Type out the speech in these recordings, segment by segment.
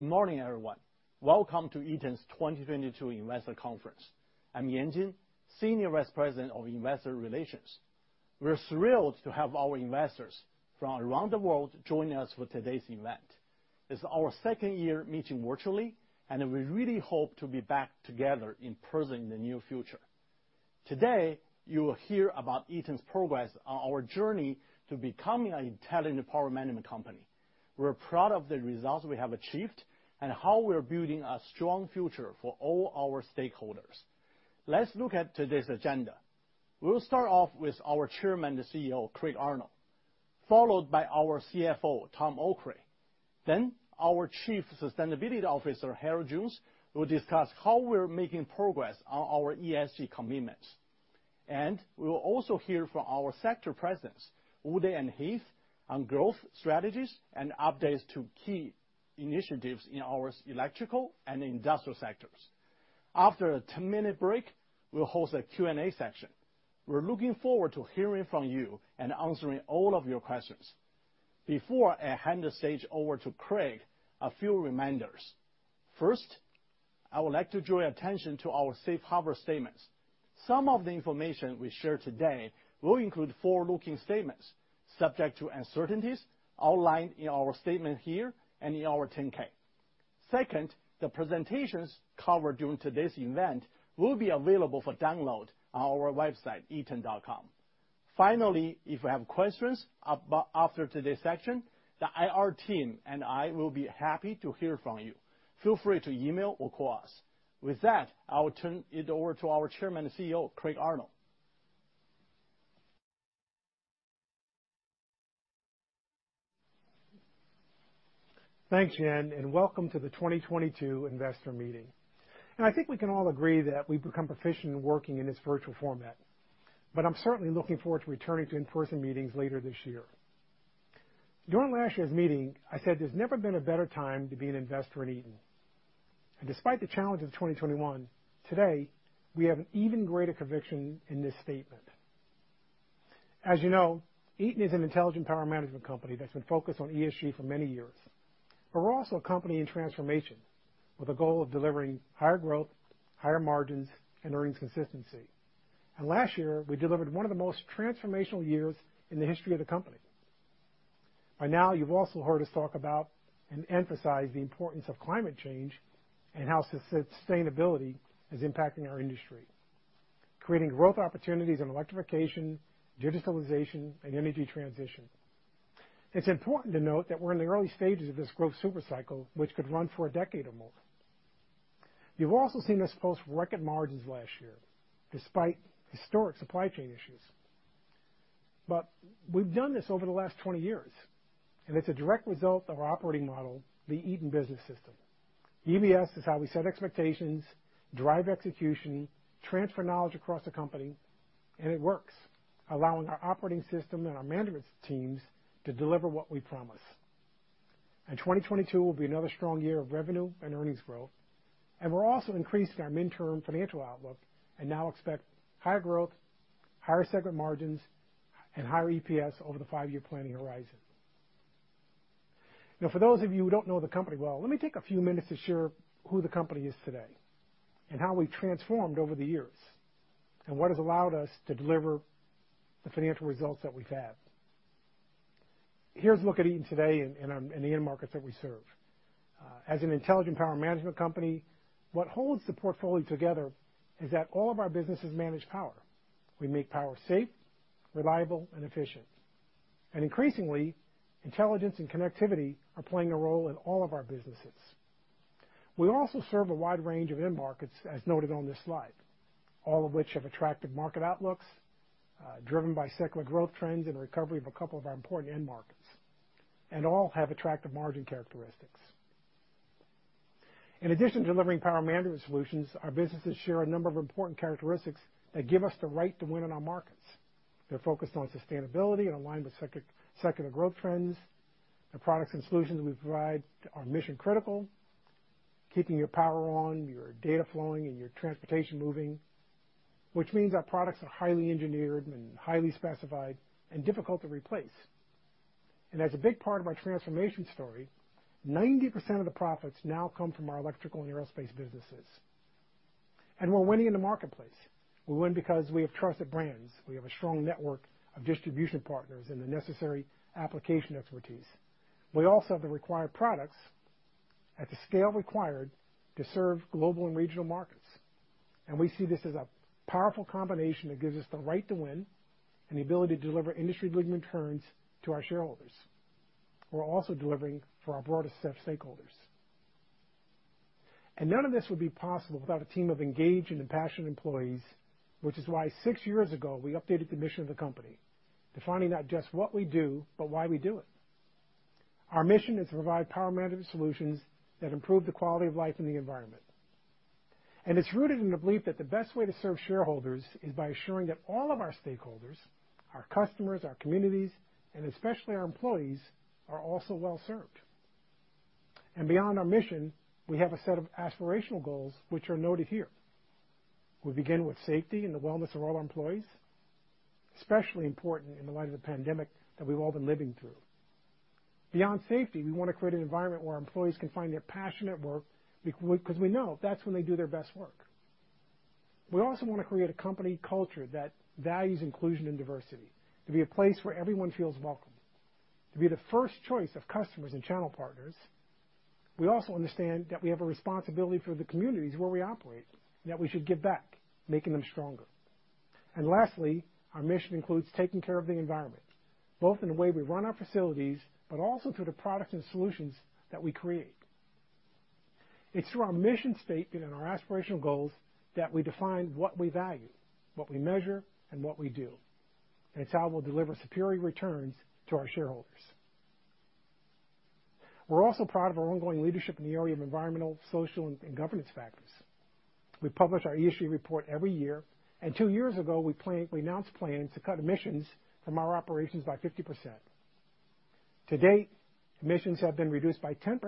Good morning, everyone. Welcome to Eaton's 2022 Investor Conference. I'm Yan Jin, Senior Vice President of Investor Relations. We're thrilled to have our investors from around the world joining us for today's event. It's our second year meeting virtually, and we really hope to be back together in person in the near future. Today, you will hear about Eaton's progress on our journey to becoming an intelligent power management company. We're proud of the results we have achieved and how we're building a strong future for all our stakeholders. Let's look at today's agenda. We'll start off with our Chairman and CEO, Craig Arnold, followed by our CFO, Tom Okray. Then, our Chief Sustainability Officer, Harold Jones, will discuss how we're making progress on our ESG commitments. We will also hear from our sector presidents, Uday and Heath, on growth strategies and updates to key initiatives in our electrical and industrial sectors. After a 10-minute break, we'll host a Q&A session. We're looking forward to hearing from you and answering all of your questions. Before I hand the stage over to Craig, a few reminders. First, I would like to draw your attention to our safe harbor statements. Some of the information we share today will include forward-looking statements subject to uncertainties outlined in our statement here and in our 10-K. Second, the presentations covered during today's event will be available for download on our website, eaton.com. Finally, if you have questions after today's session, the IR team and I will be happy to hear from you. Feel free to email or call us. With that, I will turn it over to our Chairman and CEO, Craig Arnold. Thanks, Yan, and welcome to the 2022 investor meeting. I think we can all agree that we've become proficient in working in this virtual format, but I'm certainly looking forward to returning to in-person meetings later this year. During last year's meeting, I said there's never been a better time to be an investor at Eaton. Despite the challenges of 2021, today we have an even greater conviction in this statement. As you know, Eaton is an intelligent power management company that's been focused on ESG for many years. We're also a company in transformation with a goal of delivering higher growth, higher margins, and earnings consistency. Last year, we delivered one of the most transformational years in the history of the company. By now, you've also heard us talk about and emphasize the importance of climate change and how sustainability is impacting our industry, creating growth opportunities in electrification, digitalization, and energy transition. It's important to note that we're in the early stages of this growth super cycle, which could run for a decade or more. You've also seen us post-record margins last year, despite historic supply chain issues. We've done this over the last 20 years, and it's a direct result of our operating model, the Eaton Business System. EBS is how we set expectations, drive execution, transfer knowledge across the company, and it works, allowing our operating system and our management teams to deliver what we promise. 2022 will be another strong year of revenue and earnings growth. We're also increasing our midterm financial outlook and now expect higher growth, higher segment margins, and higher EPS over the five-year planning horizon. Now, for those of you who don't know the company well, let me take a few minutes to share who the company is today and how we've transformed over the years, and what has allowed us to deliver the financial results that we've had. Here's a look at Eaton today and our end markets that we serve. As an intelligent power management company, what holds the portfolio together is that all of our businesses manage power. We make power safe, reliable, and efficient. Increasingly, intelligence and connectivity are playing a role in all of our businesses. We also serve a wide range of end markets, as noted on this slide, all of which have attractive market outlooks, driven by secular growth trends and recovery of a couple of our important end markets, and all have attractive margin characteristics. In addition to delivering power management solutions, our businesses share a number of important characteristics that give us the right to win in our markets. They're focused on sustainability and aligned with secular growth trends. The products and solutions we provide are mission critical, keeping your power on, your data flowing, and your transportation moving, which means our products are highly engineered and highly specified and difficult to replace. As a big part of our transformation story, 90% of the profits now come from our electrical and aerospace businesses. We're winning in the marketplace. We win because we have trusted brands. We have a strong network of distribution partners and the necessary application expertise. We also have the required products at the scale required to serve global and regional markets. We see this as a powerful combination that gives us the right to win and the ability to deliver industry-leading returns to our shareholders. We're also delivering for our broader set of stakeholders. None of this would be possible without a team of engaged and passionate employees, which is why six years ago, we updated the mission of the company, defining not just what we do, but why we do it. Our mission is to provide power management solutions that improve the quality of life in the environment. It's rooted in the belief that the best way to serve shareholders is by ensuring that all of our stakeholders, our customers, our communities, and especially our employees, are also well served. Beyond our mission, we have a set of aspirational goals which are noted here. We begin with safety and the wellness of all our employees. Especially important in the light of the pandemic that we've all been living through. Beyond safety, we wanna create an environment where our employees can find their passionate work because we know that's when they do their best work. We also wanna create a company culture that values inclusion and diversity, to be a place where everyone feels welcome, to be the first choice of customers and channel partners. We also understand that we have a responsibility for the communities where we operate, and that we should give back, making them stronger. Lastly, our mission includes taking care of the environment, both in the way we run our facilities, but also through the products and solutions that we create. It's through our mission statement and our aspirational goals that we define what we value, what we measure, and what we do, and it's how we'll deliver superior returns to our shareholders. We're also proud of our ongoing leadership in the area of environmental, social, and governance factors. We publish our ESG report every year, and two years ago, we announced plans to cut emissions from our operations by 50%. To date, emissions have been reduced by 10%,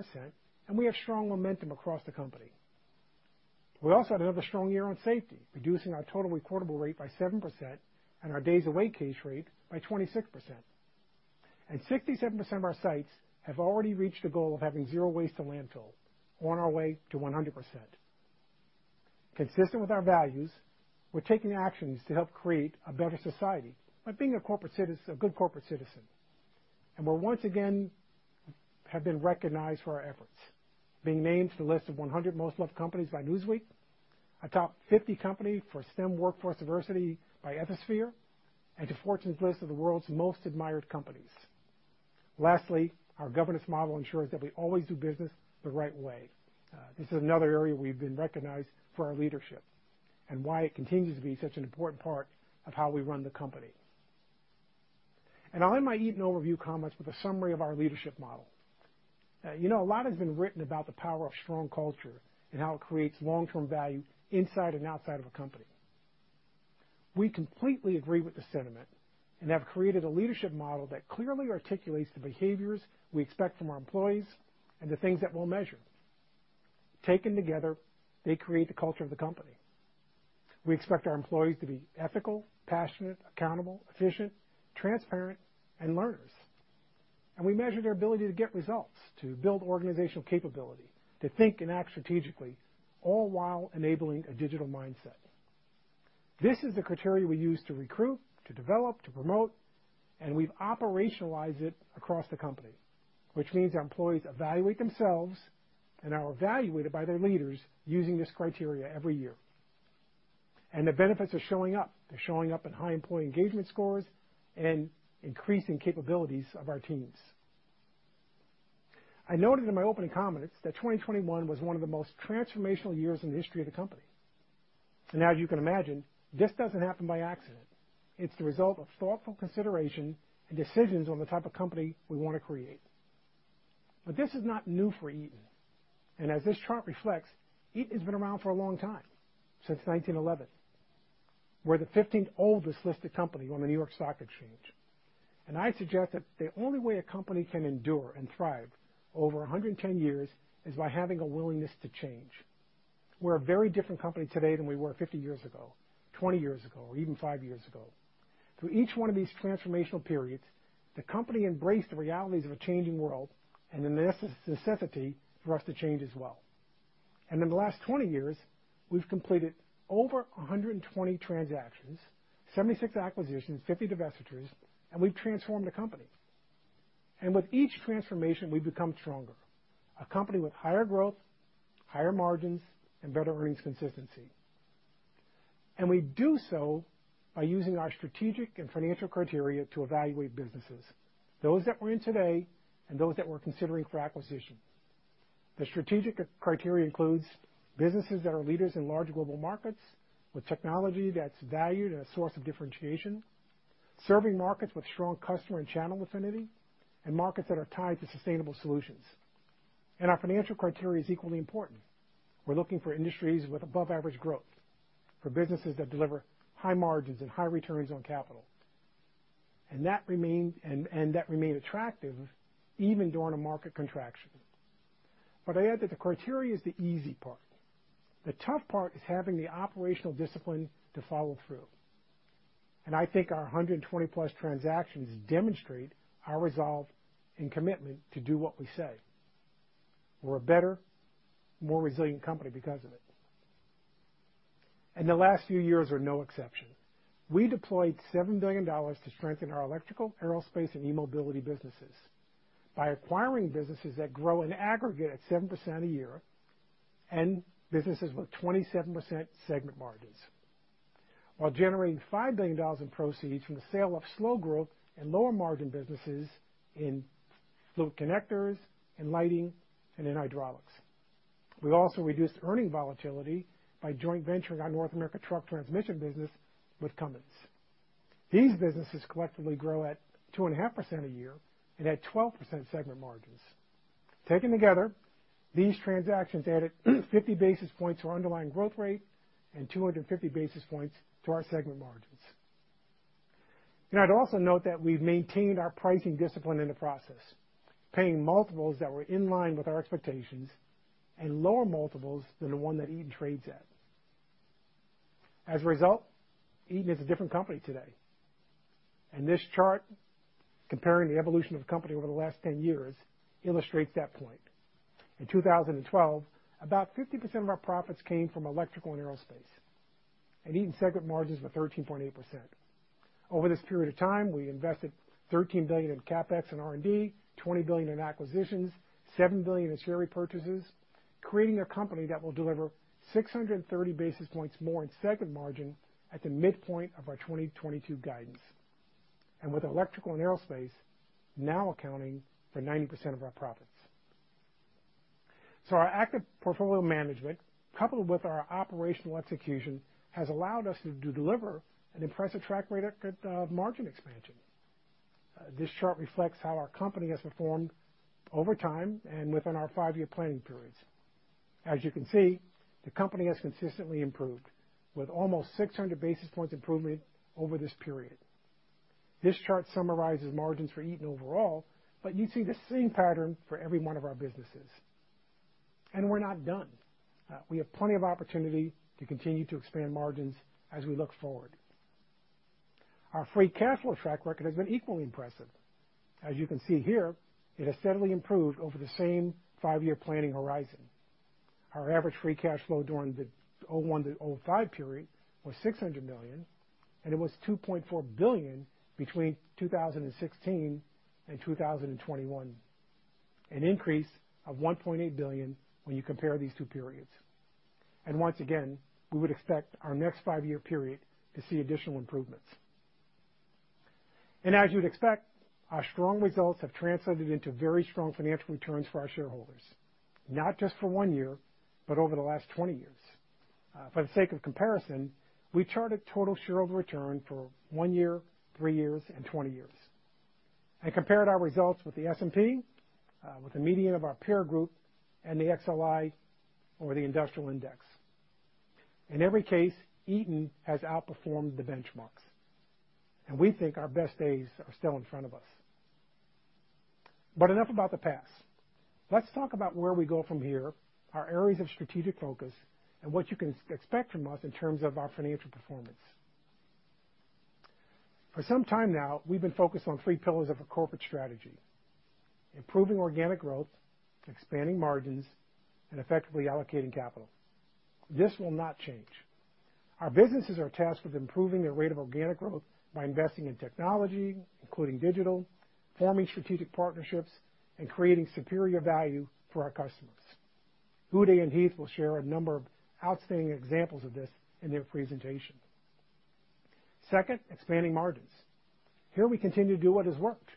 and we have strong momentum across the company. We also had another strong year on safety, reducing our total recordable rate by 7% and our days away case rate by 26%. 67% of our sites have already reached the goal of having zero waste to landfill. We're on our way to 100%. Consistent with our values, we're taking actions to help create a better society by being a corporate citizen, a good corporate citizen. We once again have been recognized for our efforts, being named to the list of 100 most loved companies by Newsweek, a top 50 company for STEM workforce diversity by Ethisphere, and to Fortune's list of the world's most admired companies. Lastly, our governance model ensures that we always do business the right way. This is another area we've been recognized for our leadership and why it continues to be such an important part of how we run the company. I'll end my Eaton overview comments with a summary of our leadership model. You know, a lot has been written about the power of strong culture and how it creates long-term value inside and outside of a company. We completely agree with the sentiment and have created a leadership model that clearly articulates the behaviors we expect from our employees and the things that we'll measure. Taken together, they create the culture of the company. We expect our employees to be ethical, passionate, accountable, efficient, transparent, and learners. We measure their ability to get results, to build organizational capability, to think and act strategically, all while enabling a digital mindset. This is the criteria we use to recruit, to develop, to promote, and we've operationalized it across the company, which means our employees evaluate themselves and are evaluated by their leaders using this criteria every year. The benefits are showing up. They're showing up in high employee engagement scores and increasing capabilities of our teams. I noted in my opening comments that 2021 was one of the most transformational years in the history of the company. As you can imagine, this doesn't happen by accident. It's the result of thoughtful consideration and decisions on the type of company we want to create. This is not new for Eaton. As this chart reflects, Eaton has been around for a long time, since 1911. We're the 15th oldest listed company on the New York Stock Exchange. I suggest that the only way a company can endure and thrive over 110 years is by having a willingness to change. We're a very different company today than we were 50 years ago, 20 years ago, or even five years ago. Through each one of these transformational periods, the company embraced the realities of a changing world and the necessity for us to change as well. In the last 20 years, we've completed over 120 transactions, 76 acquisitions, 50 divestitures, and we've transformed the company. With each transformation, we've become stronger. A company with higher growth, higher margins, and better earnings consistency. We do so by using our strategic and financial criteria to evaluate businesses, those that we're in today and those that we're considering for acquisition. The strategic criteria includes businesses that are leaders in large global markets with technology that's valued and a source of differentiation, serving markets with strong customer and channel affinity, and markets that are tied to sustainable solutions. Our financial criteria is equally important. We're looking for industries with above average growth, for businesses that deliver high margins and high returns on capital that remain attractive even during a market contraction. I add that the criteria is the easy part. The tough part is having the operational discipline to follow through. I think our 120+ transactions demonstrate our resolve and commitment to do what we say. We're a better, more resilient company because of it. The last few years are no exception. We deployed $7 billion to strengthen our Electrical, Aerospace, and eMobility businesses by acquiring businesses that grow in aggregate at 7% a year and businesses with 27% segment margins, while generating $5 billion in proceeds from the sale of slow growth and lower margin businesses in fluid connectors, in lighting, and in hydraulics. We also reduced earnings volatility by joint venturing our North America truck transmission business with Cummins. These businesses collectively grow at 2.5% a year and at 12% segment margins. Taken together, these transactions added 50 basis points to our underlying growth rate and 250 basis points to our segment margins. I'd also note that we've maintained our pricing discipline in the process, paying multiples that were in line with our expectations. Lower multiples than the one that Eaton trades at. As a result, Eaton is a different company today. This chart comparing the evolution of the company over the last 10 years illustrates that point. In 2012, about 50% of our profits came from Electrical and Aerospace, and Eaton's segment margins were 13.8%. Over this period of time, we invested $13 billion in CapEx and R&D, $20 billion in acquisitions, $7 billion in share repurchases, creating a company that will deliver 630 basis points more in segment margin at the midpoint of our 2022 guidance, with electrical and aerospace now accounting for 90% of our profits. Our active portfolio management, coupled with our operational execution, has allowed us to deliver an impressive track record of margin expansion. This chart reflects how our company has performed over time and within our five-year planning periods. As you can see, the company has consistently improved with almost 600 basis points improvement over this period. This chart summarizes margins for Eaton overall, but you see the same pattern for every one of our businesses. We're not done. We have plenty of opportunity to continue to expand margins as we look forward. Our free cash flow track record has been equally impressive. As you can see here, it has steadily improved over the same five-year planning horizon. Our average free cash flow during the 2001-2005 period was $600 million, and it was $2.4 billion between 2016-2021, an increase of $1.8 billion when you compare these two periods. Once again, we would expect our next five-year period to see additional improvements. As you'd expect, our strong results have translated into very strong financial returns for our shareholders, not just for one year, but over the last 20 years. For the sake of comparison, we charted total shareholder return for one year, three years, and 20 years and compared our results with the S&P, with the median of our peer group, and the XLI or the industrial index. In every case, Eaton has outperformed the benchmarks. We think our best days are still in front of us. Enough about the past. Let's talk about where we go from here, our areas of strategic focus, and what you can expect from us in terms of our financial performance. For some time now, we've been focused on three pillars of a corporate strategy, improving organic growth, expanding margins, and effectively allocating capital. This will not change. Our businesses are tasked with improving their rate of organic growth by investing in technology, including digital, forming strategic partnerships and creating superior value for our customers. Uday and Heath will share a number of outstanding examples of this in their presentation. Second, expanding margins. Here we continue to do what has worked,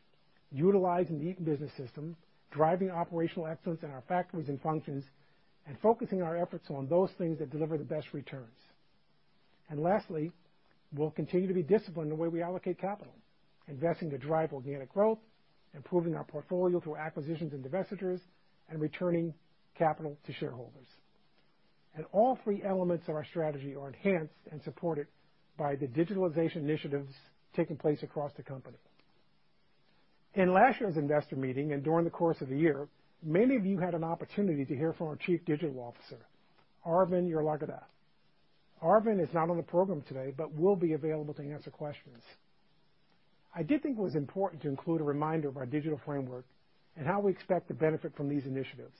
utilizing the Eaton Business System, driving operational excellence in our factories and functions, and focusing our efforts on those things that deliver the best returns. Lastly, we'll continue to be disciplined in the way we allocate capital, investing to drive organic growth, improving our portfolio through acquisitions and divestitures, and returning capital to shareholders. All three elements of our strategy are enhanced and supported by the digitalization initiatives taking place across the company. In last year's investor meeting and during the course of the year, many of you had an opportunity to hear from our Chief Digital Officer, Aravind Yarlagadda. Aravind is not on the program today but will be available to answer questions. I did think it was important to include a reminder of our digital framework and how we expect to benefit from these initiatives.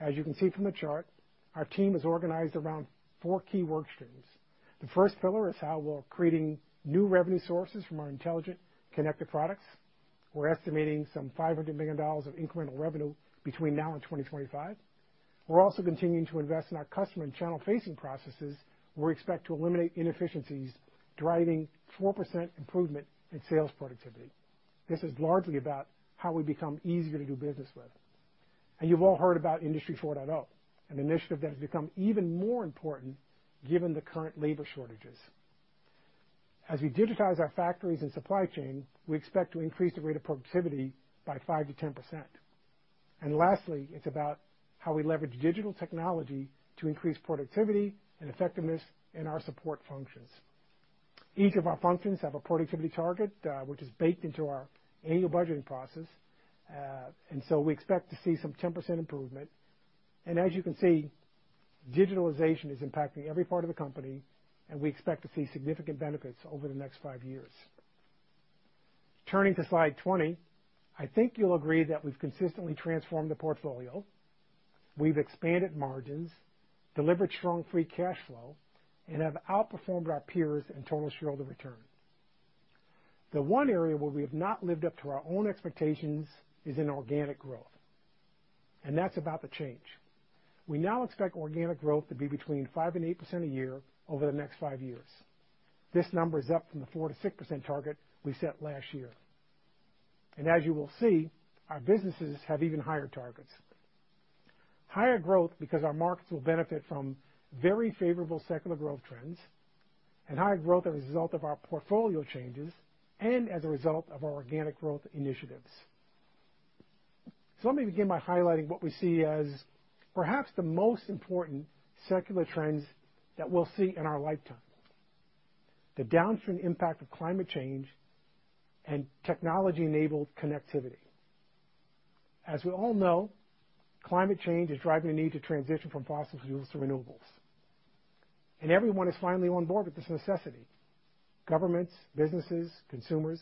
As you can see from the chart, our team is organized around four key work streams. The first pillar is how we're creating new revenue sources from our intelligent connected products. We're estimating some $500 million of incremental revenue between now and 2025. We're also continuing to invest in our customer and channel-facing processes, where we expect to eliminate inefficiencies, driving 4% improvement in sales productivity. This is largely about how we become easier to do business with. You've all heard about Industry 4.0, an initiative that has become even more important given the current labor shortages. As we digitize our factories and supply chain, we expect to increase the rate of productivity by 5%-10%. Lastly, it's about how we leverage digital technology to increase productivity and effectiveness in our support functions. Each of our functions have a productivity target, which is baked into our annual budgeting process. We expect to see some 10% improvement. As you can see, digitalization is impacting every part of the company, and we expect to see significant benefits over the next five years. Turning to slide 20, I think you'll agree that we've consistently transformed the portfolio. We've expanded margins, delivered strong free cash flow, and have outperformed our peers in total shareholder return. The one area where we have not lived up to our own expectations is in organic growth, and that's about to change. We now expect organic growth to be between 5% and 8% a year over the next five years. This number is up from the 4%-6% target we set last year. As you will see, our businesses have even higher targets. Higher growth because our markets will benefit from very favorable secular growth trends, and higher growth as a result of our portfolio changes and as a result of our organic growth initiatives. Let me begin by highlighting what we see as perhaps the most important secular trends that we'll see in our lifetime. The downstream impact of climate change and technology-enabled connectivity. As we all know, climate change is driving the need to transition from fossil fuels to renewables. Everyone is finally on board with this necessity. Governments, businesses, consumers.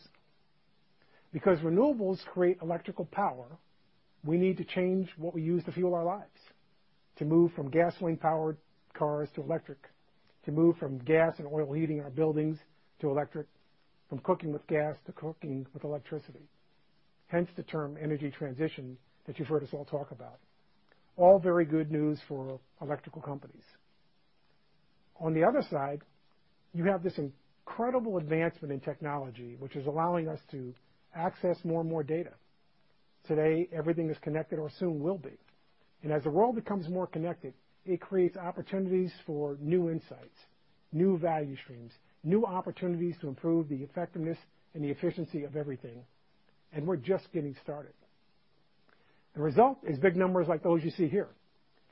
Because renewables create electrical power, we need to change what we use to fuel our lives, to move from gasoline-powered cars to electric, to move from gas and oil heating our buildings to electric, from cooking with gas to cooking with electricity. Hence, the term energy transition that you've heard us all talk about. All very good news for electrical companies. On the other side, you have this incredible advancement in technology, which is allowing us to access more and more data. Today, everything is connected or soon will be. As the world becomes more connected, it creates opportunities for new insights, new value streams, new opportunities to improve the effectiveness and the efficiency of everything. We're just getting started. The result is big numbers like those you see here.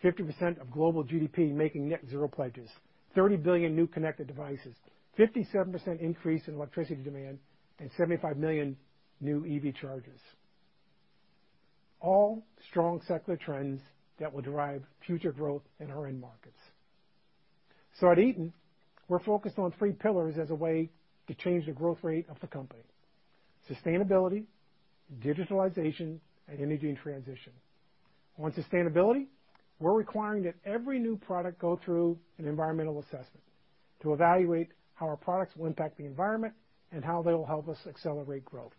50% of global GDP making net zero pledges, 30 billion new connected devices, 57% increase in electricity demand, and 75 million new EV chargers. All strong secular trends that will drive future growth in our end markets. At Eaton, we're focused on three pillars as a way to change the growth rate of the company: sustainability, digitalization, and energy transition. On sustainability, we're requiring that every new product go through an environmental assessment to evaluate how our products will impact the environment and how they will help us accelerate growth.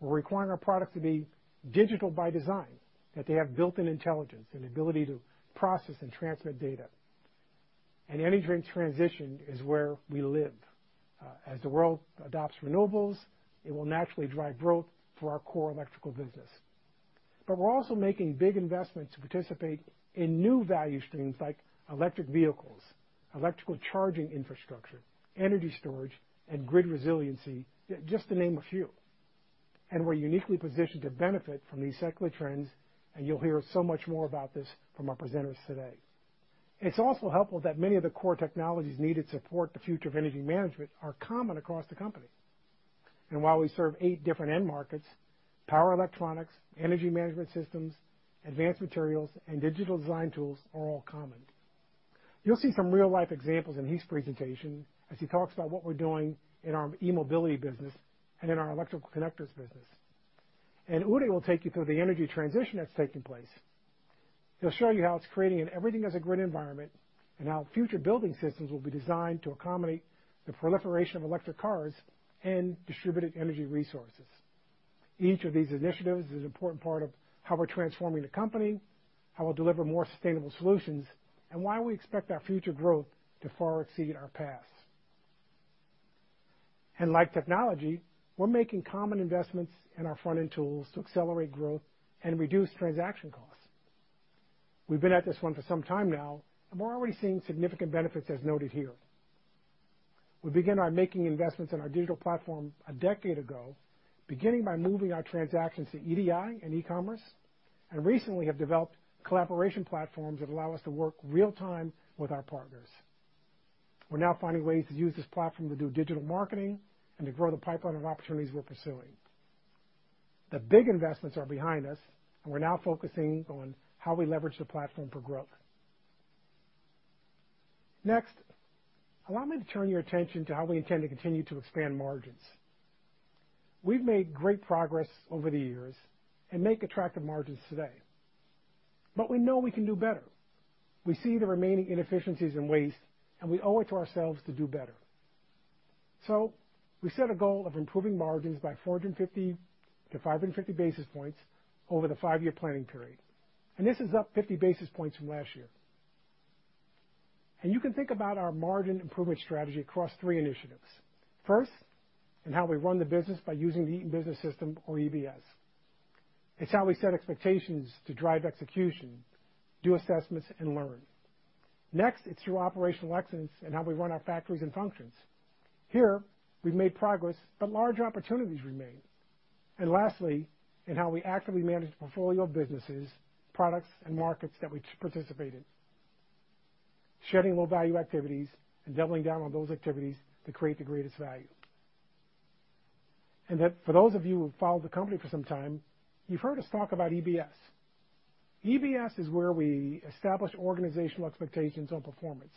We're requiring our product to be digital by design, that they have built-in intelligence and ability to process and transmit data. An energy transition is where we live. As the world adopts renewables, it will naturally drive growth for our core electrical business. We're also making big investments to participate in new value streams like electric vehicles, electrical charging infrastructure, energy storage, and grid resiliency, just to name a few. We're uniquely positioned to benefit from these secular trends, and you'll hear so much more about this from our presenters today. It's also helpful that many of the core technologies needed to support the future of energy management are common across the company. While we serve eight different end markets, power electronics, energy management systems, advanced materials, and digital design tools are all common. You'll see some real-life examples in Heath's presentation as he talks about what we're doing in our eMobility business and in our electrical connectors business. Uday will take you through the energy transition that's taking place. He'll show you how it's creating an everything-as-a-grid environment and how future building systems will be designed to accommodate the proliferation of electric cars and distributed energy resources. Each of these initiatives is an important part of how we're transforming the company, how we'll deliver more sustainable solutions, and why we expect our future growth to far exceed our past. Like technology, we're making common investments in our front-end tools to accelerate growth and reduce transaction costs. We've been at this one for some time now, and we're already seeing significant benefits as noted here. We began making investments in our digital platform a decade ago, beginning by moving our transactions to EDI and e-commerce, and recently have developed collaboration platforms that allow us to work real-time with our partners. We're now finding ways to use this platform to do digital marketing and to grow the pipeline of opportunities we're pursuing. The big investments are behind us, and we're now focusing on how we leverage the platform for growth. Next, allow me to turn your attention to how we intend to continue to expand margins. We've made great progress over the years and make attractive margins today. We know we can do better. We see the remaining inefficiencies and waste, and we owe it to ourselves to do better. We set a goal of improving margins by 450 basis points-550 basis points over the five-year planning period. This is up 50 basis points from last year. You can think about our margin improvement strategy across three initiatives. First, in how we run the business by using the Eaton Business System or EBS. It's how we set expectations to drive execution, do assessments, and learn. Next, it's through operational excellence in how we run our factories and functions. Here, we've made progress, but large opportunities remain. Lastly, in how we actively manage the portfolio of businesses, products, and markets that we participate in. Shedding low-value activities and doubling down on those activities to create the greatest value. That for those of you who've followed the company for some time, you've heard us talk about EBS. EBS is where we establish organizational expectations on performance.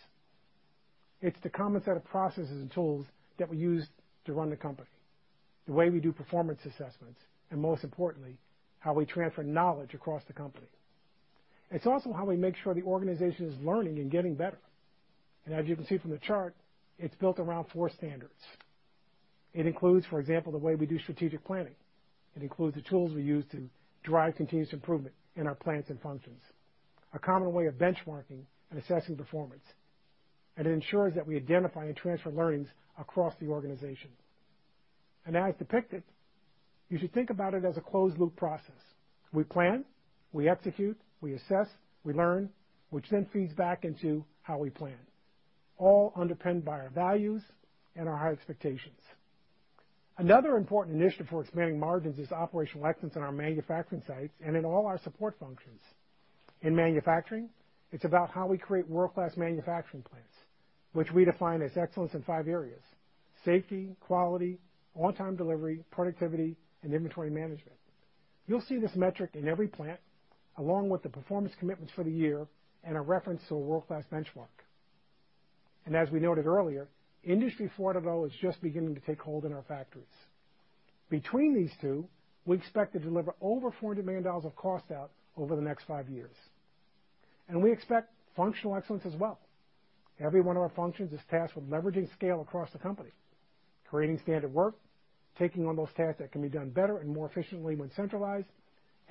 It's the common set of processes and tools that we use to run the company, the way we do performance assessments, and most importantly, how we transfer knowledge across the company. It's also how we make sure the organization is learning and getting better. As you can see from the chart, it's built around four standards. It includes, for example, the way we do strategic planning. It includes the tools we use to drive continuous improvement in our plants and functions. A common way of benchmarking and assessing performance. It ensures that we identify and transfer learnings across the organization. As depicted, you should think about it as a closed-loop process. We plan, we execute, we assess, we learn, which then feeds back into how we plan, all underpinned by our values and our high expectations. Another important initiative for expanding margins is operational excellence in our manufacturing sites and in all our support functions. In manufacturing, it's about how we create world-class manufacturing plants, which we define as excellence in five areas, safety, quality, on-time delivery, productivity, and inventory management. You'll see this metric in every plant, along with the performance commitments for the year and a reference to a world-class benchmark. As we noted earlier, Industry 4.0 is just beginning to take hold in our factories. Between these two, we expect to deliver over $400 million of cost out over the next five years. We expect functional excellence as well. Every one of our functions is tasked with leveraging scale across the company, creating standard work, taking on those tasks that can be done better and more efficiently when centralized,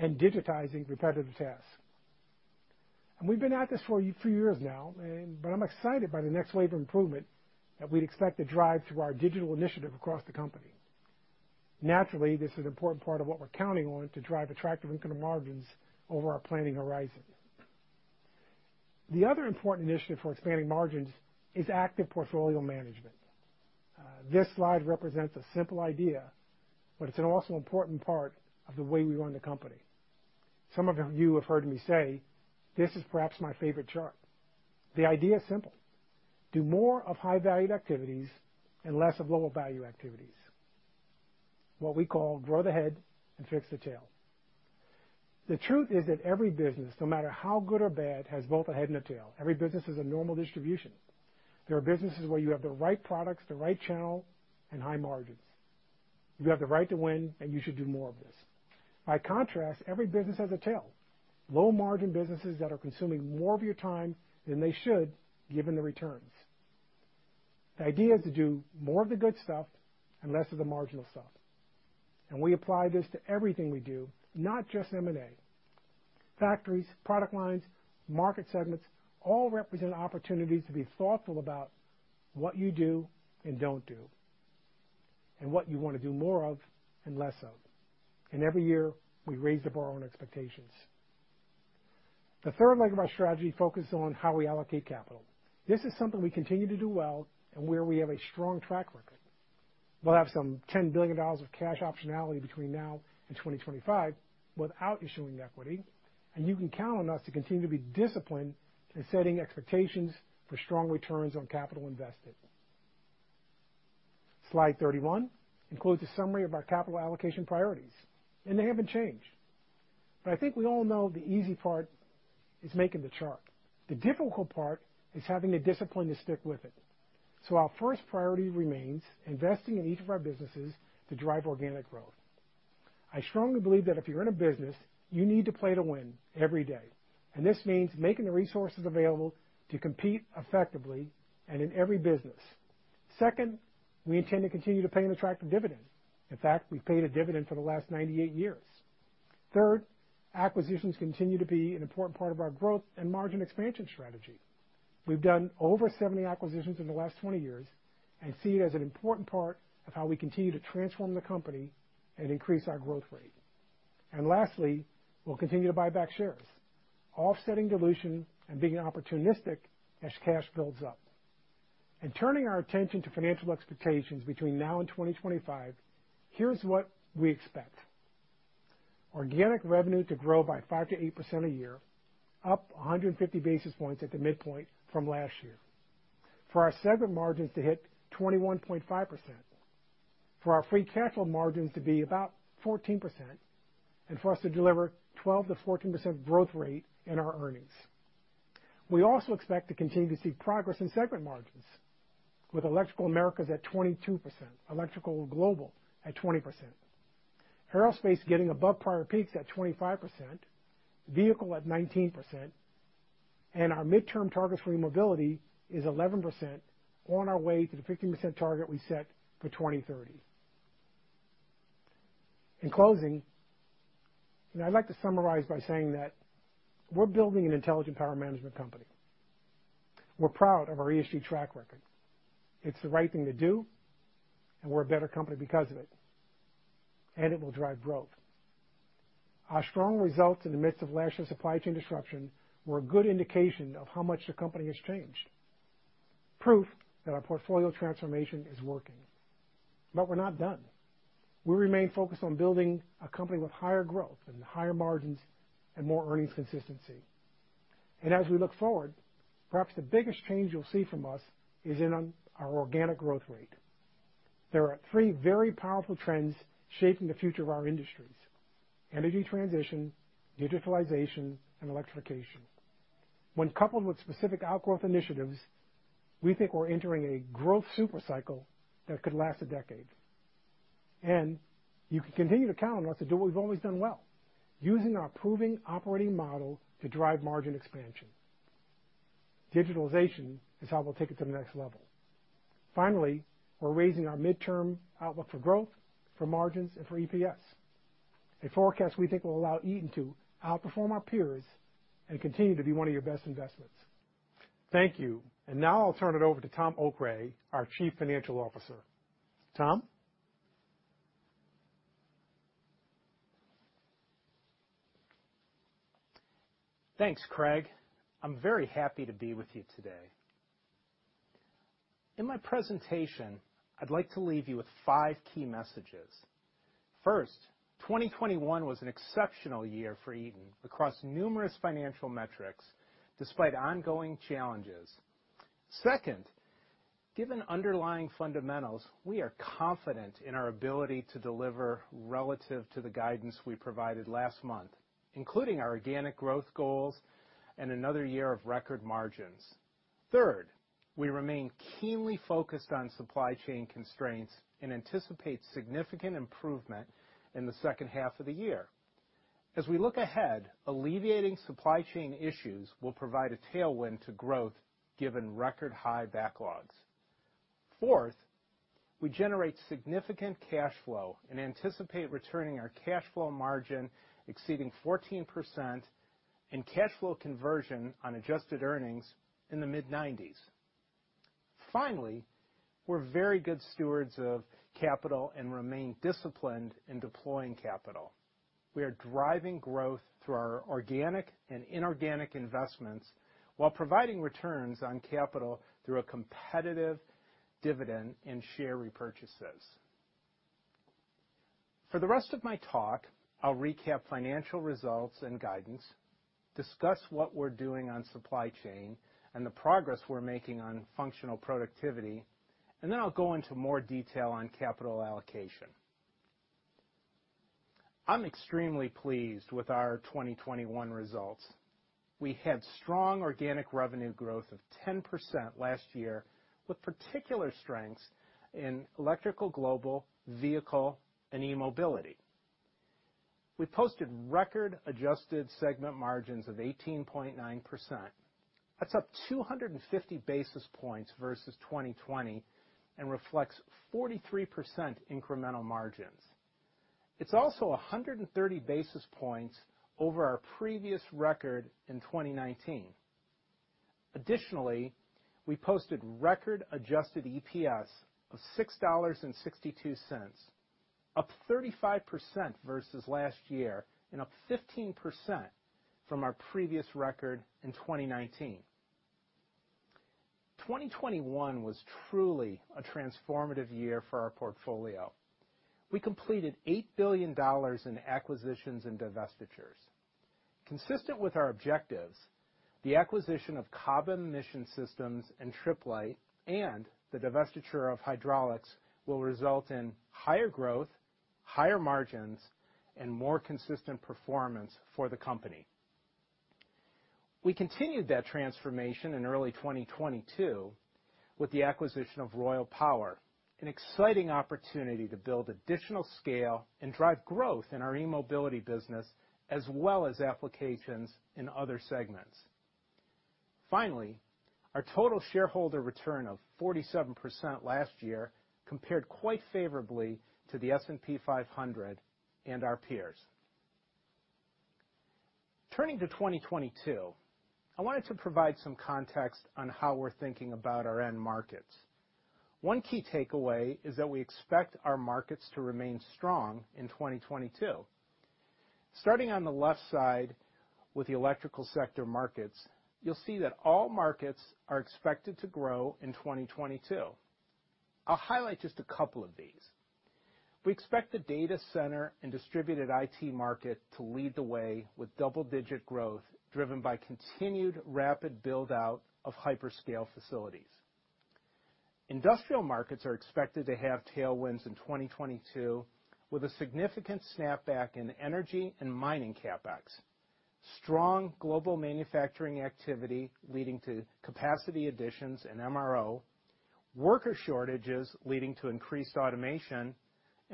and digitizing repetitive tasks. We've been at this for a few years now, and I'm excited by the next wave of improvement that we'd expect to drive through our digital initiative across the company. Naturally, this is an important part of what we're counting on to drive attractive income margins over our planning horizon. The other important initiative for expanding margins is active portfolio management. This slide represents a simple idea, but it's also an important part of the way we run the company. Some of you have heard me say, this is perhaps my favorite chart. The idea is simple. Do more of high-value activities and less of lower-value activities. What we call grow the head and fix the tail. The truth is that every business, no matter how good or bad, has both a head and a tail. Every business is a normal distribution. There are businesses where you have the right products, the right channel, and high margins. You have the right to win, and you should do more of this. By contrast, every business has a tail. Low-margin businesses that are consuming more of your time than they should, given the returns. The idea is to do more of the good stuff and less of the marginal stuff. We apply this to everything we do, not just M&A. Factories, product lines, market segments all represent opportunities to be thoughtful about what you do and don't do, and what you want to do more of and less of. Every year, we raise the bar on expectations. The third leg of our strategy focuses on how we allocate capital. This is something we continue to do well and where we have a strong track record. We'll have some $10 billion of cash optionality between now and 2025 without issuing equity, and you can count on us to continue to be disciplined in setting expectations for strong returns on capital invested. Slide 31 includes a summary of our capital allocation priorities, and they haven't changed. I think we all know the easy part is making the chart. The difficult part is having the discipline to stick with it. Our first priority remains investing in each of our businesses to drive organic growth. I strongly believe that if you're in a business, you need to play to win every day. This means making the resources available to compete effectively and in every business. Second, we intend to continue to pay an attractive dividend. In fact, we've paid a dividend for the last 98 years. Third, acquisitions continue to be an important part of our growth and margin expansion strategy. We've done over 70 acquisitions in the last 20 years and see it as an important part of how we continue to transform the company and increase our growth rate. Lastly, we'll continue to buy back shares, offsetting dilution and being opportunistic as cash builds up. In turning our attention to financial expectations between now and 2025, here's what we expect. Organic revenue to grow by 5%-8% a year, up 150 basis points at the midpoint from last year. For our segment margins to hit 21.5%, for our free cash flow margins to be about 14%, and for us to deliver 12%-14% growth rate in our earnings. We also expect to continue to see progress in segment margins with Electrical Americas at 22%, Electrical Global at 20%. Aerospace getting above prior peaks at 25%, Vehicle at 19%, and our midterm targets for eMobility is 11% on our way to the 15% target we set for 2030. In closing, I'd like to summarize by saying that we're building an intelligent power management company. We're proud of our ESG track record. It's the right thing to do, and we're a better company because of it, and it will drive growth. Our strong results in the midst of last year's supply chain disruption were a good indication of how much the company has changed. Proof that our portfolio transformation is working. We're not done. We remain focused on building a company with higher growth and higher margins and more earnings consistency. As we look forward, perhaps the biggest change you'll see from us is in our organic growth rate. There are three very powerful trends shaping the future of our industries: energy transition, digitalization, and electrification. When coupled with specific outgrowth initiatives, we think we're entering a growth super cycle that could last a decade. You can continue to count on us to do what we've always done well, using our proven operating model to drive margin expansion. Digitalization is how we'll take it to the next level. Finally, we're raising our midterm outlook for growth, for margins, and for EPS. A forecast we think will allow Eaton to outperform our peers and continue to be one of your best investments. Thank you. Now I'll turn it over to Tom Okray, our Chief Financial Officer. Tom? Thanks, Craig. I'm very happy to be with you today. In my presentation, I'd like to leave you with five key messages. First, 2021 was an exceptional year for Eaton across numerous financial metrics, despite ongoing challenges. Second, given underlying fundamentals, we are confident in our ability to deliver relative to the guidance we provided last month, including our organic growth goals and another year of record margins. Third, we remain keenly focused on supply chain constraints and anticipate significant improvement in the second half of the year. As we look ahead, alleviating supply chain issues will provide a tailwind to growth given record high backlogs. Fourth, we generate significant cash flow and anticipate returning our cash flow margin exceeding 14% and cash flow conversion on adjusted earnings in the mid-90s%. Finally, we're very good stewards of capital and remain disciplined in deploying capital. We are driving growth through our organic and inorganic investments while providing returns on capital through a competitive dividend and share repurchases. For the rest of my talk, I'll recap financial results and guidance, discuss what we're doing on supply chain and the progress we're making on functional productivity, and then I'll go into more detail on capital allocation. I'm extremely pleased with our 2021 results. We had strong organic revenue growth of 10% last year, with particular strengths in Electrical Global, Vehicle, and eMobility. We posted record adjusted segment margins of 18.9%. That's up 250 basis points versus 2020 and reflects 43% incremental margins. It's also 130 basis points over our previous record in 2019. Additionally, we posted record adjusted EPS of $6.62, up 35% versus last year and up 15% from our previous record in 2019. 2021 was truly a transformative year for our portfolio. We completed $8 billion in acquisitions and divestitures. Consistent with our objectives, the acquisition of Cobham Mission Systems and Tripp Lite and the divestiture of hydraulics will result in higher growth, higher margins, and more consistent performance for the company. We continued that transformation in early 2022 with the acquisition of Royal Power, an exciting opportunity to build additional scale and drive growth in our eMobility business as well as applications in other segments. Finally, our total shareholder return of 47% last year compared quite favorably to the S&P 500 and our peers. Turning to 2022, I wanted to provide some context on how we're thinking about our end markets. One key takeaway is that we expect our markets to remain strong in 2022. Starting on the left side with the electrical sector markets, you'll see that all markets are expected to grow in 2022. I'll highlight just a couple of these. We expect the data center and distributed IT market to lead the way with double-digit growth driven by continued rapid build-out of hyperscale facilities. Industrial markets are expected to have tailwinds in 2022 with a significant snapback in energy and mining CapEx, strong global manufacturing activity leading to capacity additions and MRO, worker shortages leading to increased automation, and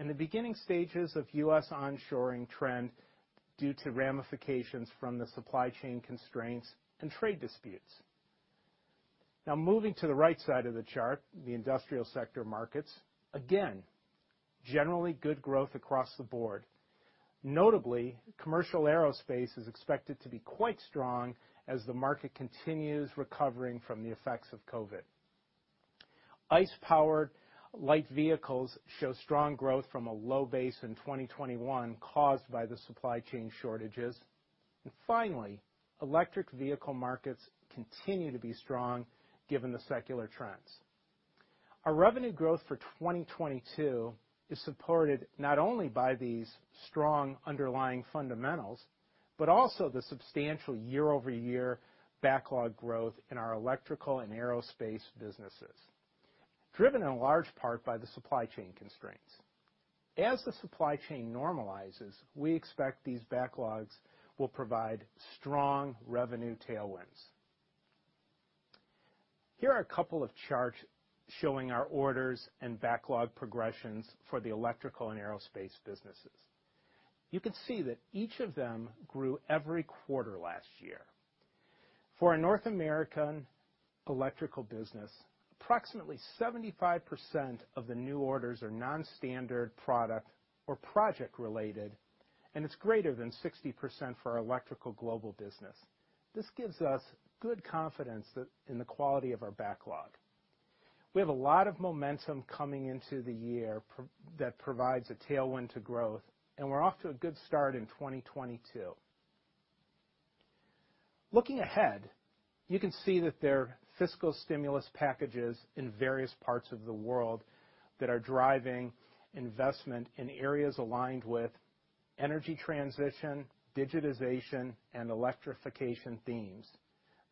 the beginning stages of U.S. onshoring trend due to ramifications from the supply chain constraints and trade disputes. Now moving to the right side of the chart, the industrial sector markets. Again, generally good growth across the board. Notably, commercial aerospace is expected to be quite strong as the market continues recovering from the effects of COVID. ICE-powered light vehicles show strong growth from a low base in 2021 caused by the supply chain shortages. Finally, electric vehicle markets continue to be strong given the secular trends. Our revenue growth for 2022 is supported not only by these strong underlying fundamentals, but also the substantial year-over-year backlog growth in our electrical and aerospace businesses, driven in large part by the supply chain constraints. As the supply chain normalizes, we expect these backlogs will provide strong revenue tailwinds. Here are a couple of charts showing our orders and backlog progressions for the electrical and aerospace businesses. You can see that each of them grew every quarter last year. For our North American electrical business, approximately 75% of the new orders are non-standard product or project related, and it's greater than 60% for our Electrical Global business. This gives us good confidence in the quality of our backlog. We have a lot of momentum coming into the year that provides a tailwind to growth, and we're off to a good start in 2022. Looking ahead, you can see that there are fiscal stimulus packages in various parts of the world that are driving investment in areas aligned with energy transition, digitization, and electrification themes.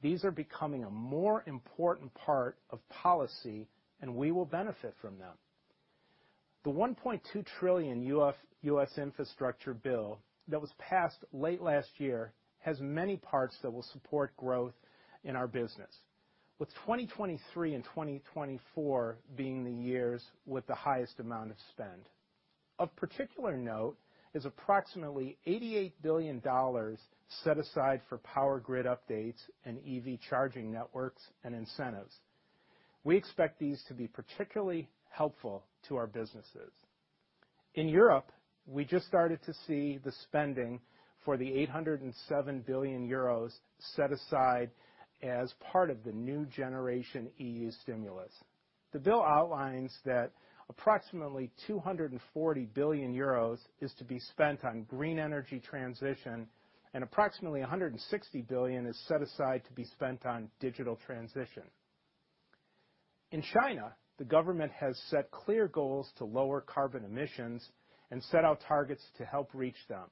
These are becoming a more important part of policy, and we will benefit from them. The $1.2 trillion U.S. infrastructure bill that was passed late last year has many parts that will support growth in our business, with 2023 and 2024 being the years with the highest amount of spend. Of particular note is approximately $88 billion set aside for power grid updates and EV charging networks and incentives. We expect these to be particularly helpful to our businesses. In Europe, we just started to see the spending for the 807 billion euros set aside as part of the NextGenerationEU stimulus. The bill outlines that approximately 240 billion euros is to be spent on green energy transition, and approximately 160 billion is set aside to be spent on digital transition. In China, the government has set clear goals to lower carbon emissions and set out targets to help reach them.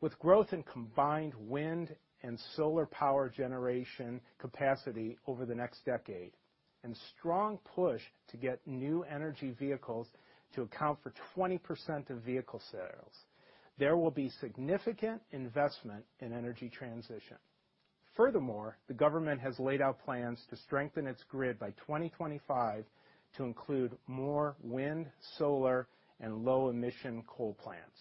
With growth in combined wind and solar power generation capacity over the next decade and strong push to get new energy vehicles to account for 20% of vehicle sales, there will be significant investment in energy transition. Furthermore, the government has laid out plans to strengthen its grid by 2025 to include more wind, solar, and low-emission coal plants.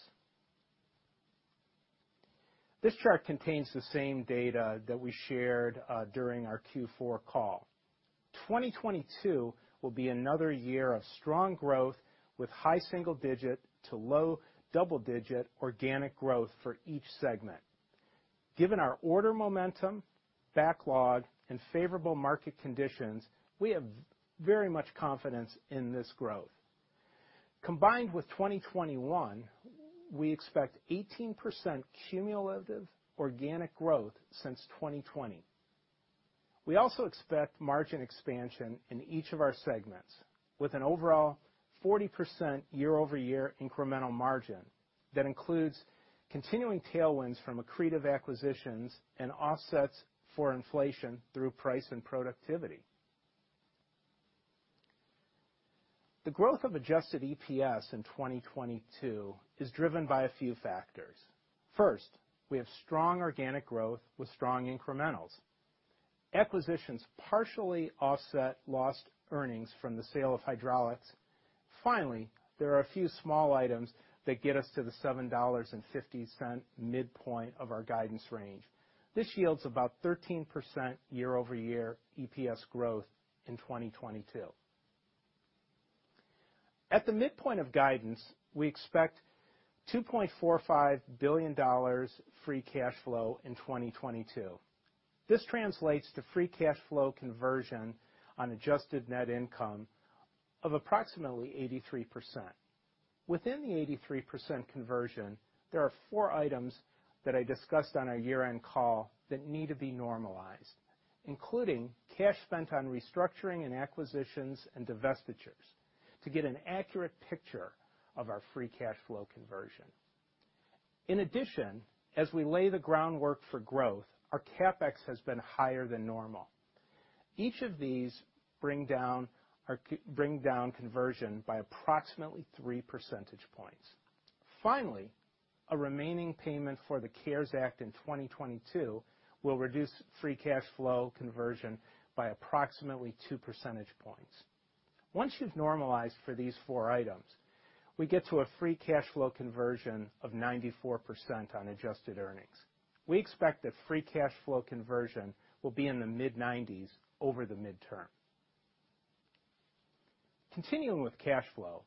This chart contains the same data that we shared during our Q4 call. 2022 will be another year of strong growth with high single-digit to low double-digit organic growth for each segment. Given our order momentum, backlog, and favorable market conditions, we have very much confidence in this growth. Combined with 2021, we expect 18% cumulative organic growth since 2020. We also expect margin expansion in each of our segments with an overall 40% year-over-year incremental margin. That includes continuing tailwinds from accretive acquisitions and offsets for inflation through price and productivity. The growth of adjusted EPS in 2022 is driven by a few factors. First, we have strong organic growth with strong incrementals. Acquisitions partially offset lost earnings from the sale of hydraulics. Finally, there are a few small items that get us to the $7.50 midpoint of our guidance range. This yields about 13% year-over-year EPS growth in 2022. At the midpoint of guidance, we expect $2.45 billion free cash flow in 2022. This translates to free cash flow conversion on adjusted net income of approximately 83%. Within the 83% conversion, there are four items that I discussed on our year-end call that need to be normalized, including cash spent on restructuring and acquisitions and divestitures to get an accurate picture of our free cash flow conversion. In addition, as we lay the groundwork for growth, our CapEx has been higher than normal. Each of these bring down conversion by approximately 3 percentage points. Finally, a remaining payment for the CARES Act in 2022 will reduce free cash flow conversion by approximately 2 percentage points. Once you've normalized for these four items, we get to a free cash flow conversion of 94% on adjusted earnings. We expect that free cash flow conversion will be in the mid-90s% over the midterm. Continuing with cash flow,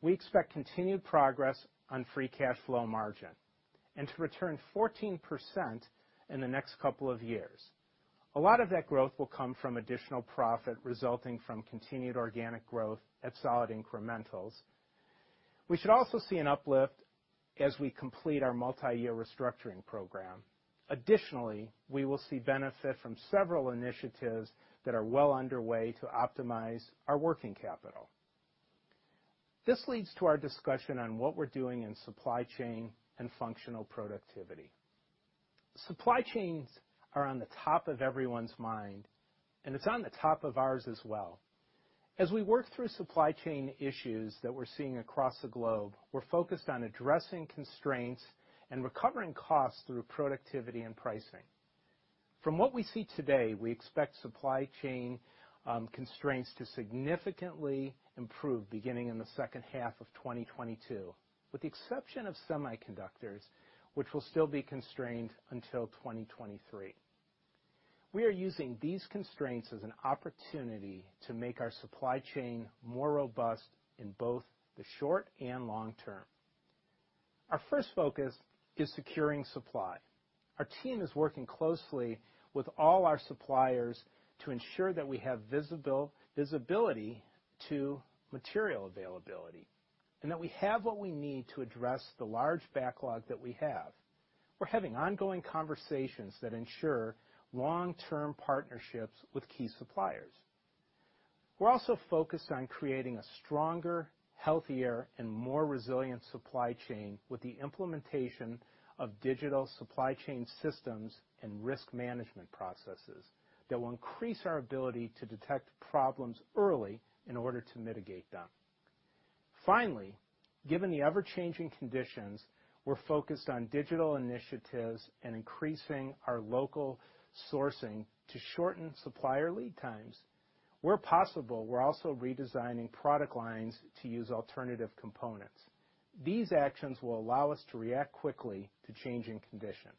we expect continued progress on free cash flow margin and to return 14% in the next couple of years. A lot of that growth will come from additional profit resulting from continued organic growth at solid incrementals. We should also see an uplift as we complete our multiyear restructuring program. Additionally, we will see benefit from several initiatives that are well underway to optimize our working capital. This leads to our discussion on what we're doing in supply chain and functional productivity. Supply chains are on the top of everyone's mind, and it's on the top of ours as well. As we work through supply chain issues that we're seeing across the globe, we're focused on addressing constraints and recovering costs through productivity and pricing. From what we see today, we expect supply chain constraints to significantly improve beginning in the second half of 2022, with the exception of semiconductors, which will still be constrained until 2023. We are using these constraints as an opportunity to make our supply chain more robust in both the short and long term. Our first focus is securing supply. Our team is working closely with all our suppliers to ensure that we have visibility to material availability, and that we have what we need to address the large backlog that we have. We're having ongoing conversations that ensure long-term partnerships with key suppliers. We're also focused on creating a stronger, healthier, and more resilient supply chain with the implementation of digital supply chain systems and risk management processes that will increase our ability to detect problems early in order to mitigate them. Finally, given the ever-changing conditions, we're focused on digital initiatives and increasing our local sourcing to shorten supplier lead times. Where possible, we're also redesigning product lines to use alternative components. These actions will allow us to react quickly to changing conditions.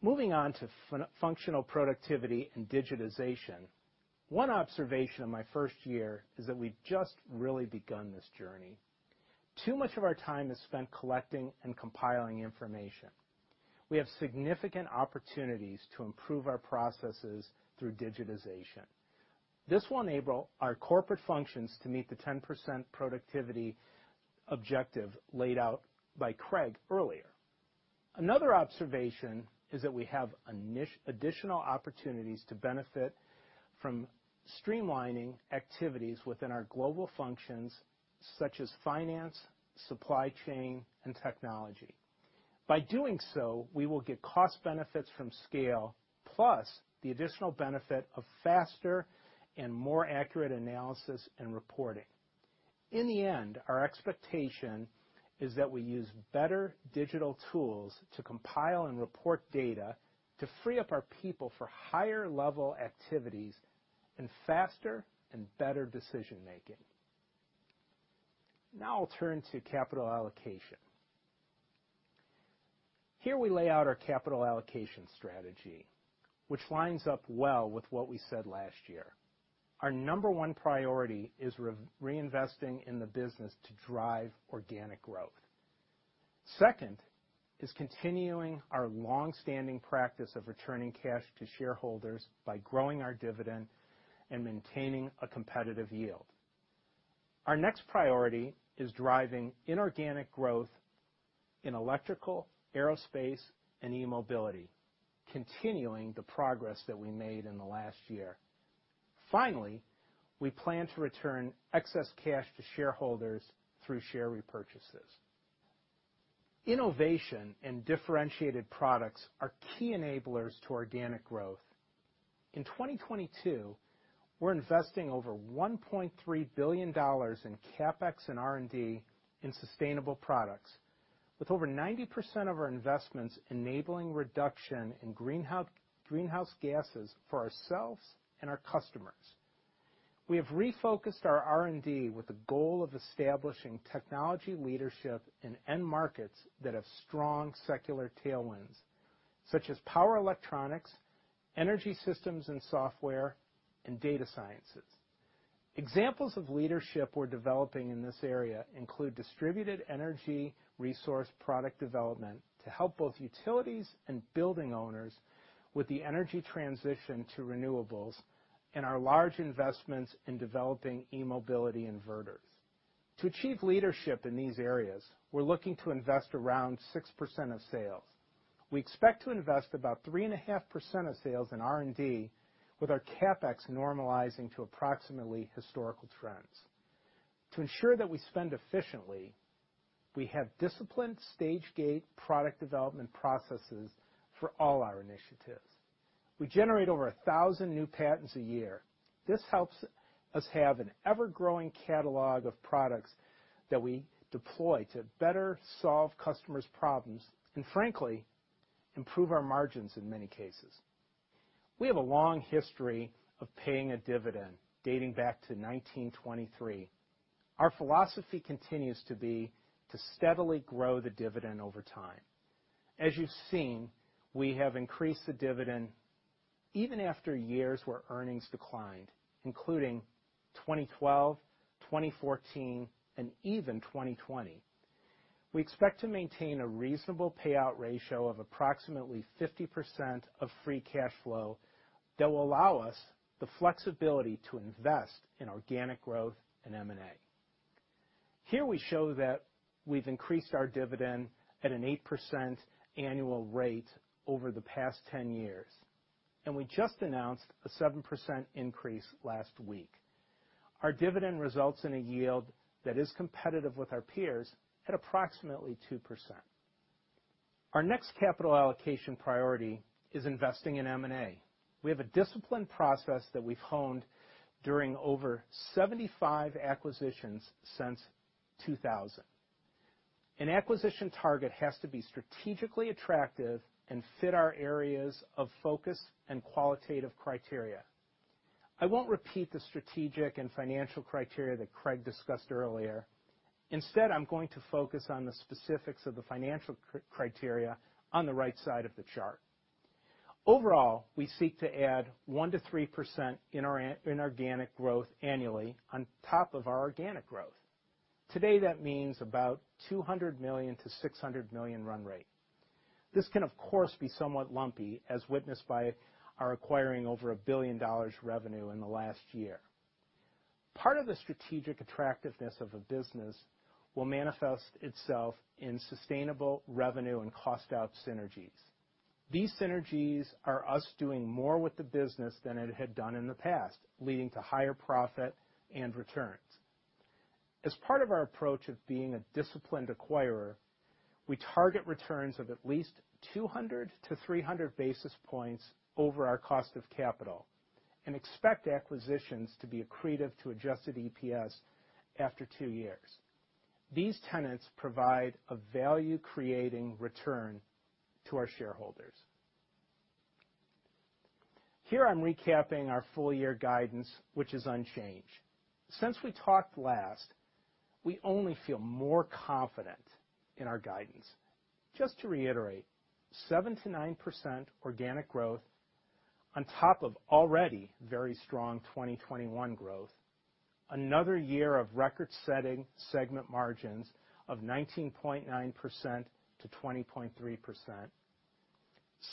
Moving on to functional productivity and digitization. One observation of my first year is that we've just really begun this journey. Too much of our time is spent collecting and compiling information. We have significant opportunities to improve our processes through digitization. Th s will enable our corporate functions to meet the 10% productivity objective laid out by Craig earlier. Another observation is that we have additional opportunities to benefit from streamlining activities within our global functions such as finance, supply chain, and technology. By doing so, we will get cost benefits from scale, plus the additional benefit of faster and more accurate analysis and reporting. In the end, our expectation is that we use better digital tools to compile and report data to free up our people for higher level activities and faster and better decision-making. Now I'll turn to capital allocation. Here we lay out our capital allocation strategy, which lines up well with what we said last year. Our number one priority is reinvesting in the business to drive organic growth. Second is continuing our long-standing practice of returning cash to shareholders by growing our dividend and maintaining a competitive yield. Our next priority is driving inorganic growth in Electrical, Aerospace, and eMobility, continuing the progress that we made in the last year. Finally, we plan to return excess cash to shareholders through share repurchases. Innovation and differentiated products are key enablers to organic growth. In 2022, we're investing over $1.3 billion in CapEx and R&D in sustainable products, with over 90% of our investments enabling reduction in greenhouse gases for ourselves and our customers. We have refocused our R&D with the goal of establishing technology leadership in end markets that have strong secular tailwinds, such as power electronics, energy systems and software, and data sciences. Examples of leadership we're developing in this area include distributed energy resource product development to help both utilities and building owners with the energy transition to renewables, and our large investments in developing eMobility inverters. To achieve leadership in these areas, we're looking to invest around 6% of sales. We expect to invest about 3.5% of sales in R&D, with our CapEx normalizing to approximately historical trends. To ensure that we spend efficiently, we have disciplined stage gate product development processes for all our initiatives. We generate over 1,000 new patents a year. This helps us have an ever-growing catalog of products that we deploy to better solve customers' problems and, frankly, improve our margins in many cases. We have a long history of paying a dividend, dating back to 1923. Our philosophy continues to be to steadily grow the dividend over time. As you've seen, we have increased the dividend even after years where earnings declined, including 2012, 2014, and even 2020. We expect to maintain a reasonable payout ratio of approximately 50% of free cash flow that will allow us the flexibility to invest in organic growth and M&A. Here we show that we've increased our dividend at an 8% annual rate over the past 10 years, and we just announced a 7% increase last week. Our dividend results in a yield that is competitive with our peers at approximately 2%. Our next capital allocation priority is investing in M&A. We have a disciplined process that we've honed during over 75 acquisitions since 2000. An acquisition target has to be strategically attractive and fit our areas of focus and qualitative criteria. I won't repeat the strategic and financial criteria that Craig discussed earlier. Instead, I'm going to focus on the specifics of the financial criteria on the right side of the chart. Overall, we seek to add 1%-3% in our inorganic growth annually on top of our organic growth. Today, that means about $200 million-$600 million run rate. This can, of course, be somewhat lumpy, as witnessed by our acquiring over $1 billion revenue in the last year. Part of the strategic attractiveness of a business will manifest itself in sustainable revenue and cost out synergies. These synergies are us doing more with the business than it had done in the past, leading to higher profit and returns. As part of our approach of being a disciplined acquirer, we target returns of at least 200 basis points-300 basis points over our cost of capital, and expect acquisitions to be accretive to adjusted EPS after two years. These tenets provide a value-creating return to our shareholders. Here I'm recapping our full year guidance, which is unchanged. Since we talked last, we only feel more confident in our guidance. Just to reiterate, 7%-9% organic growth on top of already very strong 2021 growth. Another year of record-setting segment margins of 19.9% to 20.3%.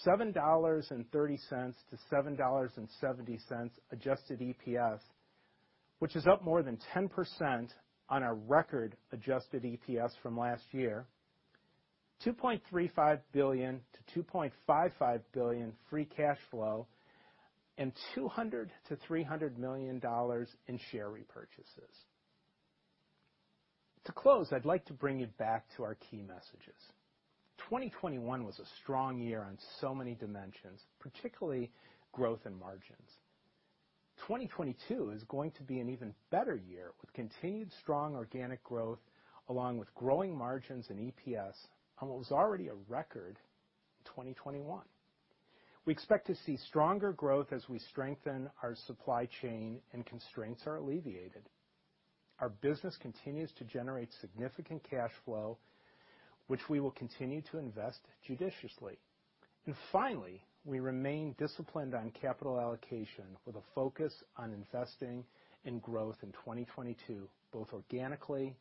$7.30 to $7.70 adjusted EPS, which is up more than 10% on our record adjusted EPS from last year. $2.35 billion-$2.55 billion free cash flow and $200 million-$300 million in share repurchases. To close, I'd like to bring you back to our key messages. 2021 was a strong year on so many dimensions, particularly growth and margins. 2022 is going to be an even better year with continued strong organic growth along with growing margins and EPS on what was already a record 2021. We expect to see stronger growth as we strengthen our supply chain and constraints are alleviated. Our business continues to generate significant cash flow, which we will continue to invest judiciously. Finally, we remain disciplined on capital allocation with a focus on investing in growth in 2022, both organically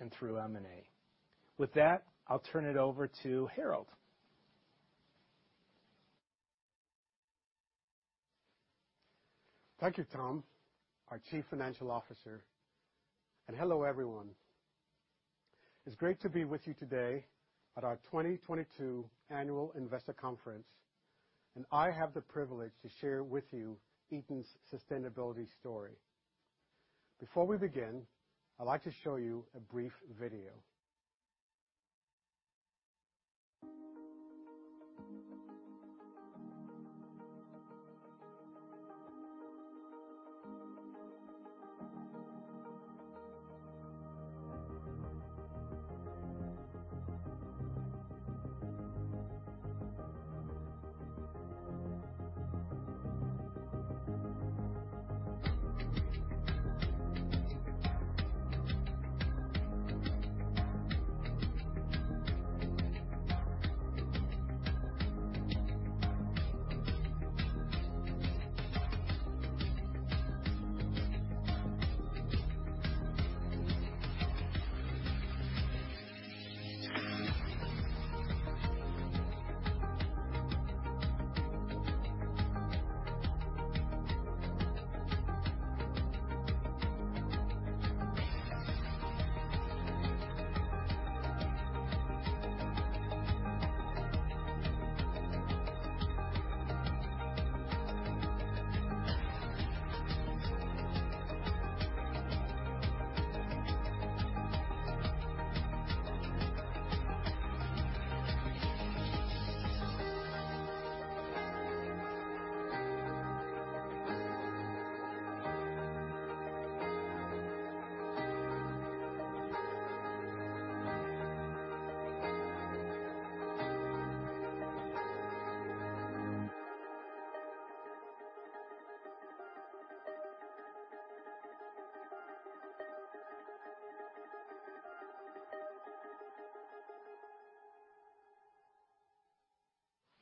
and through M&A. With that, I'll turn it over to Harold. Thank you, Tom, our Chief Financial Officer, and hello, everyone. It's great to be with you today at our 2022 Annual Investor Conference, and I have the privilege to share with you Eaton's sustainability story. Before we begin, I'd like to show you a brief video.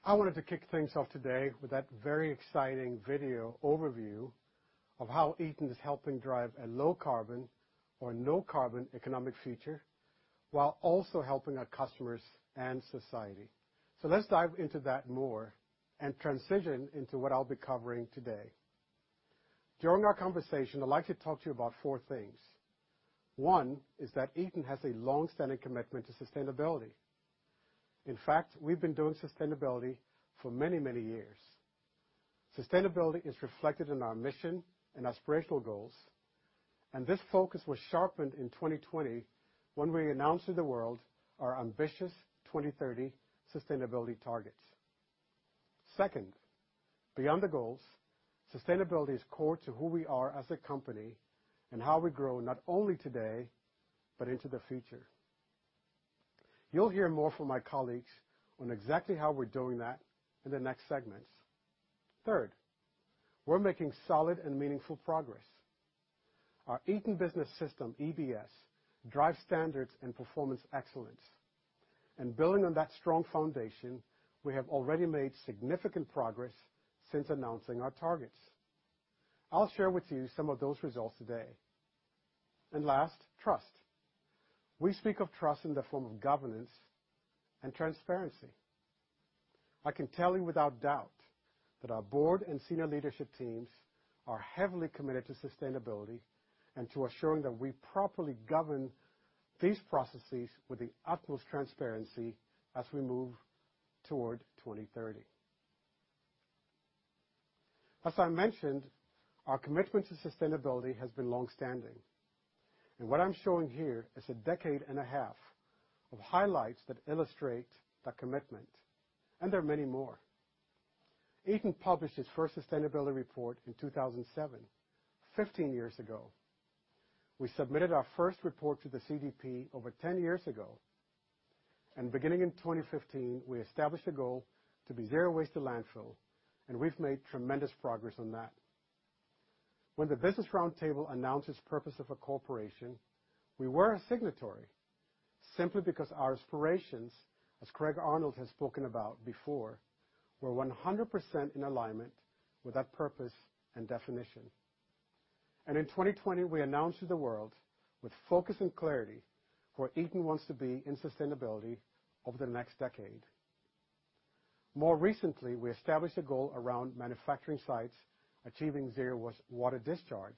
I wanted to kick things off today with that very exciting video overview of how Eaton is helping drive a low carbon or no carbon economic future while also helping our customers and society. Let's dive into that more and transition into what I'll be covering today. During our conversation, I'd like to talk to you about four things. One is that Eaton has a long-standing commitment to sustainability. In fact, we've been doing sustainability for many, many years. Sustainability is reflected in our mission and aspirational goals, and this focus was sharpened in 2020 when we announced to the world our ambitious 2030 sustainability targets. Second, beyond the goals, sustainability is core to who we are as a company and how we grow, not only today, but into the future. You'll hear more from my colleagues on exactly how we're doing that in the next segments. Third, we're making solid and meaningful progress. Our Eaton Business System, EBS, drives standards and performance excellence. Building on that strong foundation, we have already made significant progress since announcing our targets. I'll share with you some of those results today. Last, trust. We speak of trust in the form of governance and transparency. I can tell you without doubt that our board and senior leadership teams are heavily committed to sustainability and to assuring that we properly govern these processes with the utmost transparency as we move toward 2030. As I mentioned, our commitment to sustainability has been long-standing. What I'm showing here is a decade and a half of highlights that illustrate that commitment, and there are many more. Eaton published its first sustainability report in 2007, 15 years ago. We submitted our first report to the CDP over 10 years ago. Beginning in 2015, we established a goal to be zero waste to landfill, and we've made tremendous progress on that. When the Business Roundtable announced its purpose of a corporation, we were a signatory simply because our aspirations, as Craig Arnold has spoken about before, were 100% in alignment with that purpose and definition. In 2020, we announced to the world with focus and clarity where Eaton wants to be in sustainability over the next decade. More recently, we established a goal around manufacturing sites achieving zero water discharge,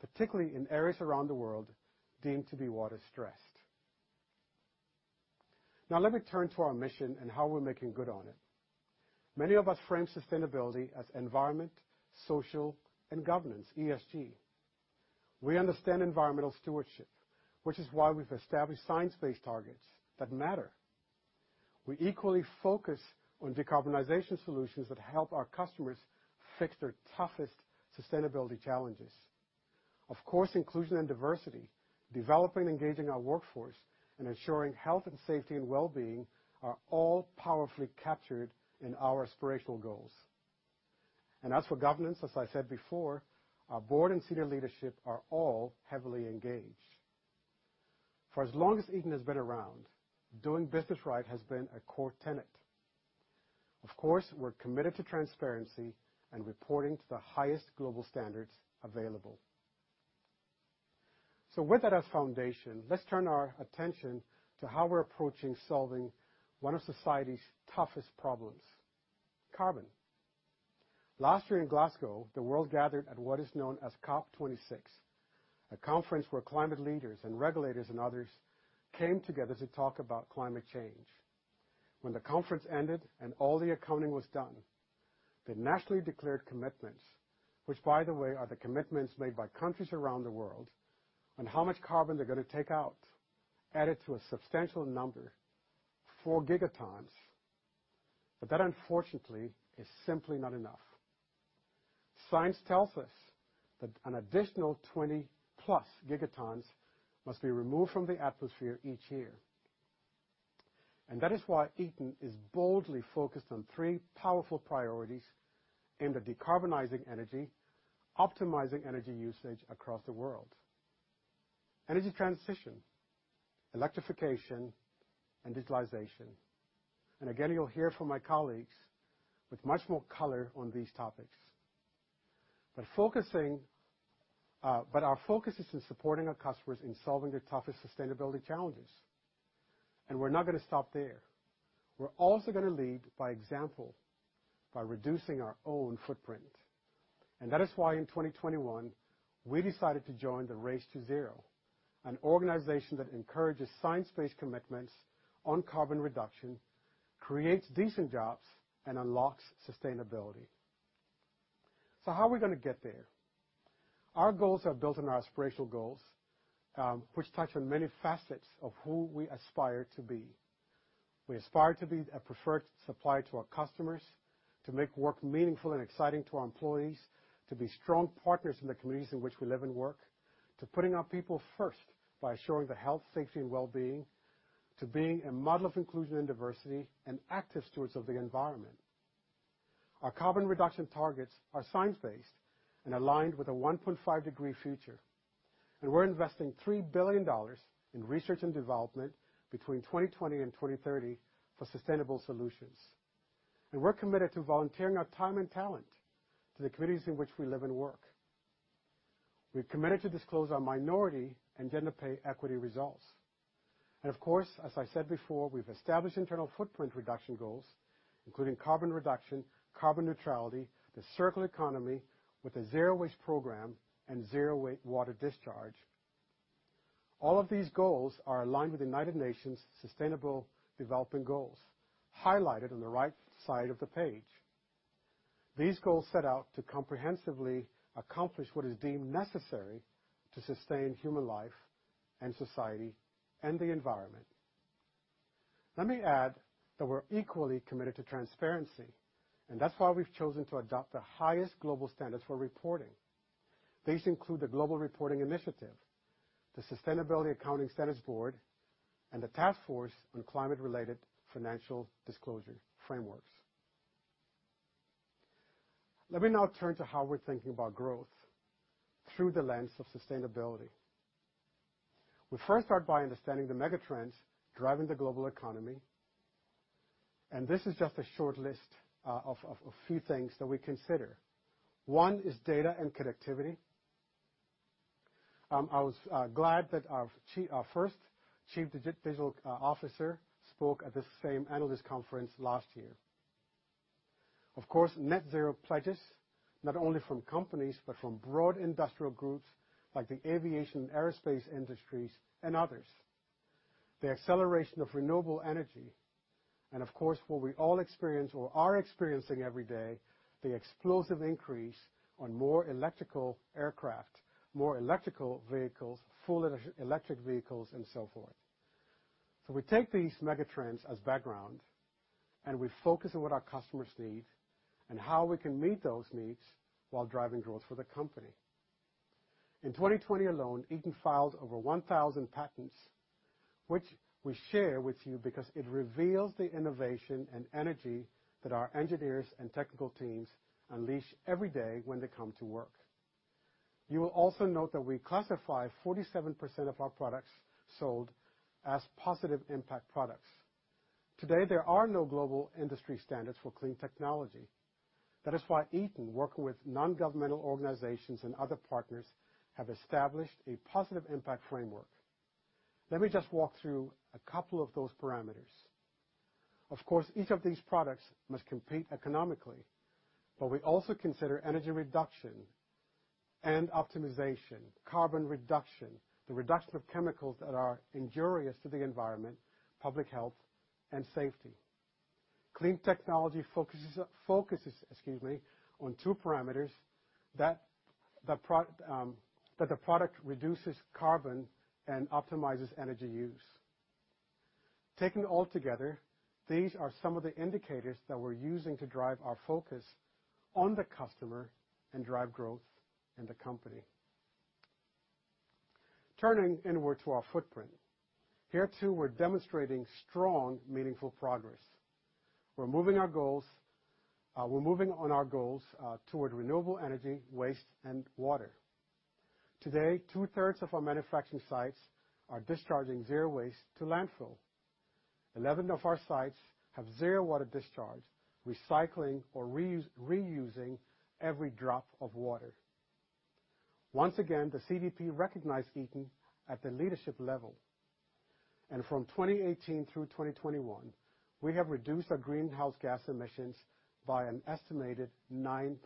particularly in areas around the world deemed to be water-stressed. Now let me turn to our mission and how we're making good on it. Many of us frame sustainability as environment, social, and governance, ESG. We understand environmental stewardship, which is why we've established science-based targets that matter. We equally focus on decarbonization solutions that help our customers fix their toughest sustainability challenges. Of course, inclusion and diversity, developing and engaging our workforce, and ensuring health and safety and well-being are all powerfully captured in our aspirational goals. As for governance, as I said before, our board and senior leadership are all heavily engaged. For as long as Eaton has been around, doing business right has been a core tenet. Of course, we're committed to transparency and reporting to the highest global standards available. With that as foundation, let's turn our attention to how we're approaching solving one of society's toughest problems, carbon. Last year in Glasgow, the world gathered at what is known as COP26, a conference where climate leaders and regulators and others came together to talk about climate change. When the conference ended and all the accounting was done, the nationally declared commitments, which by the way, are the commitments made by countries around the world on how much carbon they're gonna take out, added to a substantial number, 4 gigatons. That, unfortunately, is simply not enough. Science tells us that an additional 20+ gigatons must be removed from the atmosphere each year. That is why Eaton is boldly focused on three powerful priorities aimed at decarbonizing energy, optimizing energy usage across the world. Energy transition, electrification, and digitalization. Again, you'll hear from my colleagues with much more color on these topics. Our focus is in supporting our customers in solving their toughest sustainability challenges. We're not gonna stop there. We're also gonna lead by example by reducing our own footprint. That is why in 2021, we decided to join the Race to Zero, an organization that encourages science-based commitments on carbon reduction, creates decent jobs, and unlocks sustainability. So how are we gonna get there? Our goals are built on our aspirational goals, which touch on many facets of who we aspire to be. We aspire to be a preferred supplier to our customers, to make work meaningful and exciting to our employees, to be strong partners in the communities in which we live and work, to putting our people first by ensuring their health, safety, and well-being, to being a model of inclusion and diversity and active stewards of the environment. Our carbon reduction targets are science-based and aligned with a 1.5-degree future. We're investing $3 billion in research and development between 2020 and 2030 for sustainable solutions. We're committed to volunteering our time and talent to the communities in which we live and work. We're committed to disclose our minority and gender pay equity results. Of course, as I said before, we've established internal footprint reduction goals, including carbon reduction, carbon neutrality, the circle economy with a zero-waste program and zero water discharge. All of these goals are aligned with the United Nations Sustainable Development Goals, highlighted on the right side of the page. These goals set out to comprehensively accomplish what is deemed necessary to sustain human life and society and the environment. Let me add that we're equally committed to transparency, and that's why we've chosen to adopt the highest global standards for reporting. These include the Global Reporting Initiative, the Sustainability Accounting Standards Board, and the Task Force on Climate-related Financial Disclosures frameworks. Let me now turn to how we're thinking about growth through the lens of sustainability. We first start by understanding the mega trends driving the global economy, and this is just a short list of a few things that we consider. One is data and connectivity. I was glad that our first chief digital officer spoke at this same analyst conference last year. Of course, net zero pledges, not only from companies, but from broad industrial groups like the aviation, aerospace industries and others. The acceleration of renewable energy, and of course, what we all experience or are experiencing every day, the explosive increase in more electric aircraft, more electric vehicles, full electric vehicles, and so forth. We take these mega trends as background, and we focus on what our customers need and how we can meet those needs while driving growth for the company. In 2020 alone, Eaton filed over 1,000 patents, which we share with you because it reveals the innovation and energy that our engineers and technical teams unleash every day when they come to work. You will also note that we classify 47% of our products sold as positive impact products. Today, there are no global industry standards for clean technology. That is why Eaton, working with nongovernmental organizations and other partners, have established a positive impact framework. Let me just walk through a couple of those parameters. Of course, each of these products must compete economically, but we also consider energy reduction and optimization, carbon reduction, the reduction of chemicals that are injurious to the environment, public health, and safety. Clean technology focuses, excuse me, on two parameters, that the product reduces carbon and optimizes energy use. Taken all together, these are some of the indicators that we're using to drive our focus on the customer and drive growth in the company. Turning inward to our footprint. Here, too, we're demonstrating strong, meaningful progress. We're moving on our goals toward renewable energy, waste, and water. Today, two-thirds of our manufacturing sites are discharging zero waste to landfill. 11 of our sites have zero water discharge, recycling or reusing every drop of water. Once again, the CDP recognized Eaton at the leadership level. From 2018 through 2021, we have reduced our greenhouse gas emissions by an estimated 9%.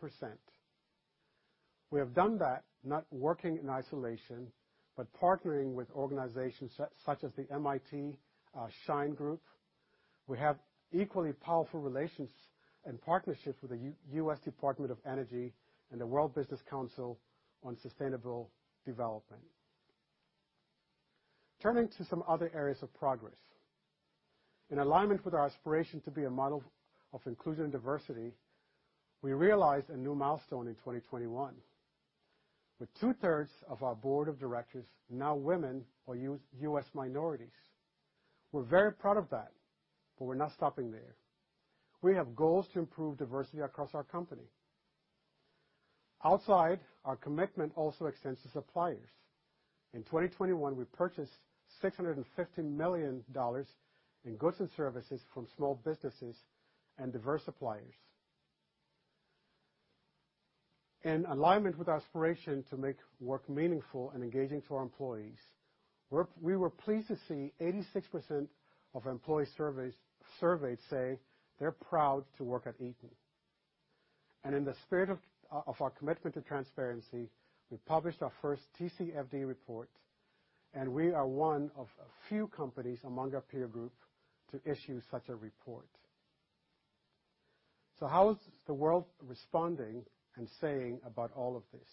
We have done that not working in isolation, but partnering with organizations such as the MIT, SHINE for Girls. We have equally powerful relations and partnerships with the U.S. Department of Energy and the World Business Council on Sustainable Development. Turning to some other areas of progress. In alignment with our aspiration to be a model of inclusion and diversity, we realized a new milestone in 2021 with two-thirds of our board of directors now women or U.S. minorities. We're very proud of that, but we're not stopping there. We have goals to improve diversity across our company. Outside, our commitment also extends to suppliers. In 2021, we purchased $650 million in goods and services from small businesses and diverse suppliers. In alignment with our aspiration to make work meaningful and engaging to our employees, we were pleased to see 86% of employees surveyed say they're proud to work at Eaton. In the spirit of our commitment to transparency, we published our first TCFD report, and we are one of a few companies among our peer group to issue such a report. How is the world responding and saying about all of this?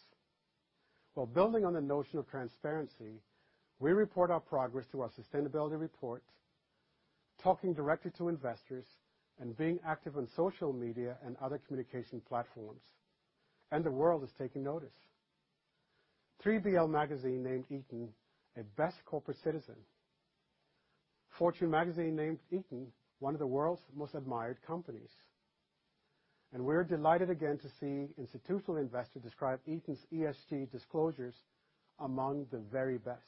While building on the notion of transparency, we report our progress in our sustainability report, talking directly to investors and being active on social media and other communication platforms. The world is taking notice. 3BL magazine named Eaton a Best Corporate Citizen. Fortune magazine named Eaton one of the world's most admired companies. We're delighted again to see Institutional Investor describe Eaton's ESG disclosures among the very best.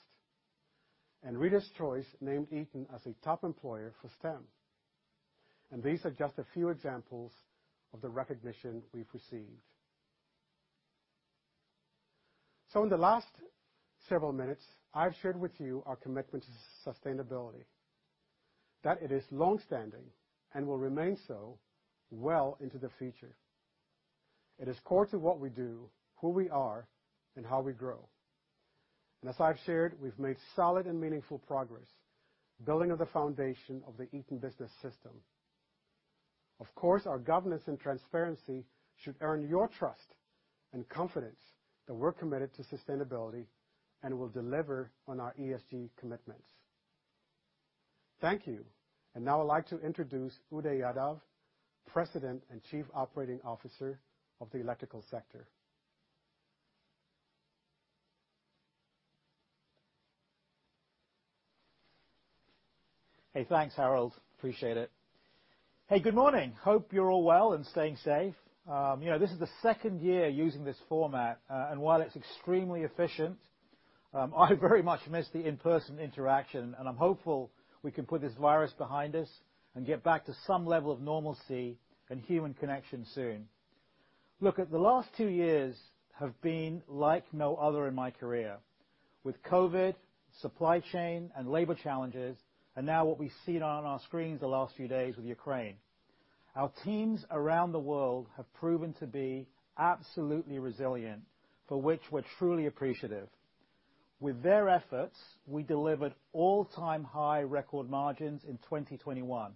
Reader's Choice named Eaton as a top employer for STEM. These are just a few examples of the recognition we've received. In the last several minutes, I've shared with you our commitment to sustainability, that it is long-standing and will remain so well into the future. It is core to what we do, who we are, and how we grow. As I've shared, we've made solid and meaningful progress, building on the foundation of the Eaton Business System. Of course, our governance and transparency should earn your trust and confidence that we're committed to sustainability and will deliver on our ESG commitments. Thank you. Now I'd like to introduce Uday Yadav, President and Chief Operating Officer of the Electrical Sector. Hey, thanks, Harold. Appreciate it. Hey, good morning. Hope you're all well and staying safe. You know, this is the second year using this format, and while it's extremely efficient, I very much miss the in-person interaction, and I'm hopeful we can put this virus behind us and get back to some level of normalcy and human connection soon. Look, the last two years have been like no other in my career, with COVID, supply chain, and labor challenges, and now what we've seen on our screens the last few days with Ukraine. Our teams around the world have proven to be absolutely resilient, for which we're truly appreciative. With their efforts, we delivered all-time high record margins in 2021.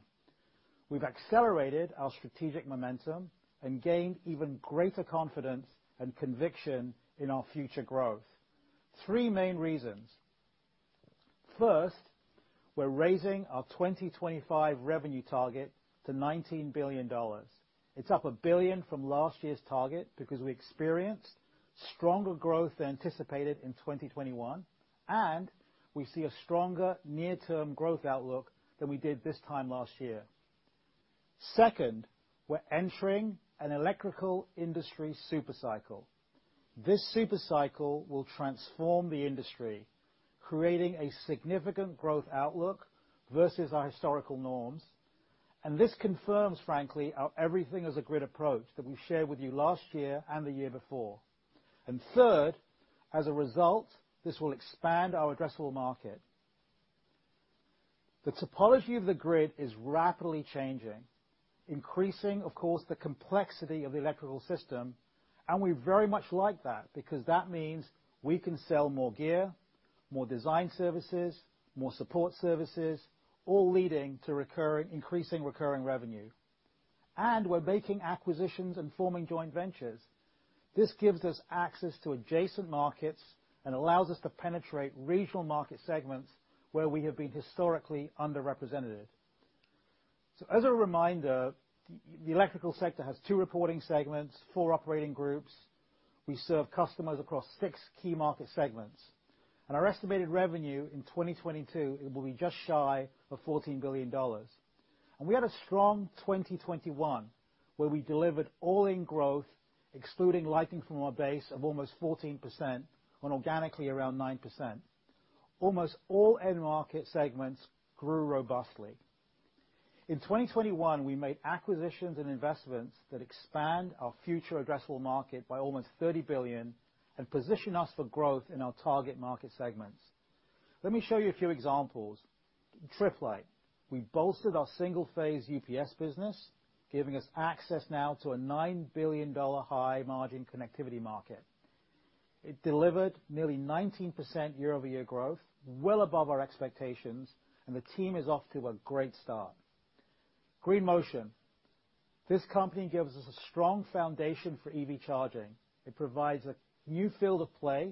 We've accelerated our strategic momentum and gained even greater confidence and conviction in our future growth. Three main reasons. First, we're raising our 2025 revenue target to $19 billion. It's up $1 billion from last year's target because we experienced stronger growth than anticipated in 2021, and we see a stronger near-term growth outlook than we did this time last year. Second, we're entering an electrical industry super cycle. This super cycle will transform the industry, creating a significant growth outlook versus our historical norms, and this confirms, frankly, our everything as a grid approach that we shared with you last year and the year before. Third, as a result, this will expand our addressable market. The topology of the grid is rapidly changing, increasing, of course, the complexity of the electrical system, and we very much like that because that means we can sell more gear, more design services, more support services, all leading to recurring, increasing recurring revenue. We're making acquisitions and forming joint ventures. This gives us access to adjacent markets and allows us to penetrate regional market segments where we have been historically underrepresented. As a reminder, the electrical sector has two reporting segments, four operating groups. We serve customers across six key market segments. Our estimated revenue in 2022, it will be just shy of $14 billion. We had a strong 2021, where we delivered all-in growth, excluding lighting from our base, of almost 14% on organically around 9%. Almost all end market segments grew robustly. In 2021, we made acquisitions and investments that expand our future addressable market by almost $30 billion and position us for growth in our target market segments. Let me show you a few examples. Tripp Lite. We bolstered our single phase UPS business, giving us access now to a $9 billion high margin connectivity market. It delivered nearly 19% year-over-year growth, well above our expectations, and the team is off to a great start. Green Motion. This company gives us a strong foundation for EV charging. It provides a new field of play,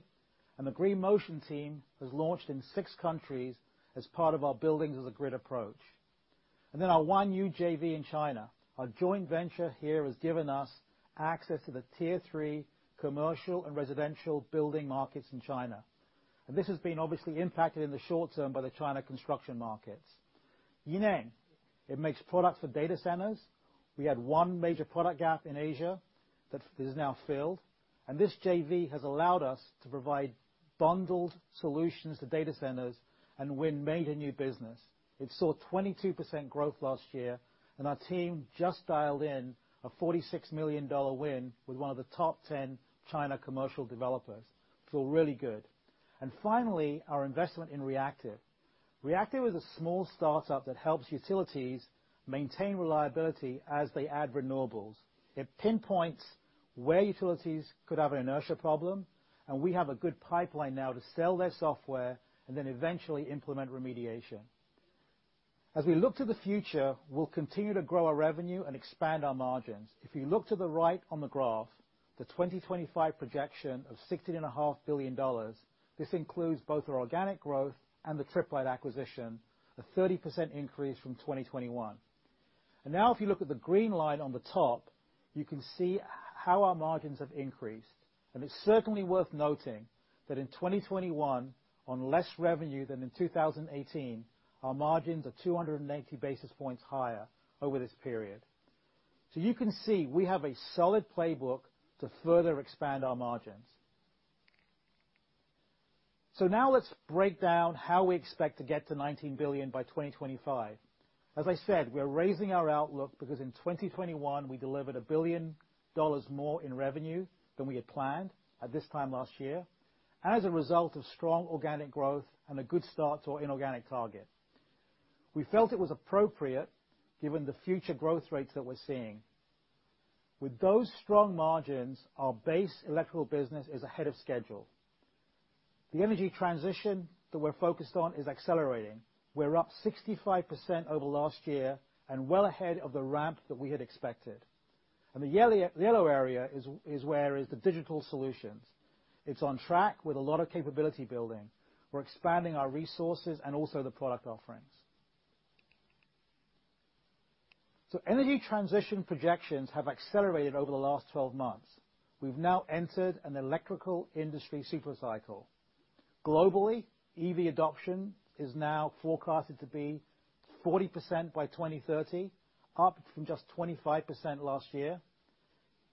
and the Green Motion team has launched in six countries as part of our buildings as a grid approach. Our one new JV in China. Our joint venture here has given us access to the tier 3 commercial and residential building markets in China. This has been obviously impacted in the short term by the China construction markets. YiNeng, it makes products for data centers. We had one major product gap in Asia that is now filled, and this JV has allowed us to provide bundled solutions to data centers and win major new business. It saw 22% growth last year and our team just dialed in a $46 million win with one of the top 10 Chinese commercial developers. Really good. Finally, our investment in Reactive. Reactive was a small startup that helps utilities maintain reliability as they add renewables. It pinpoints where utilities could have an inertia problem, and we have a good pipeline now to sell their software and then eventually implement remediation. As we look to the future, we'll continue to grow our revenue and expand our margins. If you look to the right on the graph, the 2025 projection of $16.5 billion, this includes both our organic growth and the Tripp Lite acquisition, a 30% increase from 2021. Now if you look at the green line on the top, you can see how our margins have increased, and it's certainly worth noting that in 2021, on less revenue than in 2018, our margins are 280 basis points higher over this period. You can see we have a solid playbook to further expand our margins. Now let's break down how we expect to get to $19 billion by 2025. As I said, we're raising our outlook because in 2021 we delivered $1 billion more in revenue than we had planned at this time last year as a result of strong organic growth and a good start to our inorganic target. We felt it was appropriate given the future growth rates that we're seeing. With those strong margins, our base electrical business is ahead of schedule. The energy transition that we're focused on is accelerating. We're up 65% over last year and well ahead of the ramp that we had expected. The yellow area is where the digital solutions. It's on track with a lot of capability building. We're expanding our resources and also the product offerings. Energy transition projections have accelerated over the last 12 months. We've now entered an electrical industry super cycle. Globally, EV adoption is now forecasted to be 40% by 2030, up from just 25% last year.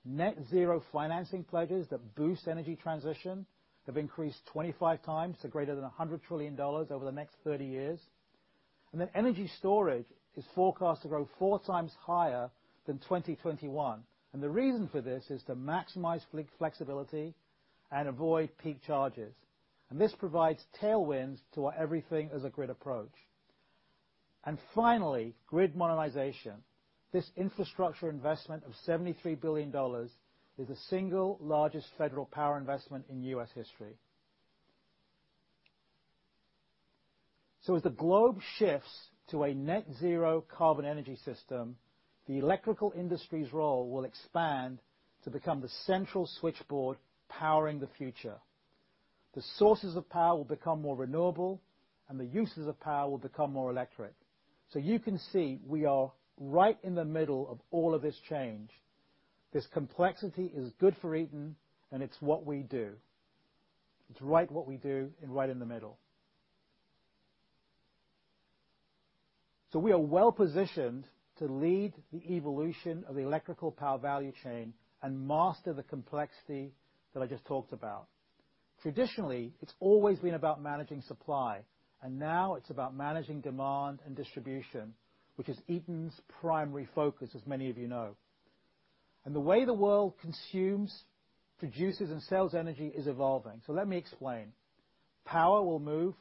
Net zero financing pledges that boost energy transition have increased 25x to greater than $100 trillion over the next 30 years. Then energy storage is forecast to grow 4x higher than 2021. The reason for this is to maximize flex, flexibility and avoid peak charges. This provides tailwinds to our everything-as-a-grid approach. Finally, grid modernization. This infrastructure investment of $73 billion is the single largest federal power investment in U.S. history. As the globe shifts to a net zero carbon energy system, the electrical industry's role will expand to become the central switchboard powering the future. The sources of power will become more renewable, and the uses of power will become more electric. You can see we are right in the middle of all of this change. This complexity is good for Eaton, and it's what we do. It's right what we do and right in the middle. We are well-positioned to lead the evolution of the electrical power value chain and master the complexity that I just talked about. Traditionally, it's always been about managing supply, and now it's about managing demand and distribution, which is Eaton's primary focus, as many of you know. The way the world consumes, produces, and sells energy is evolving. Let me explain. Power will move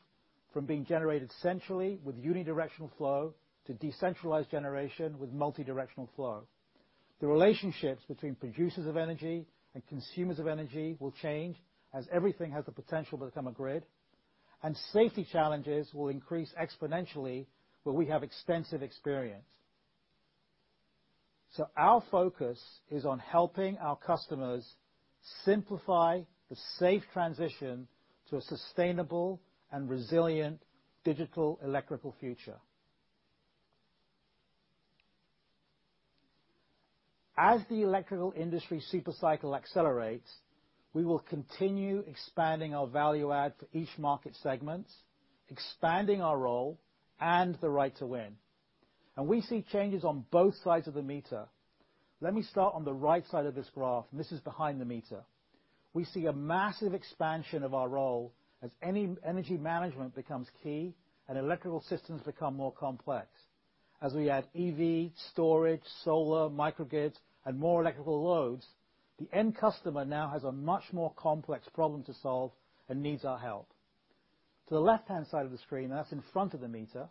from being generated centrally with unidirectional flow to decentralized generation with multidirectional flow. The relationships between producers of energy and consumers of energy will change as everything has the potential to become a grid, and safety challenges will increase exponentially, but we have extensive experience. Our focus is on helping our customers simplify the safe transition to a sustainable and resilient digital electrical future. As the electrical industry super cycle accelerates, we will continue expanding our value add to each market segment, expanding our role and the right to win. We see changes on both sides of the meter. Let me start on the right side of this graph, and this is behind the meter. We see a massive expansion of our role as energy management becomes key and electrical systems become more complex. As we add EV, storage, solar, microgrids, and more electrical loads, the end customer now has a much more complex problem to solve and needs our help. To the left-hand side of the screen, that's in front of the meter,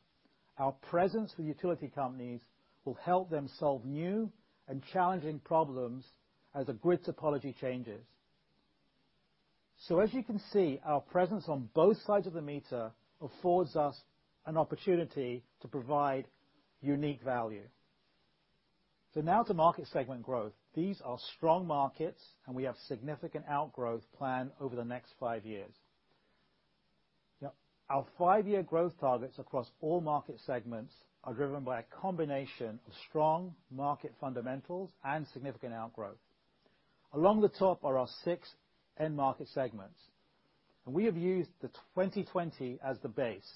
our presence with utility companies will help them solve new and challenging problems as the grid topology changes. As you can see, our presence on both sides of the meter affords us an opportunity to provide unique value. Now to market segment growth. These are strong markets, and we have significant outgrowth planned over the next five years. Now, our five-year growth targets across all market segments are driven by a combination of strong market fundamentals and significant outgrowth. Along the top are our six end market segments, and we have used 2020 as the base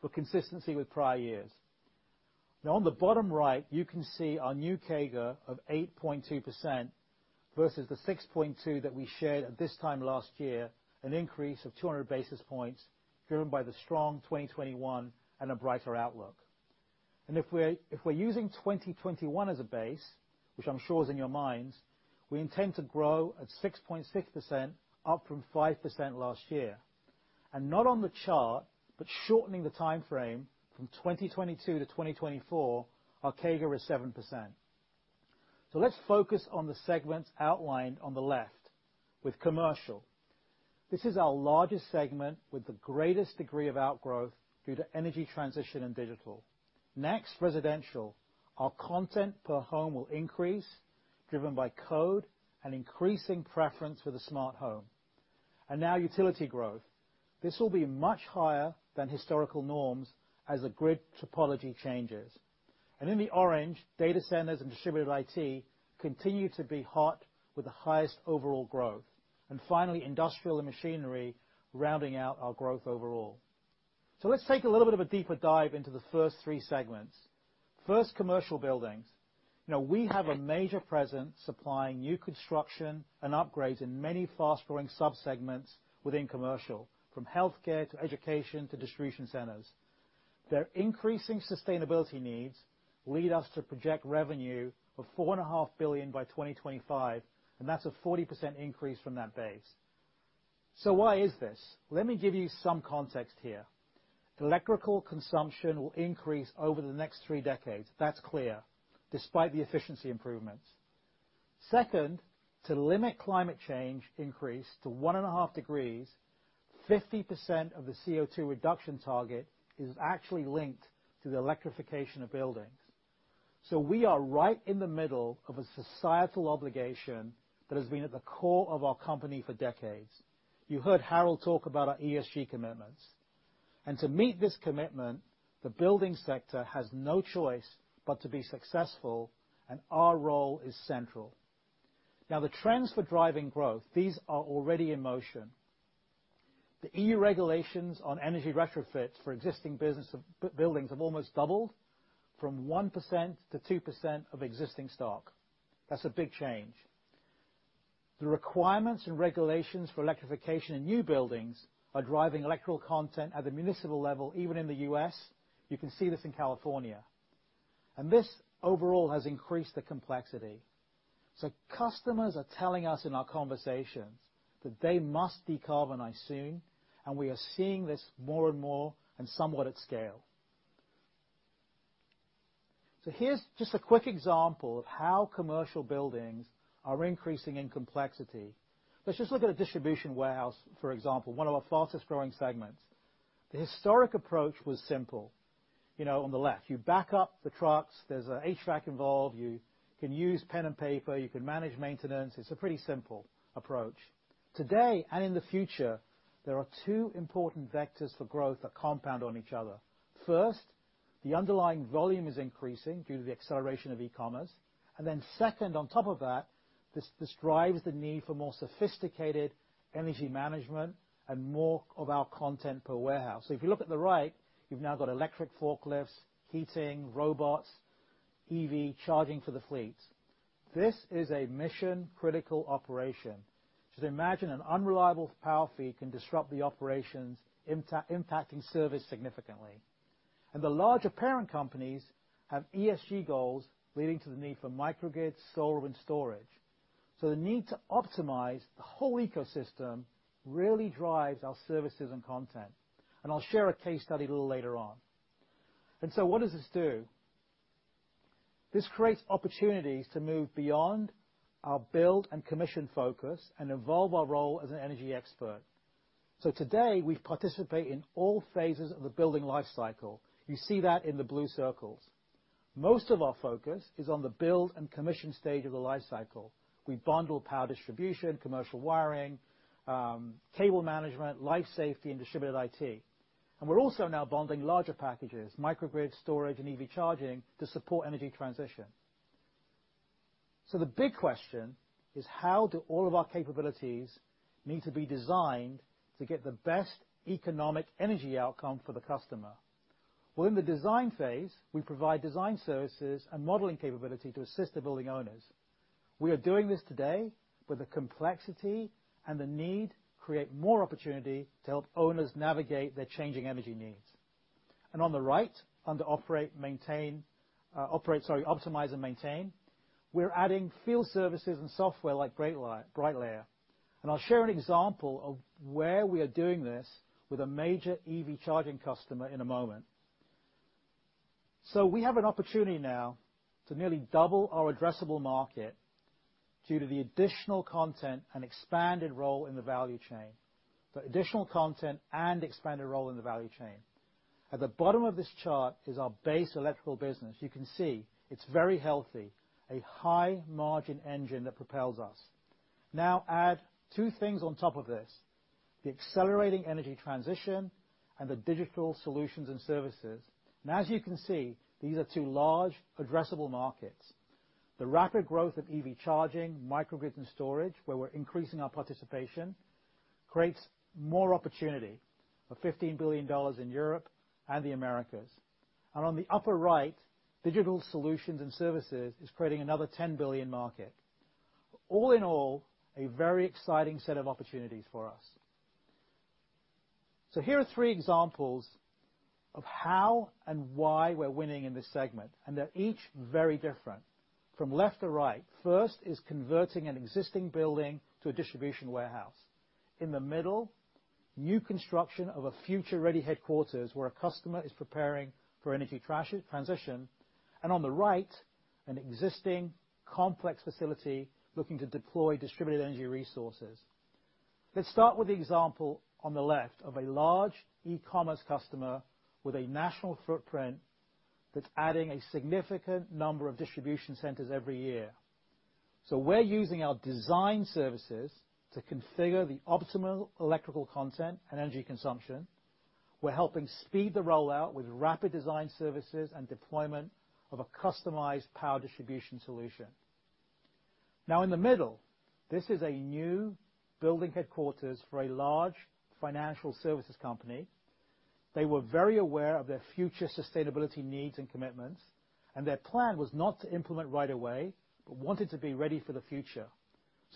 for consistency with prior years. Now, on the bottom right, you can see our new CAGR of 8.2% versus the 6.2% that we shared at this time last year, an increase of 200 basis points driven by the strong 2021 and a brighter outlook. If we're using 2021 as a base, which I'm sure is in your minds, we intend to grow at 6.6%, up from 5% last year. Not on the chart, but shortening the time frame from 2022 to 2024, our CAGR is 7%. Let's focus on the segments outlined on the left with commercial. This is our largest segment with the greatest degree of outgrowth due to energy transition and digital. Next, residential. Our content per home will increase, driven by code and increasing preference for the smart home. Now utility growth. This will be much higher than historical norms as the grid topology changes. In the orange, data centers and distributed IT continue to be hot with the highest overall growth. Finally, industrial and machinery rounding out our growth overall. Let's take a little bit of a deeper dive into the first three segments. First, commercial buildings. Now, we have a major presence supplying new construction and upgrades in many fast-growing subsegments within commercial, from healthcare to education to distribution centers. Their increasing sustainability needs lead us to project revenue of $4.5 billion by 2025, and that's a 40% increase from that base. Why is this? Let me give you some context here. Electrical consumption will increase over the next three decades. That's clear, despite the efficiency improvements. Second, to limit climate change increase to 1.5 degrees, 50% of the CO₂ reduction target is actually linked to the electrification of buildings. We are right in the middle of a societal obligation that has been at the core of our company for decades. You heard Harold talk about our ESG commitments. To meet this commitment, the building sector has no choice but to be successful, and our role is central. Now the trends for driving growth, these are already in motion. The EU regulations on energy retrofits for existing buildings have almost doubled from 1% to 2% of existing stock. That's a big change. The requirements and regulations for electrification in new buildings are driving electrical content at the municipal level, even in the U.S. You can see this in California. This overall has increased the complexity. Customers are telling us in our conversations that they must decarbonize soon, and we are seeing this more and more and somewhat at scale. Here's just a quick example of how commercial buildings are increasing in complexity. Let's just look at a distribution warehouse, for example, one of our fastest-growing segments. The historic approach was simple. You know, on the left, you back up the trucks, there's a HVAC involved, you can use pen and paper, you can manage maintenance. It's a pretty simple approach. Today, and in the future, there are two important vectors for growth that compound on each other. First, the underlying volume is increasing due to the acceleration of e-commerce. Then second, on top of that, this drives the need for more sophisticated energy management and more of our content per warehouse. If you look at the right, you've now got electric forklifts, heating, robots, EV charging for the fleet. This is a mission-critical operation. Imagine an unreliable power feed can disrupt the operations, impacting service significantly. The larger parent companies have ESG goals leading to the need for microgrids, solar, and storage. The need to optimize the whole ecosystem really drives our services and content. I'll share a case study a little later on. What does this do? This creates opportunities to move beyond our build and commission focus and evolve our role as an energy expert. Today, we participate in all phases of the building life cycle. You see that in the blue circles. Most of our focus is on the build and commission stage of the life cycle. We bundle power distribution, commercial wiring, cable management, life safety, and distributed IT. We're also now bundling larger packages, microgrid storage and EV charging, to support energy transition. The big question is, how do all of our capabilities need to be designed to get the best economic energy outcome for the customer? Well, in the design phase, we provide design services and modeling capability to assist the building owners. We are doing this today with the complexity and the need to create more opportunity to help owners navigate their changing energy needs. On the right, under optimize and maintain, we're adding field services and software like Brightlayer. I'll share an example of where we are doing this with a major EV charging customer in a moment. We have an opportunity now to nearly double our addressable market due to the additional content and expanded role in the value chain. At the bottom of this chart is our base electrical business. You can see it's very healthy, a high-margin engine that propels us. Now add two things on top of this: the accelerating energy transition and the digital solutions and services. As you can see, these are two large addressable markets. The rapid growth of EV charging, microgrids and storage, where we're increasing our participation, creates more opportunity of $15 billion in Europe and the Americas. On the upper right, digital solutions and services is creating another $10 billion market. All in all, a very exciting set of opportunities for us. Here are three examples of how and why we're winning in this segment, and they're each very different. From left to right, first is converting an existing building to a distribution warehouse. In the middle, new construction of a future-ready headquarters where a customer is preparing for energy transition. On the right, an existing complex facility looking to deploy distributed energy resources. Let's start with the example on the left of a large e-commerce customer with a national footprint that's adding a significant number of distribution centers every year. We're using our design services to configure the optimal electrical content and energy consumption. We're helping speed the rollout with rapid design services and deployment of a customized power distribution solution. Now in the middle, this is a new building headquarters for a large financial services company. They were very aware of their future sustainability needs and commitments, and their plan was not to implement right away, but wanted to be ready for the future.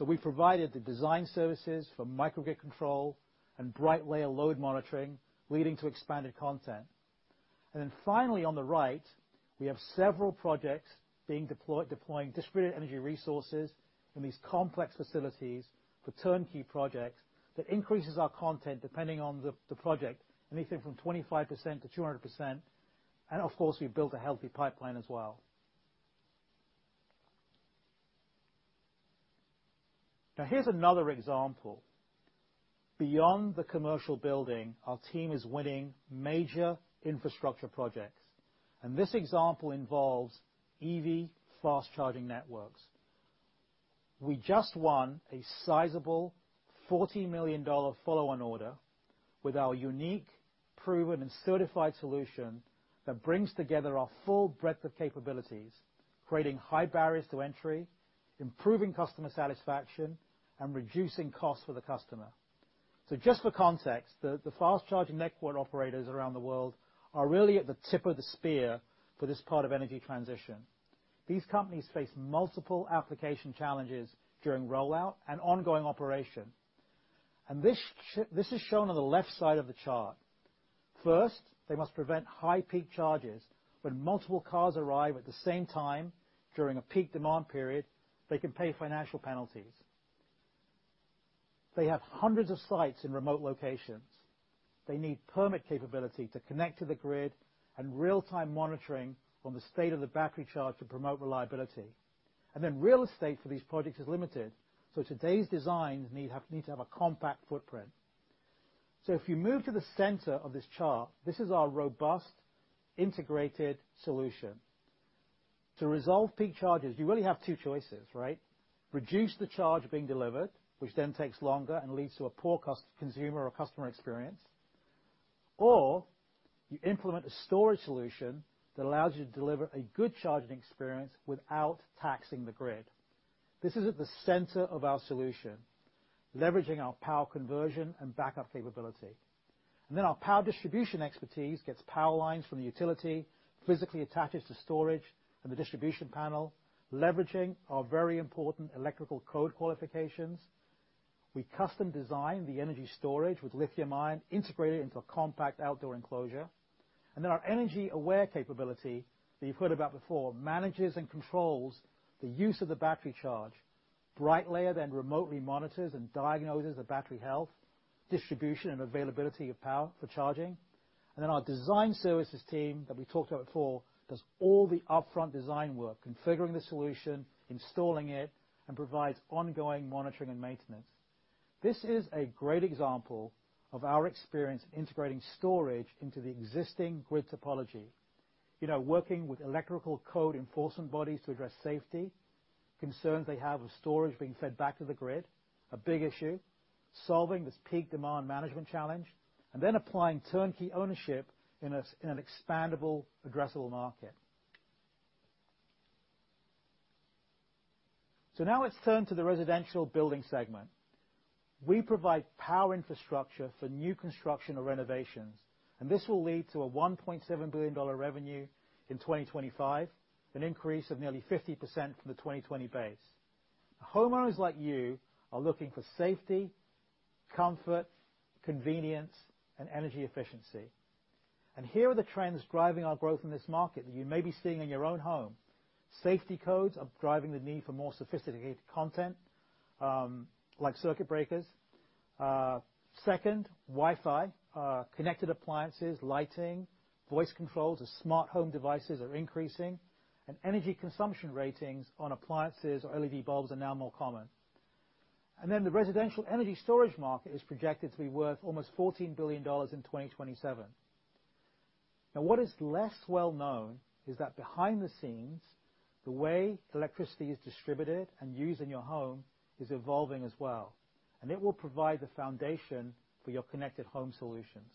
We provided the design services for microgrid control and Brightlayer load monitoring, leading to expanded content. Then finally, on the right, we have several projects deploying distributed energy resources in these complex facilities for turnkey projects that increases our content depending on the project, anything from 25%-200%. Of course, we've built a healthy pipeline as well. Now here's another example. Beyond the commercial building, our team is winning major infrastructure projects. This example involves EV fast charging networks. We just won a sizable $40 million follow-on order with our unique, proven, and certified solution that brings together our full breadth of capabilities, creating high barriers to entry, improving customer satisfaction, and reducing costs for the customer. Just for context, the fast-charging network operators around the world are really at the tip of the spear for this part of energy transition. These companies face multiple application challenges during rollout and ongoing operation. This is shown on the left side of the chart. First, they must prevent high peak charges. When multiple cars arrive at the same time during a peak demand period, they can pay financial penalties. They have hundreds of sites in remote locations. They need permit capability to connect to the grid and real-time monitoring on the state of the battery charge to promote reliability. Real estate for these projects is limited, so today's designs need to have a compact footprint. If you move to the center of this chart, this is our robust, integrated solution. To resolve peak charges, you really have two choices, right? Reduce the charge being delivered, which then takes longer and leads to a poor customer experience. You implement a storage solution that allows you to deliver a good charging experience without taxing the grid. This is at the center of our solution, leveraging our power conversion and backup capability. Our power distribution expertise gets power lines from the utility, physically attaches to storage and the distribution panel, leveraging our very important electrical code qualifications. We custom design the energy storage with lithium-ion integrated into a compact outdoor enclosure. Our energy-aware capability that you've heard about before manages and controls the use of the battery charge. Brightlayer then remotely monitors and diagnoses the battery health, distribution, and availability of power for charging. Our design services team that we talked about before does all the upfront design work, configuring the solution, installing it, and provides ongoing monitoring and maintenance. This is a great example of our experience integrating storage into the existing grid topology. You know, working with electrical code enforcement bodies to address safety concerns they have of storage being fed back to the grid, a big issue, solving this peak demand management challenge, and then applying turnkey ownership in an expandable, addressable market. Let's turn to the residential building segment. We provide power infrastructure for new construction or renovations, and this will lead to a $1.7 billion revenue in 2025, an increase of nearly 50% from the 2020 base. Homeowners like you are looking for safety, comfort, convenience, and energy efficiency. Here are the trends driving our growth in this market that you may be seeing in your own home. Safety codes are driving the need for more sophisticated content, like circuit breakers. Second, Wi-Fi connected appliances, lighting, voice controls as smart home devices are increasing, and energy consumption ratings on appliances or LED bulbs are now more common. Then the residential energy storage market is projected to be worth almost $14 billion in 2027. Now, what is less well known is that behind the scenes, the way electricity is distributed and used in your home is evolving as well, and it will provide the foundation for your connected home solutions.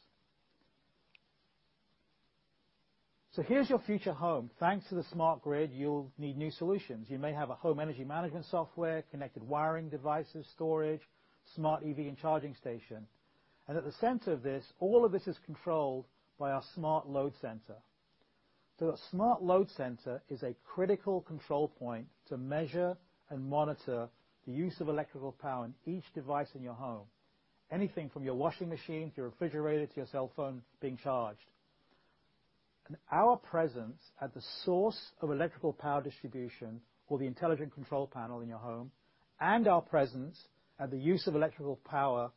Here's your future home. Thanks to the smart grid, you'll need new solutions. You may have a home energy management software, connected wiring devices, storage, smart EV and charging station. At the center of this, all of this is controlled by our smart load center. A smart load center is a critical control point to measure and monitor the use of electrical power in each device in your home. Anything from your washing machine, to your refrigerator, to your cell phone being charged. Our presence at the source of electrical power distribution or the intelligent control panel in your home, and our presence at the use of electrical power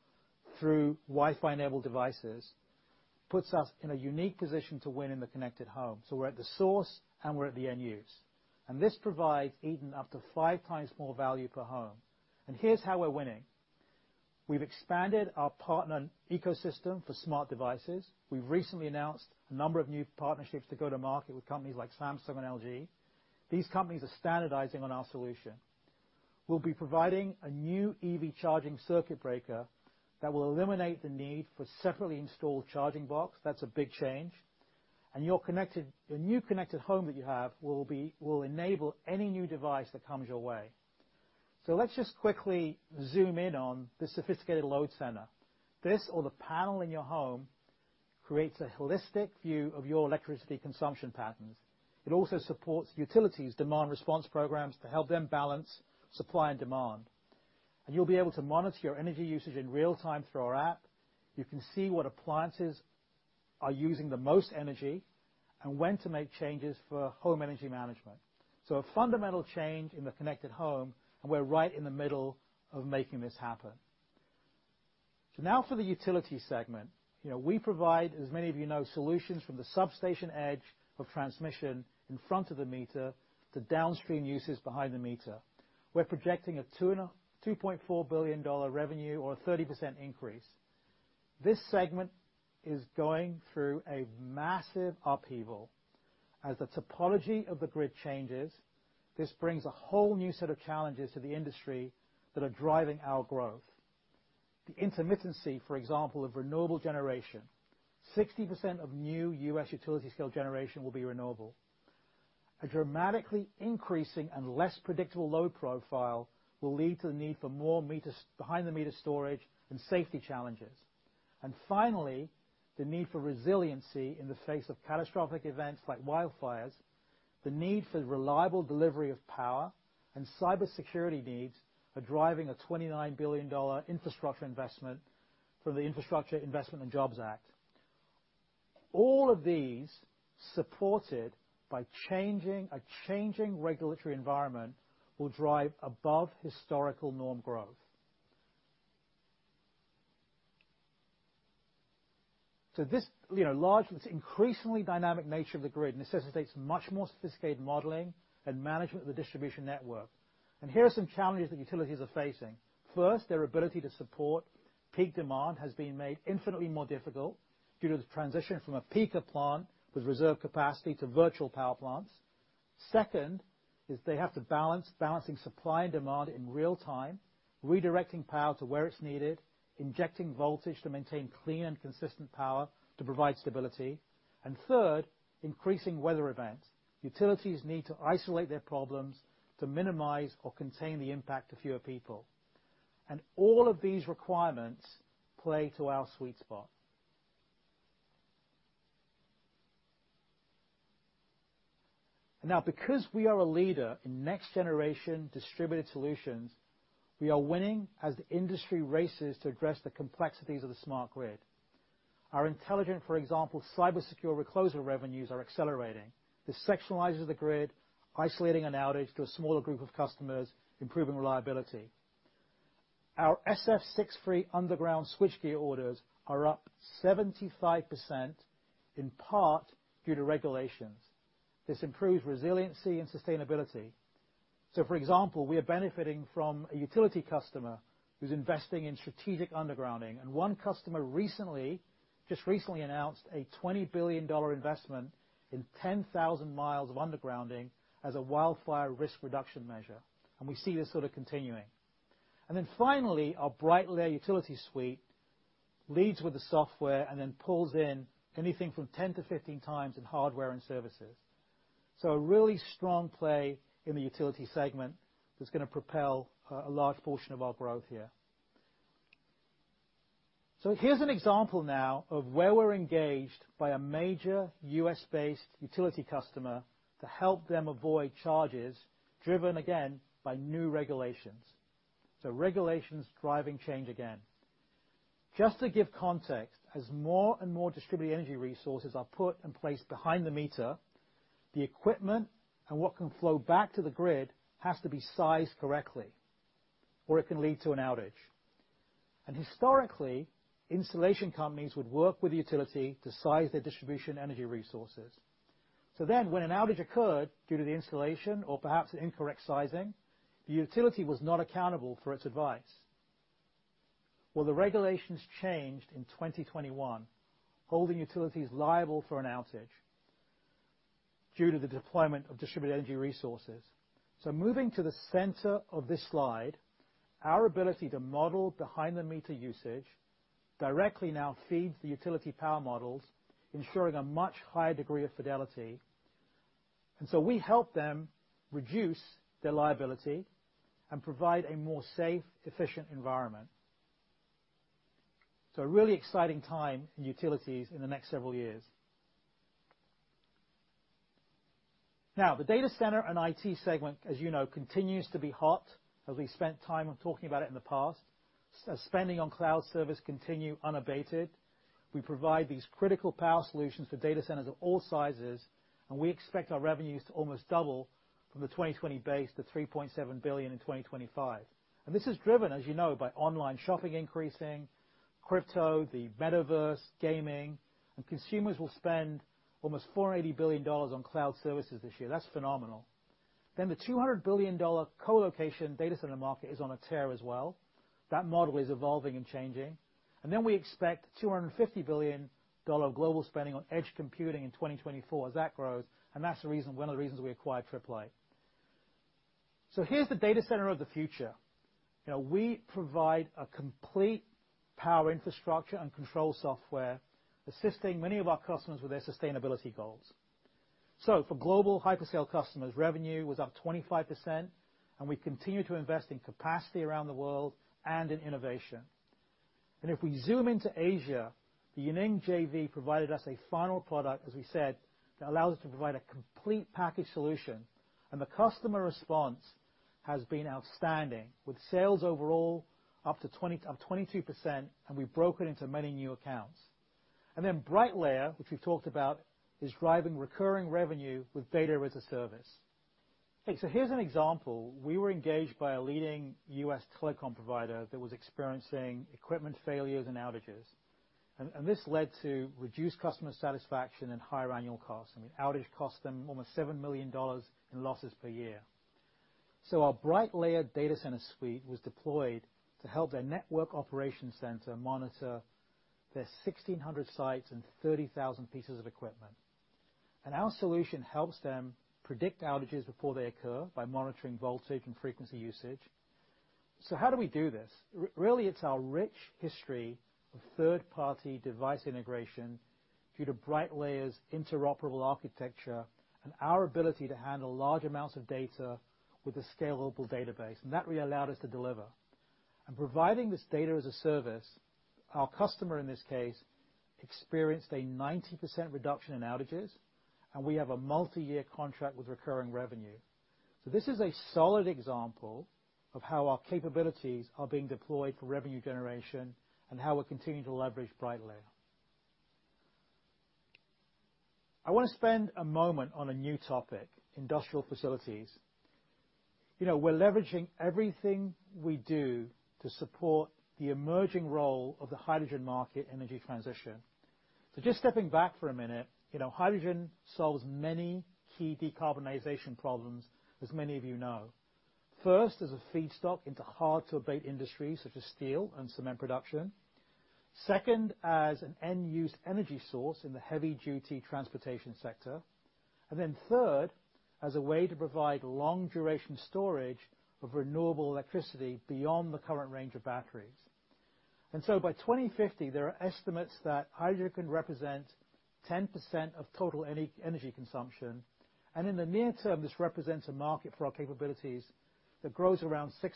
through Wi-Fi-enabled devices, puts us in a unique position to win in the connected home. We're at the source, and we're at the end use. This provides Eaton up to five times more value per home. Here's how we're winning. We've expanded our partner ecosystem for smart devices. We've recently announced a number of new partnerships to go to market with companies like Samsung and LG. These companies are standardizing on our solution. We'll be providing a new EV charging circuit breaker that will eliminate the need for separately installed charging box. That's a big change. Your new connected home that you have will enable any new device that comes your way. Let's just quickly zoom in on the sophisticated load center. This, the panel in your home, creates a holistic view of your electricity consumption patterns. It also supports the utilities' demand response programs to help them balance supply and demand. You'll be able to monitor your energy usage in real time through our app. You can see what appliances are using the most energy and when to make changes for home energy management. A fundamental change in the connected home, and we're right in the middle of making this happen. Now for the utility segment. You know, we provide, as many of you know, solutions from the substation edge of transmission in front of the meter to downstream uses behind the meter. We're projecting a $2.4 billion revenue or a 30% increase. This segment is going through a massive upheaval. As the topology of the grid changes, this brings a whole new set of challenges to the industry that are driving our growth. The intermittency, for example, of renewable generation, 60% of new U.S. utility scale generation will be renewable. A dramatically increasing and less predictable load profile will lead to the need for more meters, behind the meter storage and safety challenges. Finally, the need for resiliency in the face of catastrophic events like wildfires, the need for reliable delivery of power and cybersecurity needs are driving a $29 billion infrastructure investment from the Infrastructure Investment and Jobs Act. All of these, supported by a changing regulatory environment, will drive above historical norm growth. This, you know, large and this increasingly dynamic nature of the grid necessitates much more sophisticated modeling and management of the distribution network. Here are some challenges that utilities are facing. First, their ability to support peak demand has been made infinitely more difficult due to the transition from a peaking plant with reserve capacity to virtual power plants. Second is they have to balancing supply and demand in real time, redirecting power to where it's needed, injecting voltage to maintain clean and consistent power to provide stability. Third, increasing weather events. Utilities need to isolate their problems to minimize or contain the impact to fewer people. All of these requirements play to our sweet spot. Now, because we are a leader in next-generation distributed solutions, we are winning as the industry races to address the complexities of the smart grid. Our intelligent, for example, cyber secure recloser revenues are accelerating. This sectionalizes the grid, isolating an outage to a smaller group of customers, improving reliability. Our SF6-free underground switchgear orders are up 75%, in part due to regulations. This improves resiliency and sustainability. For example, we are benefiting from a utility customer who's investing in strategic undergrounding, and one customer recently announced a $20 billion investment in 10,000 miles of undergrounding as a wildfire risk reduction measure, and we see this sort of continuing. Finally, our Brightlayer Utility Suite leads with the software and then pulls in anything from 10-15 times in hardware and services. A really strong play in the utility segment that's gonna propel a large portion of our growth here. Here's an example now of where we're engaged by a major U.S.-based utility customer to help them avoid charges driven, again, by new regulations. Regulations driving change again. Just to give context, as more and more distributed energy resources are put in place behind the meter, the equipment and what can flow back to the grid has to be sized correctly or it can lead to an outage. Historically, installation companies would work with the utility to size their distributed energy resources. When an outage occurred due to the installation or perhaps incorrect sizing, the utility was not accountable for its advice. Well, the regulations changed in 2021, holding utilities liable for an outage due to the deployment of distributed energy resources. Moving to the center of this slide, our ability to model behind the meter usage directly now feeds the utility power models, ensuring a much higher degree of fidelity. We help them reduce their liability and provide a more safe, efficient environment. A really exciting time in utilities in the next several years. Now, the data center and IT segment, as you know, continues to be hot as we spent time on talking about it in the past. As spending on cloud services continues unabated, we provide these critical power solutions for data centers of all sizes, and we expect our revenues to almost double from the 2020 base to $3.7 billion in 2025. This is driven, as you know, by online shopping increasing, crypto, the metaverse, gaming, and consumers will spend almost $480 billion on cloud services this year. That's phenomenal. The $200 billion colocation data center market is on a tear as well. That model is evolving and changing. We expect $250 billion global spending on edge computing in 2024 as that grows, and that's the reason, one of the reasons we acquired Tripp Lite. Here's the data center of the future. You know, we provide a complete power infrastructure and control software, assisting many of our customers with their sustainability goals. For global hyperscale customers, revenue was up 25%, and we continue to invest in capacity around the world and in innovation. If we zoom into Asia, the YiNeng JV provided us a final product, as we said, that allows us to provide a complete package solution, and the customer response has been outstanding, with sales overall up to 22%, and we've broken into many new accounts. Then Brightlayer, which we've talked about, is driving recurring revenue with data as a service. Okay, here's an example. We were engaged by a leading U.S. telecom provider that was experiencing equipment failures and outages. This led to reduced customer satisfaction and higher annual costs. I mean, outages cost them almost $7 million in losses per year. Our Brightlayer Data Centers suite was deployed to help their network operation center monitor their 1,600 sites and 30,000 pieces of equipment. Our solution helps them predict outages before they occur by monitoring voltage and frequency usage. How do we do this? Really, it's our rich history of third-party device integration due to Brightlayer's interoperable architecture and our ability to handle large amounts of data with a scalable database. That really allowed us to deliver. Providing this data as a service, our customer, in this case, experienced a 90% reduction in outages, and we have a multiyear contract with recurring revenue. This is a solid example of how our capabilities are being deployed for revenue generation and how we're continuing to leverage Brightlayer. I want to spend a moment on a new topic, industrial facilities. You know, we're leveraging everything we do to support the emerging role of the hydrogen market energy transition. Just stepping back for a minute, you know, hydrogen solves many key decarbonization problems, as many of you know. First, as a feedstock into hard to abate industries such as steel and cement production. Second, as an end use energy source in the heavy duty transportation sector. Third, as a way to provide long duration storage of renewable electricity beyond the current range of batteries. By 2050, there are estimates that hydrogen can represent 10% of total energy consumption. In the near term, this represents a market for our capabilities that grows around 6%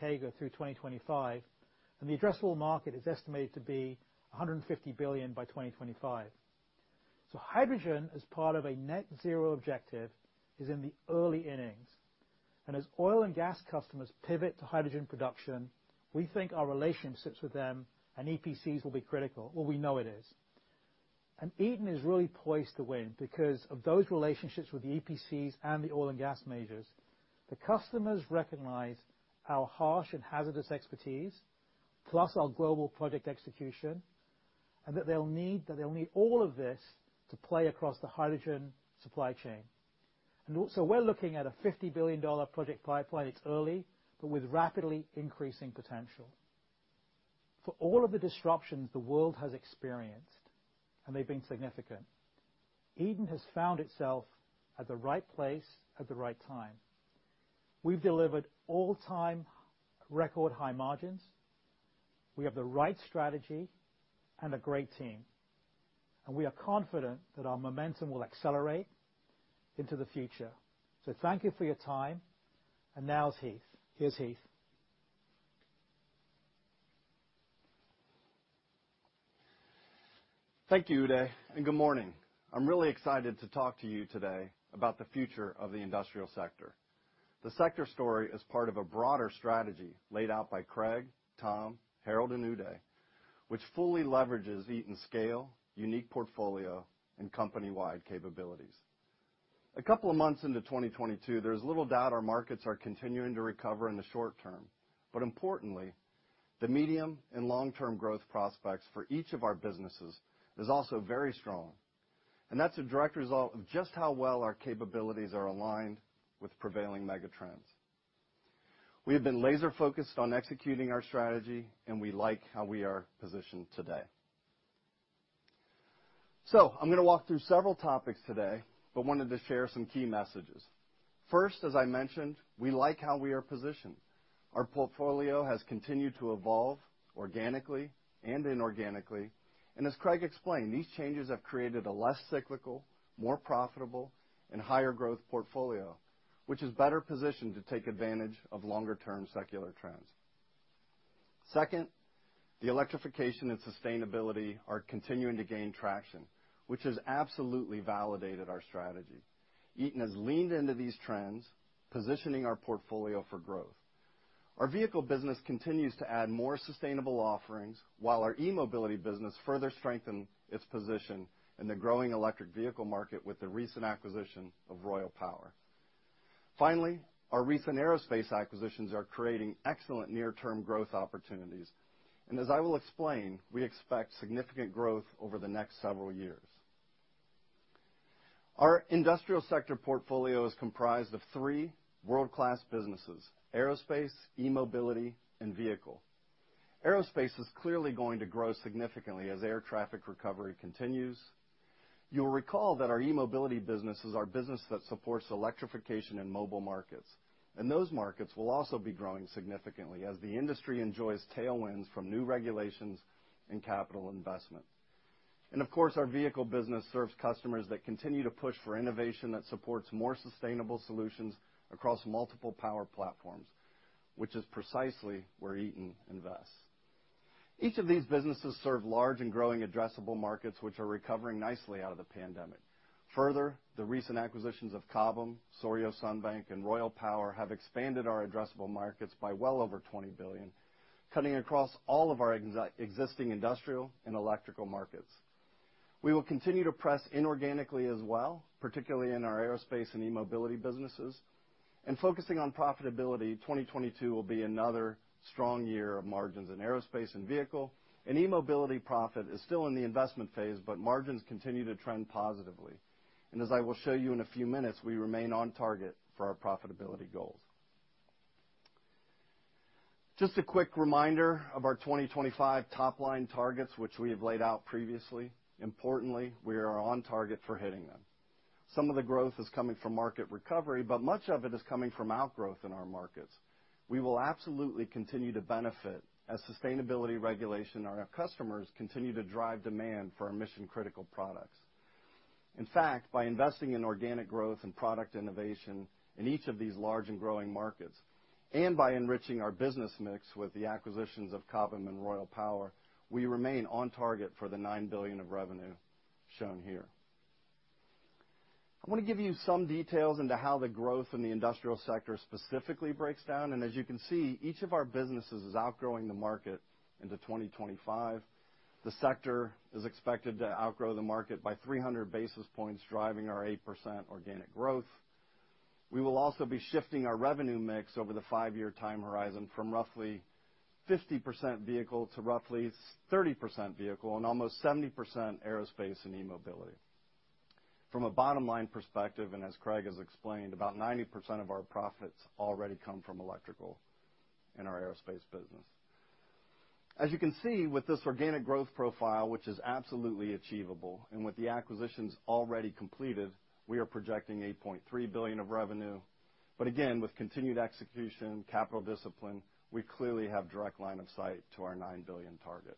CAGR through 2025. The addressable market is estimated to be $150 billion by 2025. Hydrogen, as part of a net zero objective, is in the early innings. As oil and gas customers pivot to hydrogen production, we think our relationships with them and EPCs will be critical. Well, we know it is. Eaton is really poised to win because of those relationships with the EPCs and the oil and gas majors. The customers recognize our harsh and hazardous expertise, plus our global project execution, and that they'll need all of this to play across the hydrogen supply chain. Also we're looking at a $50 billion project pipeline. It's early, but with rapidly increasing potential. For all of the disruptions the world has experienced, and they've been significant, Eaton has found itself at the right place at the right time. We've delivered all time record high margins. We have the right strategy and a great team. We are confident that our momentum will accelerate into the future. Thank you for your time. Now is Heath. Here's Heath. Thank you, Uday, and good morning. I'm really excited to talk to you today about the future of the industrial sector. The sector story is part of a broader strategy laid out by Craig, Tom, Harold, and Uday, which fully leverages Eaton's scale, unique portfolio, and company-wide capabilities. A couple of months into 2022, there is little doubt our markets are continuing to recover in the short term. Importantly, the medium and long-term growth prospects for each of our businesses is also very strong. That's a direct result of just how well our capabilities are aligned with prevailing mega trends. We have been laser focused on executing our strategy, and we like how we are positioned today. I'm going to walk through several topics today, but wanted to share some key messages. First, as I mentioned, we like how we are positioned. Our portfolio has continued to evolve organically and inorganically. As Craig explained, these changes have created a less cyclical, more profitable, and higher growth portfolio, which is better positioned to take advantage of longer term secular trends. Second, the electrification and sustainability are continuing to gain traction, which has absolutely validated our strategy. Eaton has leaned into these trends, positioning our portfolio for growth. Our vehicle business continues to add more sustainable offerings, while our eMobility business further strengthened its position in the growing electric vehicle market with the recent acquisition of Royal Power Solutions. Finally, our recent aerospace acquisitions are creating excellent near term growth opportunities. As I will explain, we expect significant growth over the next several years. Our industrial sector portfolio is comprised of three world-class businesses, aerospace, eMobility, and vehicle. Aerospace is clearly going to grow significantly as air traffic recovery continues. You'll recall that our eMobility business is our business that supports electrification in mobile markets. Those markets will also be growing significantly as the industry enjoys tailwinds from new regulations and capital investment. Of course, our vehicle business serves customers that continue to push for innovation that supports more sustainable solutions across multiple power platforms, which is precisely where Eaton invests. Each of these businesses serve large and growing addressable markets, which are recovering nicely out of the pandemic. Further, the recent acquisitions of Cobham, Souriau-Sunbank, and Royal Power Solutions have expanded our addressable markets by well over $20 billion, cutting across all of our existing industrial and electrical markets. We will continue to pursue inorganically as well, particularly in our aerospace and eMobility businesses. Focusing on profitability, 2022 will be another strong year of margins in aerospace and vehicle. eMobility profit is still in the investment phase, but margins continue to trend positively. As I will show you in a few minutes, we remain on target for our profitability goals. Just a quick reminder of our 2025 top-line targets, which we have laid out previously. Importantly, we are on target for hitting them. Some of the growth is coming from market recovery, but much of it is coming from outgrowth in our markets. We will absolutely continue to benefit as sustainability regulation and our customers continue to drive demand for our mission-critical products. In fact, by investing in organic growth and product innovation in each of these large and growing markets, and by enriching our business mix with the acquisitions of Cobham and Royal Power, we remain on target for the $9 billion of revenue shown here. I want to give you some details into how the growth in the industrial sector specifically breaks down. As you can see, each of our businesses is outgrowing the market into 2025. The sector is expected to outgrow the market by 300 basis points, driving our 8% organic growth. We will also be shifting our revenue mix over the five-year time horizon from roughly 50% vehicle to roughly thirty percent vehicle and almost 70% aerospace and eMobility. From a bottom-line perspective, and as Craig has explained, about 90% of our profits already come from electrical in our aerospace business. As you can see with this organic growth profile, which is absolutely achievable, and with the acquisitions already completed, we are projecting $8.3 billion of revenue. Again, with continued execution, capital discipline, we clearly have direct line of sight to our $9 billion target.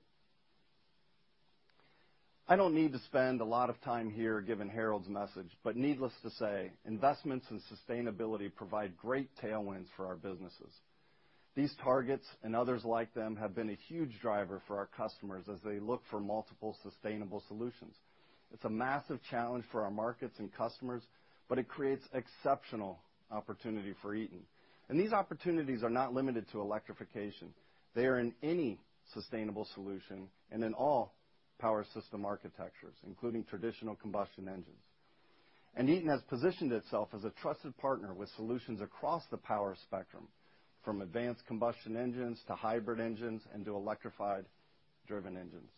I don't need to spend a lot of time here given Harold's message, but needless to say, investments in sustainability provide great tailwinds for our businesses. These targets and others like them have been a huge driver for our customers as they look for multiple sustainable solutions. It's a massive challenge for our markets and customers, but it creates exceptional opportunity for Eaton. These opportunities are not limited to electrification. They are in any sustainable solution and in all power system architectures, including traditional combustion engines. Eaton has positioned itself as a trusted partner with solutions across the power spectrum, from advanced combustion engines to hybrid engines and to electrified driven engines.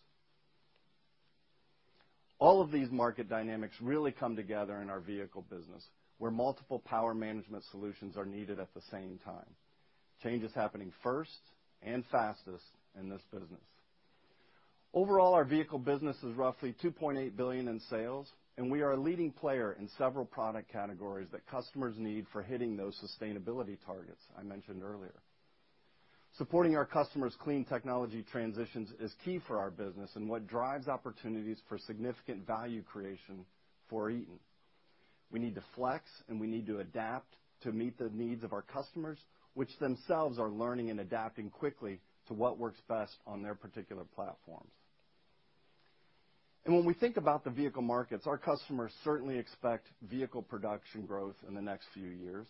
All of these market dynamics really come together in our vehicle business, where multiple power management solutions are needed at the same time. Change is happening first and fastest in this business. Overall, our vehicle business is roughly $2.8 billion in sales, and we are a leading player in several product categories that customers need for hitting those sustainability targets I mentioned earlier. Supporting our customers' clean technology transitions is key for our business and what drives opportunities for significant value creation for Eaton. We need to flex, and we need to adapt to meet the needs of our customers, which themselves are learning and adapting quickly to what works best on their particular platforms. When we think about the vehicle markets, our customers certainly expect vehicle production growth in the next few years.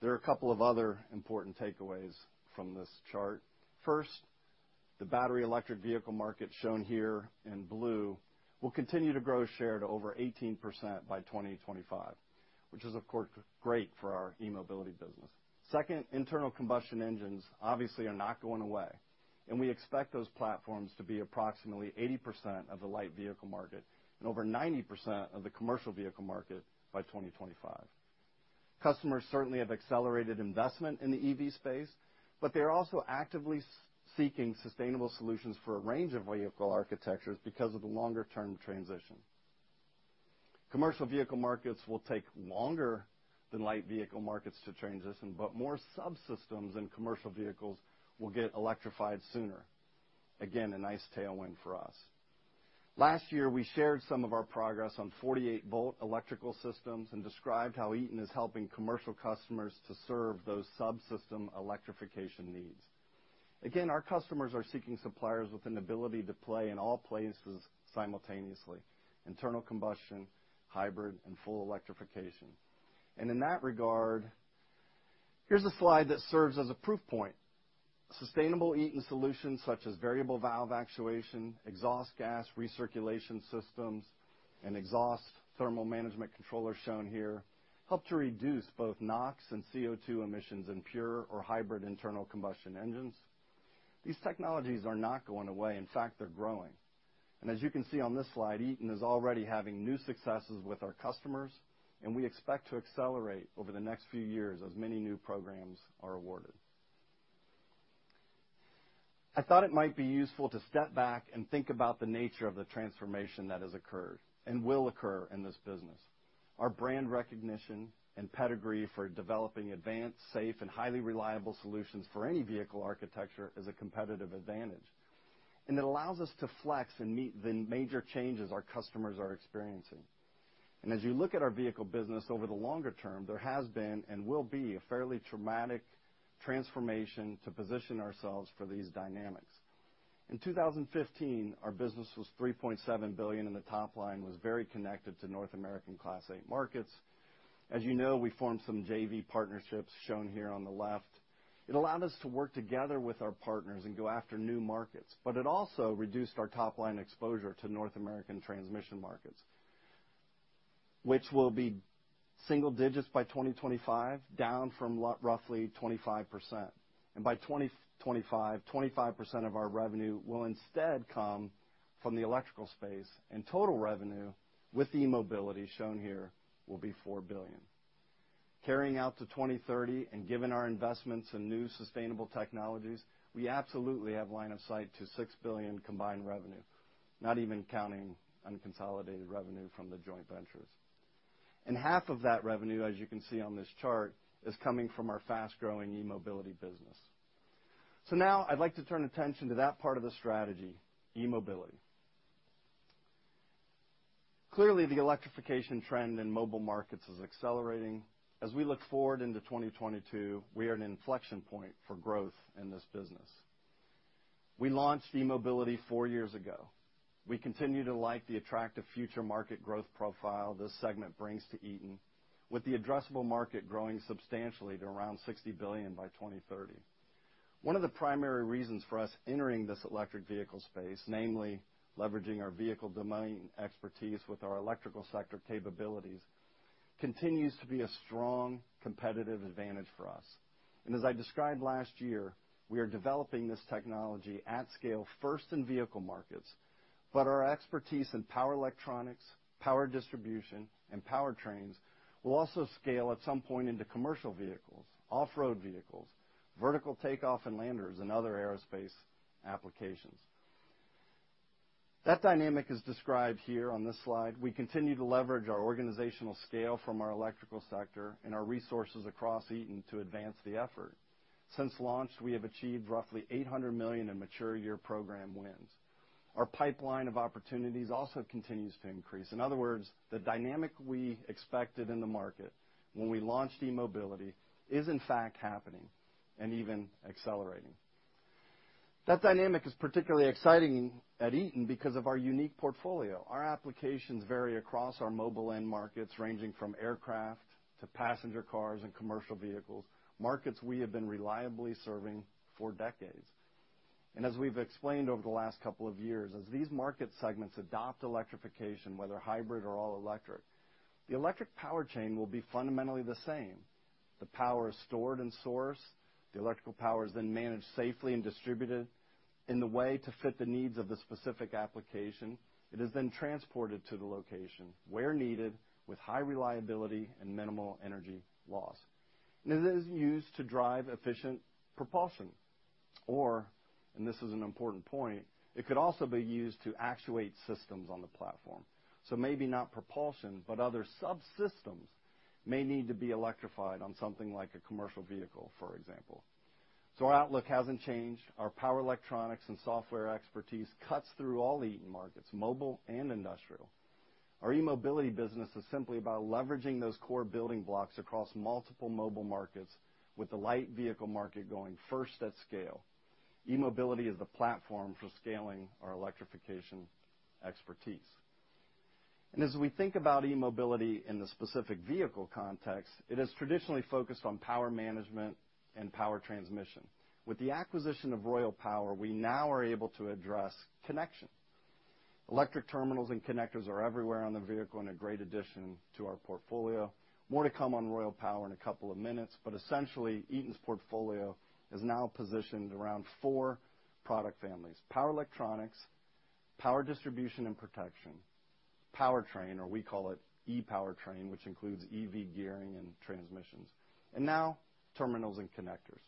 There are a couple of other important takeaways from this chart. First, the battery electric vehicle market shown here in blue will continue to grow share to over 18% by 2025, which is of course great for our eMobility business. Second, internal combustion engines obviously are not going away, and we expect those platforms to be approximately 80% of the light vehicle market and over 90% of the commercial vehicle market by 2025. Customers certainly have accelerated investment in the EV space, but they are also actively seeking sustainable solutions for a range of vehicle architectures because of the longer-term transition. Commercial vehicle markets will take longer than light vehicle markets to transition, but more subsystems and commercial vehicles will get electrified sooner. Again, a nice tailwind for us. Last year, we shared some of our progress on 48-volt electrical systems and described how Eaton is helping commercial customers to serve those subsystem electrification needs. Again, our customers are seeking suppliers with an ability to play in all places simultaneously, internal combustion, hybrid, and full electrification. In that regard, here's a slide that serves as a proof point. Sustainable Eaton solutions such as variable valve actuation, exhaust gas recirculation systems, and exhaust thermal management controller shown here help to reduce both NOx and CO₂ emissions in pure or hybrid internal combustion engines. These technologies are not going away. In fact, they're growing. As you can see on this slide, Eaton is already having new successes with our customers, and we expect to accelerate over the next few years as many new programs are awarded. I thought it might be useful to step back and think about the nature of the transformation that has occurred and will occur in this business. Our brand recognition and pedigree for developing advanced, safe, and highly reliable solutions for any vehicle architecture is a competitive advantage. It allows us to flex and meet the major changes our customers are experiencing. As you look at our vehicle business over the longer term, there has been and will be a fairly traumatic transformation to position ourselves for these dynamics. In 2015, our business was $3.7 billion, and the top line was very connected to North American Class 8 markets. As you know, we formed some JV partnerships shown here on the left. It allowed us to work together with our partners and go after new markets, but it also reduced our top-line exposure to North American transmission markets, which will be single digits by 2025, down from roughly 25%. By 2025, 25% of our revenue will instead come from the electrical space, and total revenue with the eMobility shown here will be $4 billion. Carrying out to 2030 and given our investments in new sustainable technologies, we absolutely have line of sight to $6 billion combined revenue, not even counting unconsolidated revenue from the joint ventures. Half of that revenue, as you can see on this chart, is coming from our fast-growing eMobility business. Now I'd like to turn attention to that part of the strategy, eMobility. Clearly, the electrification trend in mobile markets is accelerating. As we look forward into 2022, we are at an inflection point for growth in this business. We launched eMobility four years ago. We continue to like the attractive future market growth profile this segment brings to Eaton, with the addressable market growing substantially to around $60 billion by 2030. One of the primary reasons for us entering this electric vehicle space, namely leveraging our vehicle domain expertise with our electrical sector capabilities, continues to be a strong competitive advantage for us. As I described last year, we are developing this technology at scale first in vehicle markets, but our expertise in power electronics, power distribution, and powertrains will also scale at some point into commercial vehicles, off-road vehicles, vertical take-off and landers, and other aerospace applications. That dynamic is described here on this slide. We continue to leverage our organizational scale from our electrical sector and our resources across Eaton to advance the effort. Since launch, we have achieved roughly $800 million in mature year program wins. Our pipeline of opportunities also continues to increase. In other words, the dynamic we expected in the market when we launched eMobility is in fact happening and even accelerating. That dynamic is particularly exciting at Eaton because of our unique portfolio. Our applications vary across our mobile end markets, ranging from aircraft to passenger cars and commercial vehicles, markets we have been reliably serving for decades. As we've explained over the last couple of years, as these market segments adopt electrification, whether hybrid or all electric, the electric power chain will be fundamentally the same. The power is stored and sourced. The electrical power is then managed safely and distributed in the way to fit the needs of the specific application. It is then transported to the location where needed with high reliability and minimal energy loss. It is used to drive efficient propulsion, or, and this is an important point, it could also be used to actuate systems on the platform. Maybe not propulsion, but other subsystems may need to be electrified on something like a commercial vehicle, for example. Our outlook hasn't changed. Our power electronics and software expertise cuts through all the Eaton markets, mobile and industrial. Our eMobility business is simply about leveraging those core building blocks across multiple mobile markets with the light vehicle market going first at scale. eMobility is the platform for scaling our electrification expertise. As we think about eMobility in the specific vehicle context, it has traditionally focused on power management and power transmission. With the acquisition of Royal Power, we now are able to address connection. Electric terminals and connectors are everywhere on the vehicle and a great addition to our portfolio. More to come on Royal Power in a couple of minutes, but essentially, Eaton's portfolio is now positioned around four product families, power electronics, power distribution and protection, powertrain, or we call it e-powertrain, which includes EV gearing and transmissions, and now terminals and connectors.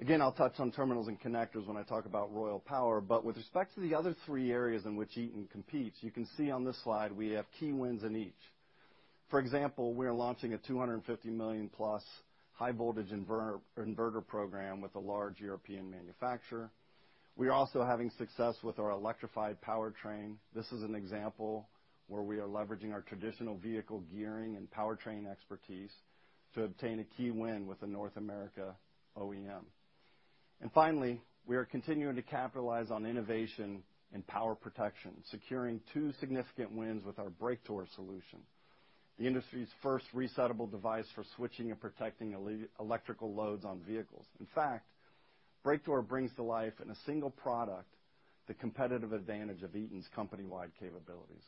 Again, I'll touch on terminals and connectors when I talk about Royal Power, but with respect to the other three areas in which Eaton competes, you can see on this slide we have key wins in each. For example, we are launching a $250 million+ high voltage inverter program with a large European manufacturer. We are also having success with our electrified powertrain. This is an example where we are leveraging our traditional vehicle gearing and powertrain expertise to obtain a key win with a North America OEM. Finally, we are continuing to capitalize on innovation and power protection, securing two significant wins with our Breaktor solution, the industry's first resettable device for switching and protecting electrical loads on vehicles. In fact, Breaktor brings to life in a single product the competitive advantage of Eaton's company-wide capabilities.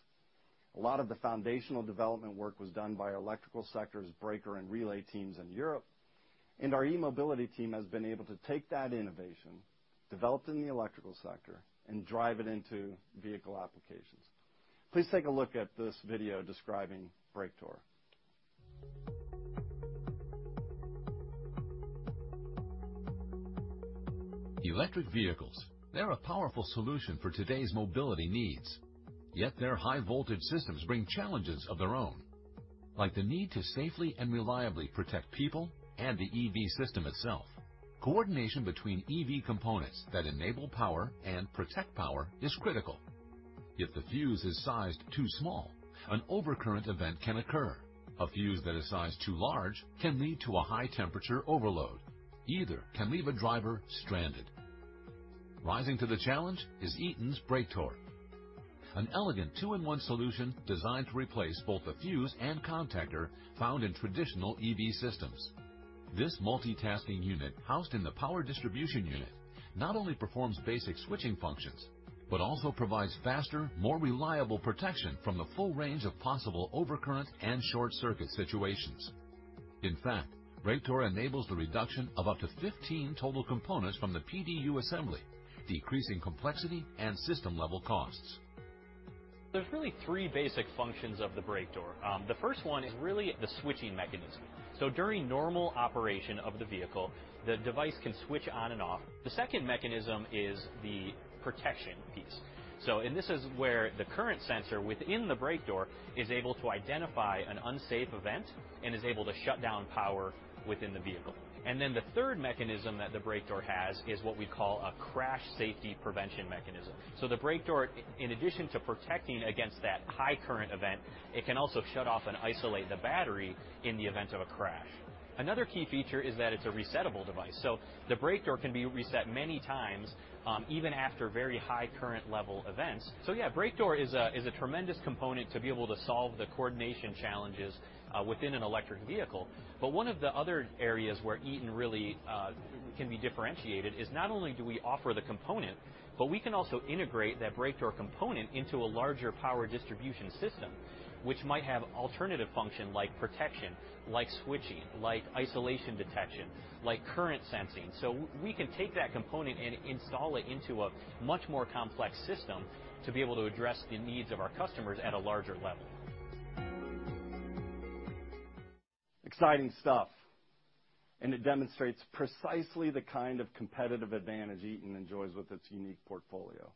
A lot of the foundational development work was done by our Electrical sector's breaker and relay teams in Europe, and our eMobility team has been able to take that innovation, developed in the Electrical sector, and drive it into vehicle applications. Please take a look at this video describing Breaktor. Electric vehicles, they're a powerful solution for today's mobility needs. Yet their high voltage systems bring challenges of their own, like the need to safely and reliably protect people and the EV system itself. Coordination between EV components that enable power and protect power is critical. If the fuse is sized too small, an overcurrent event can occur. A fuse that is sized too large can lead to a high temperature overload. Either can leave a driver stranded. Rising to the challenge is Eaton's Breaktor, an elegant two-in-one solution designed to replace both the fuse and contactor found in traditional EV systems. This multitasking unit, housed in the power distribution unit, not only performs basic switching functions, but also provides faster, more reliable protection from the full range of possible overcurrent and short circuit situations. In fact, Breaktor enables the reduction of up to 15 total components from the PDU assembly, decreasing complexity and system-level costs. There's really three basic functions of the Breaktor. The first one is really the switching mechanism. During normal operation of the vehicle, the device can switch on and off. The second mechanism is the protection piece. This is where the current sensor within the Breaktor is able to identify an unsafe event and is able to shut down power within the vehicle. The third mechanism that the Breaktor has is what we call a crash safety prevention mechanism. The Breaktor, in addition to protecting against that high current event, it can also shut off and isolate the battery in the event of a crash. Another key feature is that it's a resettable device. The Breaktor can be reset many times, even after very high current level events. Breaktor is a tremendous component to be able to solve the coordination challenges within an electric vehicle. One of the other areas where Eaton really can be differentiated is not only do we offer the component, but we can also integrate that Breaktor component into a larger power distribution system, which might have alternative function like protection, like switching, like isolation detection, like current sensing. We can take that component and install it into a much more complex system to be able to address the needs of our customers at a larger level. Exciting stuff. It demonstrates precisely the kind of competitive advantage Eaton enjoys with its unique portfolio.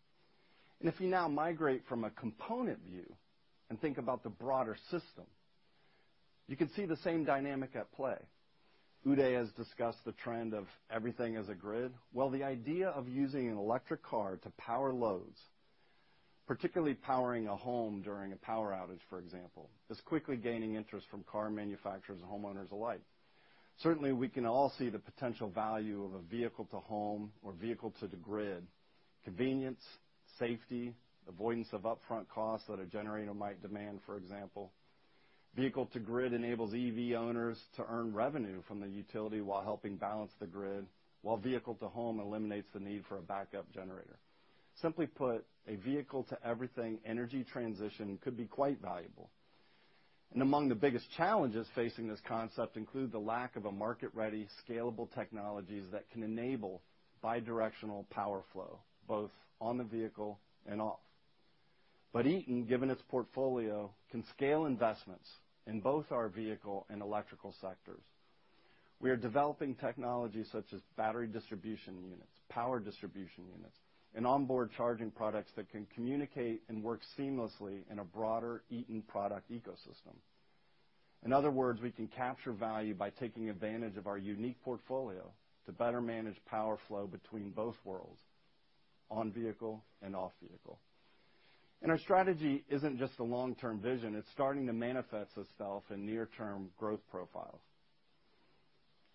If you now migrate from a component view and think about the broader system, you can see the same dynamic at play. Uday has discussed the trend of everything as a grid. Well, the idea of using an electric car to power loads, particularly powering a home during a power outage, for example, is quickly gaining interest from car manufacturers and homeowners alike. Certainly, we can all see the potential value of a vehicle-to-home or vehicle-to-the-grid convenience, safety, avoidance of upfront costs that a generator might demand, for example. Vehicle-to-grid enables EV owners to earn revenue from the utility while helping balance the grid, while vehicle-to-home eliminates the need for a backup generator. Simply put, a vehicle-to-everything energy transition could be quite valuable. Among the biggest challenges facing this concept include the lack of a market-ready scalable technologies that can enable bidirectional power flow, both on the vehicle and off. Eaton, given its portfolio, can scale investments in both our vehicle and electrical sectors. We are developing technologies such as battery distribution units, power distribution units, and onboard charging products that can communicate and work seamlessly in a broader Eaton product ecosystem. In other words, we can capture value by taking advantage of our unique portfolio to better manage power flow between both worlds, on-vehicle and off-vehicle. Our strategy isn't just a long-term vision, it's starting to manifest itself in near-term growth profiles.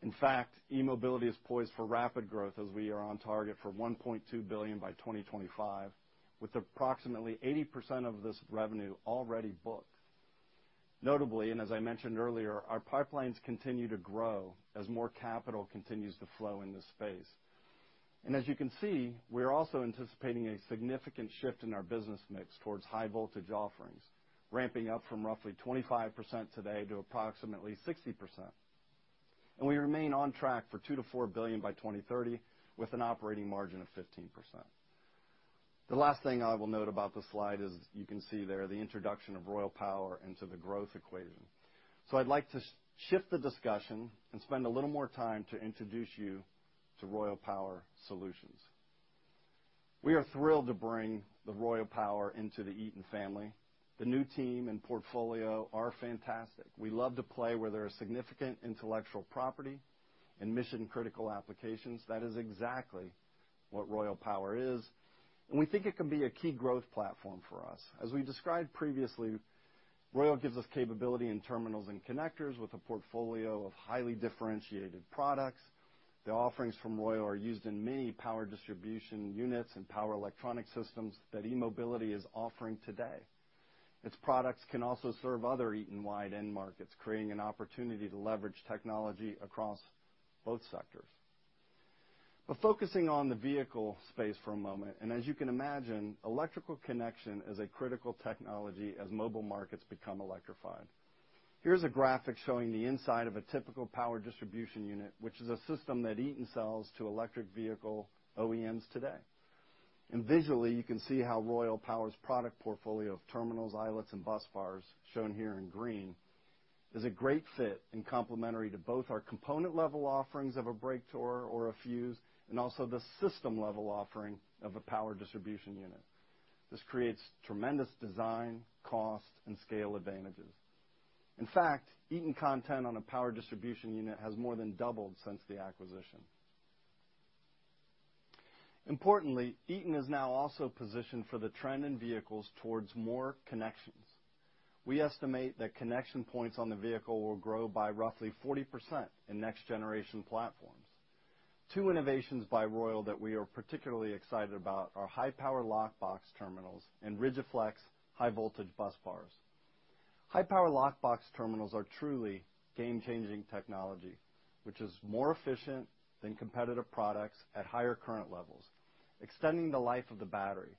In fact, eMobility is poised for rapid growth as we are on target for $1.2 billion by 2025, with approximately 80% of this revenue already booked. Notably, as I mentioned earlier, our pipelines continue to grow as more capital continues to flow in this space. As you can see, we are also anticipating a significant shift in our business mix towards high-voltage offerings, ramping up from roughly 25% today to approximately 60%. We remain on track for $2 billion-$4 billion by 2030 with an operating margin of 15%. The last thing I will note about this slide is you can see there the introduction of Royal Power Solutions into the growth equation. I'd like to shift the discussion and spend a little more time to introduce you to Royal Power Solutions. We are thrilled to bring Royal Power Solutions into the Eaton family. The new team and portfolio are fantastic. We love to play where there are significant intellectual property and mission-critical applications. That is exactly what Royal Power is, and we think it can be a key growth platform for us. As we described previously, Royal gives us capability in terminals and connectors with a portfolio of highly differentiated products. The offerings from Royal are used in many power distribution units and power electronic systems that eMobility is offering today. Its products can also serve other Eaton-wide end markets, creating an opportunity to leverage technology across both sectors. Focusing on the vehicle space for a moment, and as you can imagine, electrical connection is a critical technology as mobile markets become electrified. Here's a graphic showing the inside of a typical power distribution unit, which is a system that Eaton sells to electric vehicle OEMs today. Visually, you can see how Royal Power Solutions' product portfolio of terminals, eyelets, and busbars, shown here in green, is a great fit and complementary to both our component-level offerings of a Breaktor or a fuse, and also the system-level offering of a power distribution unit. This creates tremendous design, cost, and scale advantages. In fact, Eaton content on a power distribution unit has more than doubled since the acquisition. Importantly, Eaton is now also positioned for the trend in vehicles towards more connections. We estimate that connection points on the vehicle will grow by roughly 40% in next generation platforms. Two innovations by Royal that we are particularly excited about are High-Power Lock Box terminals and RigiFlex high-voltage busbars. High-Power Lock Box terminals are truly game-changing technology, which is more efficient than competitive products at higher current levels, extending the life of the battery.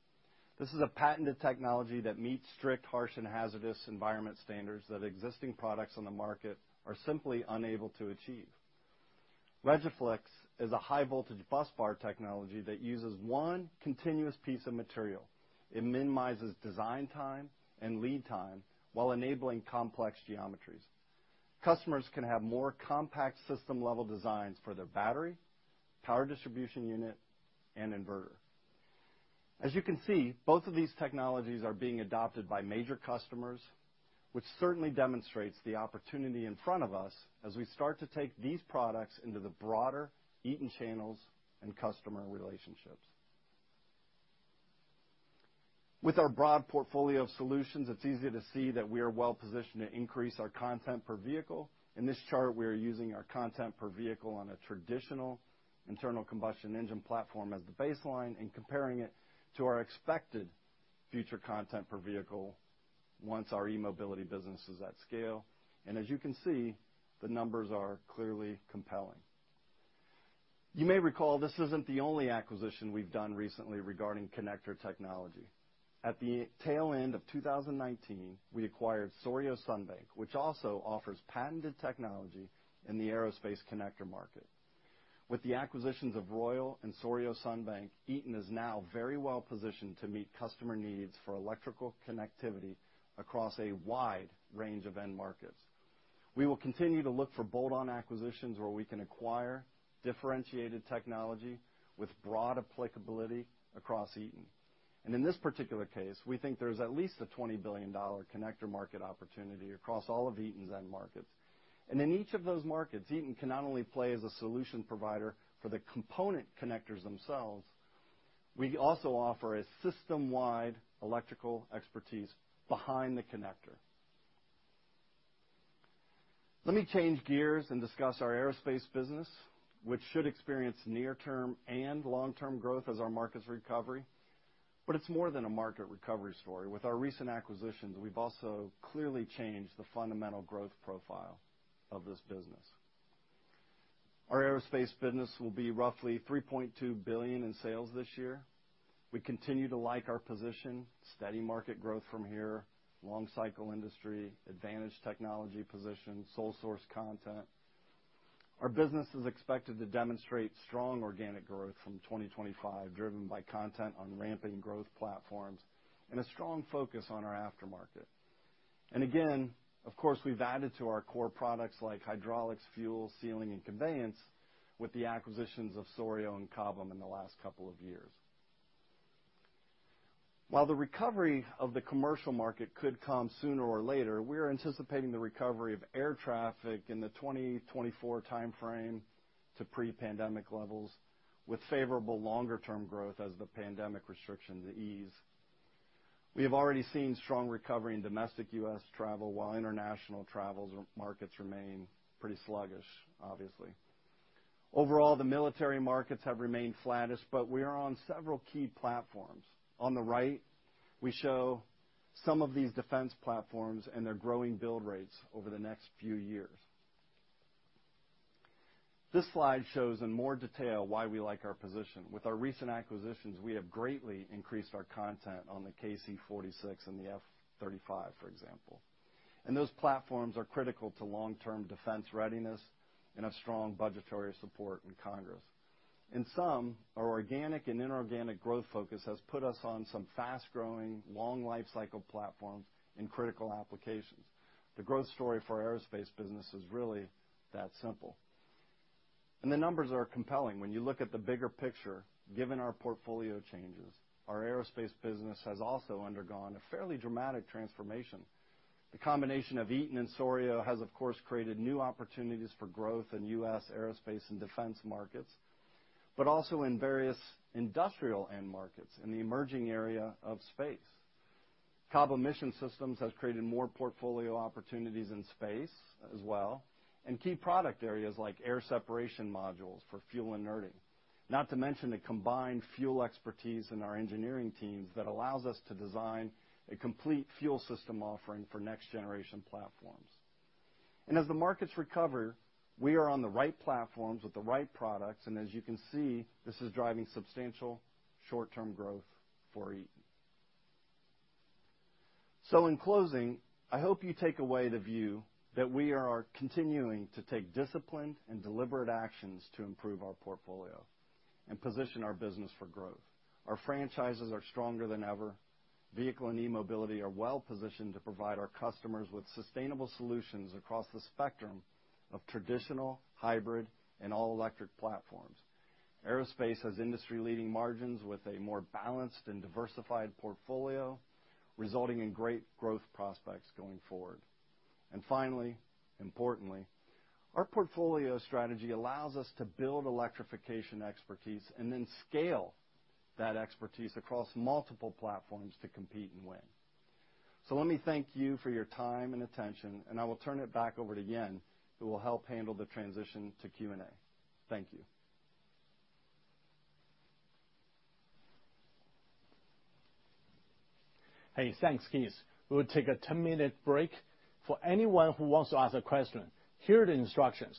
This is a patented technology that meets strict harsh and hazardous environment standards that existing products on the market are simply unable to achieve. RigiFlex is a high voltage busbar technology that uses one continuous piece of material. It minimizes design time and lead time while enabling complex geometries. Customers can have more compact system level designs for their battery, power distribution unit, and inverter. As you can see, both of these technologies are being adopted by major customers, which certainly demonstrates the opportunity in front of us as we start to take these products into the broader Eaton channels and customer relationships. With our broad portfolio of solutions, it's easy to see that we are well-positioned to increase our content per vehicle. In this chart, we are using our content per vehicle on a traditional internal combustion engine platform as the baseline and comparing it to our expected future content per vehicle once our eMobility business is at scale. As you can see, the numbers are clearly compelling. You may recall, this isn't the only acquisition we've done recently regarding connector technology. At the tail end of 2019, we acquired Souriau-Sunbank, which also offers patented technology in the aerospace connector market. With the acquisitions of Royal Power Solutions and Souriau-Sunbank, Eaton is now very well-positioned to meet customer needs for electrical connectivity across a wide range of end markets. We will continue to look for bolt-on acquisitions where we can acquire differentiated technology with broad applicability across Eaton. In this particular case, we think there's at least a $20 billion connector market opportunity across all of Eaton's end markets. In each of those markets, Eaton can not only play as a solution provider for the component connectors themselves, we also offer a system-wide electrical expertise behind the connector. Let me change gears and discuss our aerospace business, which should experience near-term and long-term growth as our markets recover. It's more than a market recovery story. With our recent acquisitions, we've also clearly changed the fundamental growth profile of this business. Our aerospace business will be roughly $3.2 billion in sales this year. We continue to like our position, steady market growth from here, long cycle industry, advantaged technology position, sole-source content. Our business is expected to demonstrate strong organic growth from 2025, driven by content on ramping growth platforms and a strong focus on our aftermarket. Again, of course, we've added to our core products like hydraulics, fuel, sealing and conveyance with the acquisitions of Souriau and Cobham in the last couple of years. While the recovery of the commercial market could come sooner or later, we are anticipating the recovery of air traffic in the 2024 time frame to pre-pandemic levels with favorable longer-term growth as the pandemic restrictions ease. We have already seen strong recovery in domestic U.S. travel while international travel markets remain pretty sluggish, obviously. Overall, the military markets have remained flattest, but we are on several key platforms. On the right, we show some of these defense platforms and their growing build rates over the next few years. This slide shows in more detail why we like our position. With our recent acquisitions, we have greatly increased our content on the KC-46 and the F-35, for example. Those platforms are critical to long-term defense readiness and a strong budgetary support in Congress. In sum, our organic and inorganic growth focus has put us on some fast-growing, long life cycle platforms in critical applications. The growth story for our aerospace business is really that simple. The numbers are compelling. When you look at the bigger picture, given our portfolio changes, our aerospace business has also undergone a fairly dramatic transformation. The combination of Eaton and Souriau has, of course, created new opportunities for growth in U.S. aerospace and defense markets, but also in various industrial end markets in the emerging area of space. Cobham Mission Systems has created more portfolio opportunities in space as well, and key product areas like air separation modules for fuel inerting. Not to mention the combined fuel expertise in our engineering teams that allows us to design a complete fuel system offering for next-generation platforms. As the markets recover, we are on the right platforms with the right products. As you can see, this is driving substantial short-term growth for Eaton. In closing, I hope you take away the view that we are continuing to take disciplined and deliberate actions to improve our portfolio and position our business for growth. Our franchises are stronger than ever. Vehicle and eMobility are well positioned to provide our customers with sustainable solutions across the spectrum of traditional, hybrid, and all-electric platforms. Aerospace has industry-leading margins with a more balanced and diversified portfolio, resulting in great growth prospects going forward. Finally, importantly, our portfolio strategy allows us to build electrification expertise and then scale that expertise across multiple platforms to compete and win. Let me thank you for your time and attention, and I will turn it back over to Yan, who will help handle the transition to Q&A. Thank you. Hey, thanks, Heath. We'll take a 10-minute break. For anyone who wants to ask a question, here are the instructions.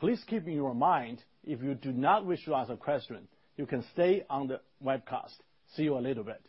Please keep in your mind, if you do not wish to ask a question, you can stay on the webcast. See you in a little bit.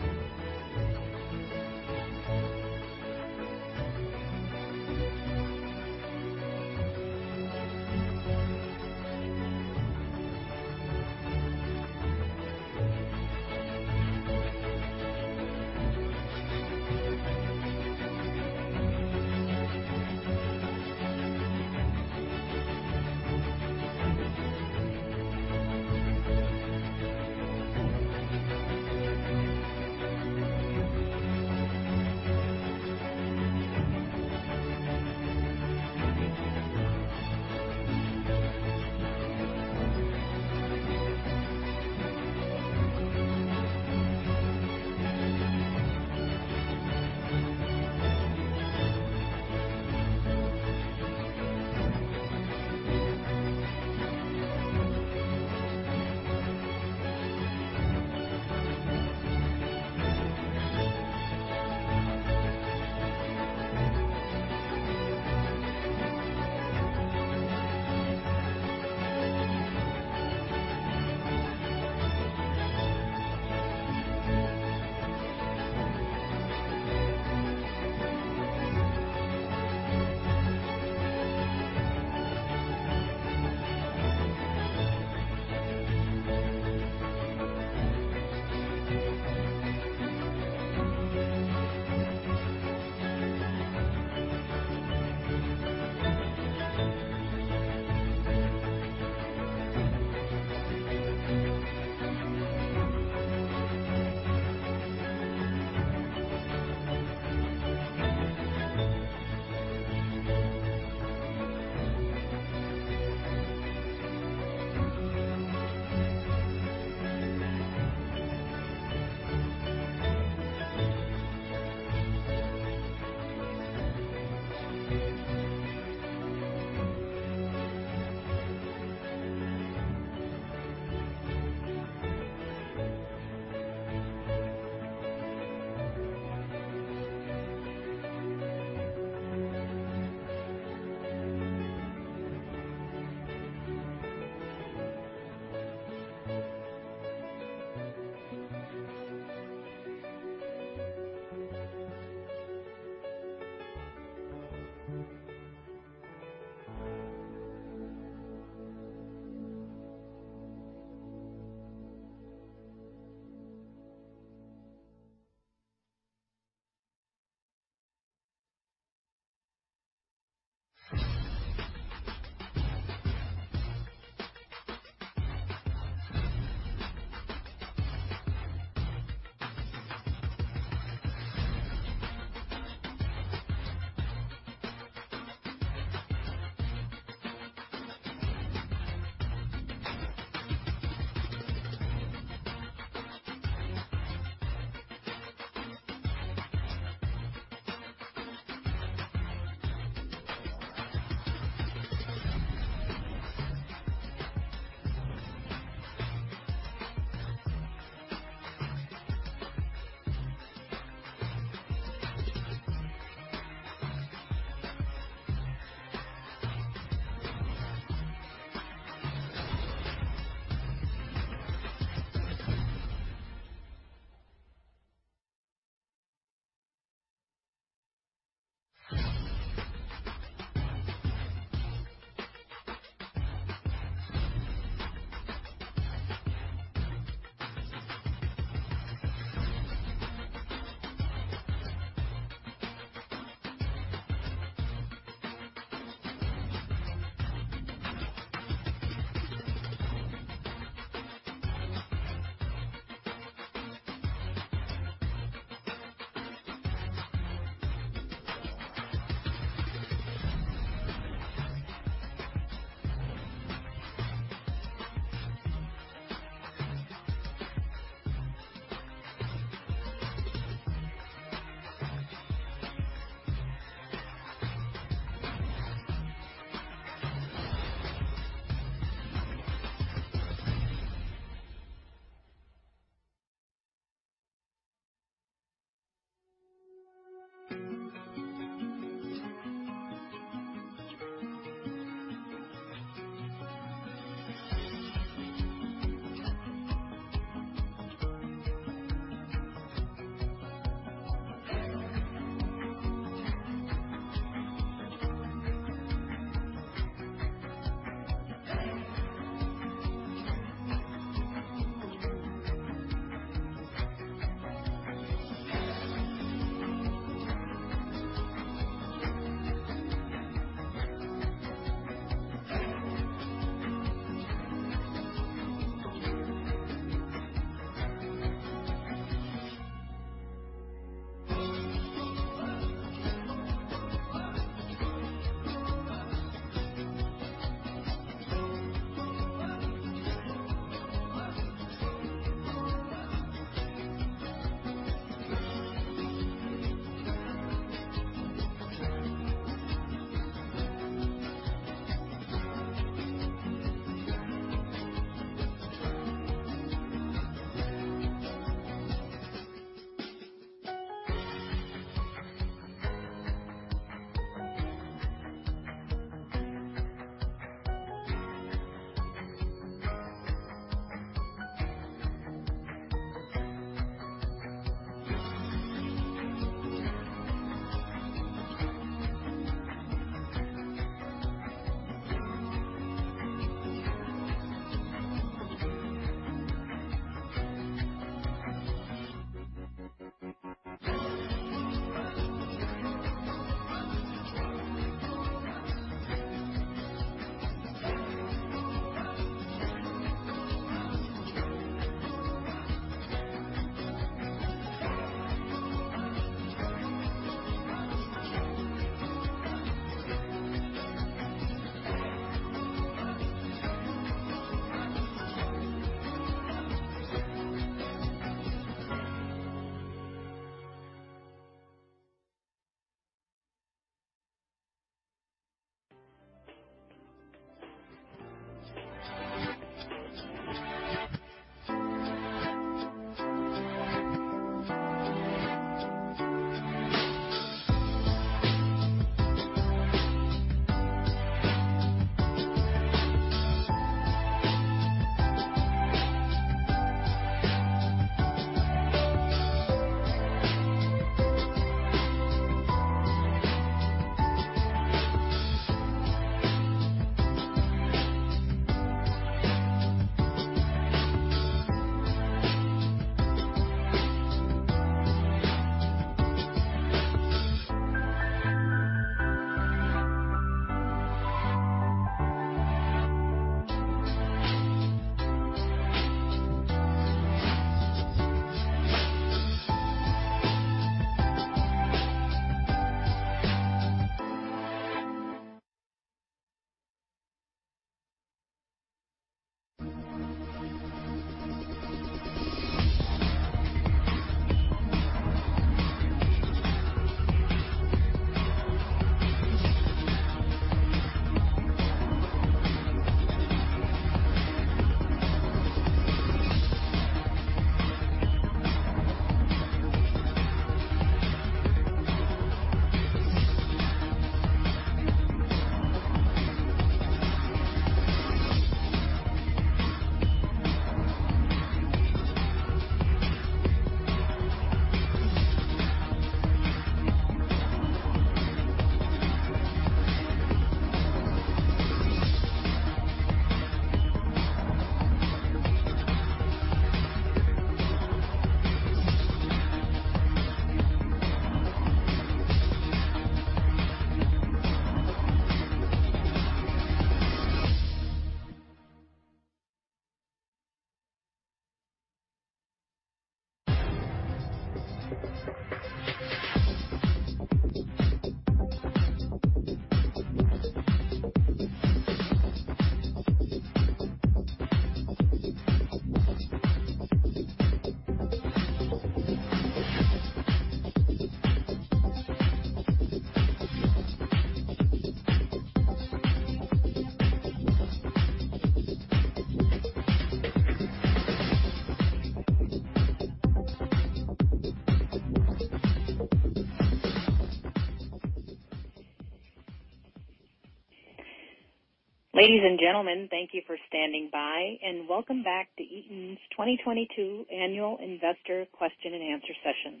Ladies and gentlemen, thank you for standing by, and welcome back to Eaton's 2022 annual investor question and answer session.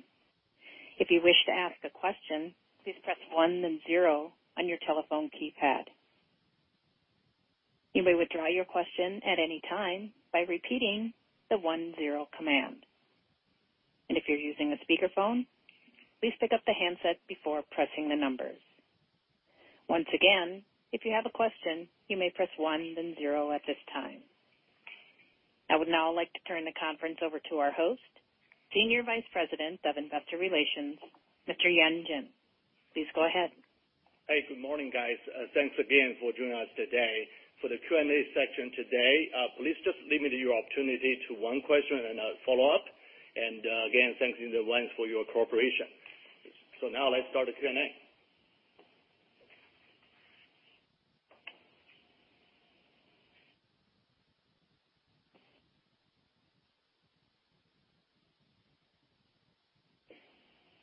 If you wish to ask a question, please press one then zero on your telephone keypad. You may withdraw your question at any time by repeating the one-zero command. If you're using a speakerphone, please pick up the handset before pressing the numbers. Once again, if you have a question, you may press one then zero at this time. I would now like to turn the conference over to our host, Senior Vice President of Investor Relations, Mr. Yan Jin. Please go ahead. Hey, good morning, guys. Thanks again for joining us today. For the Q&A section today, please just limit your opportunity to one question and a follow-up. Again, thanks in advance for your cooperation. Now let's start the Q&A.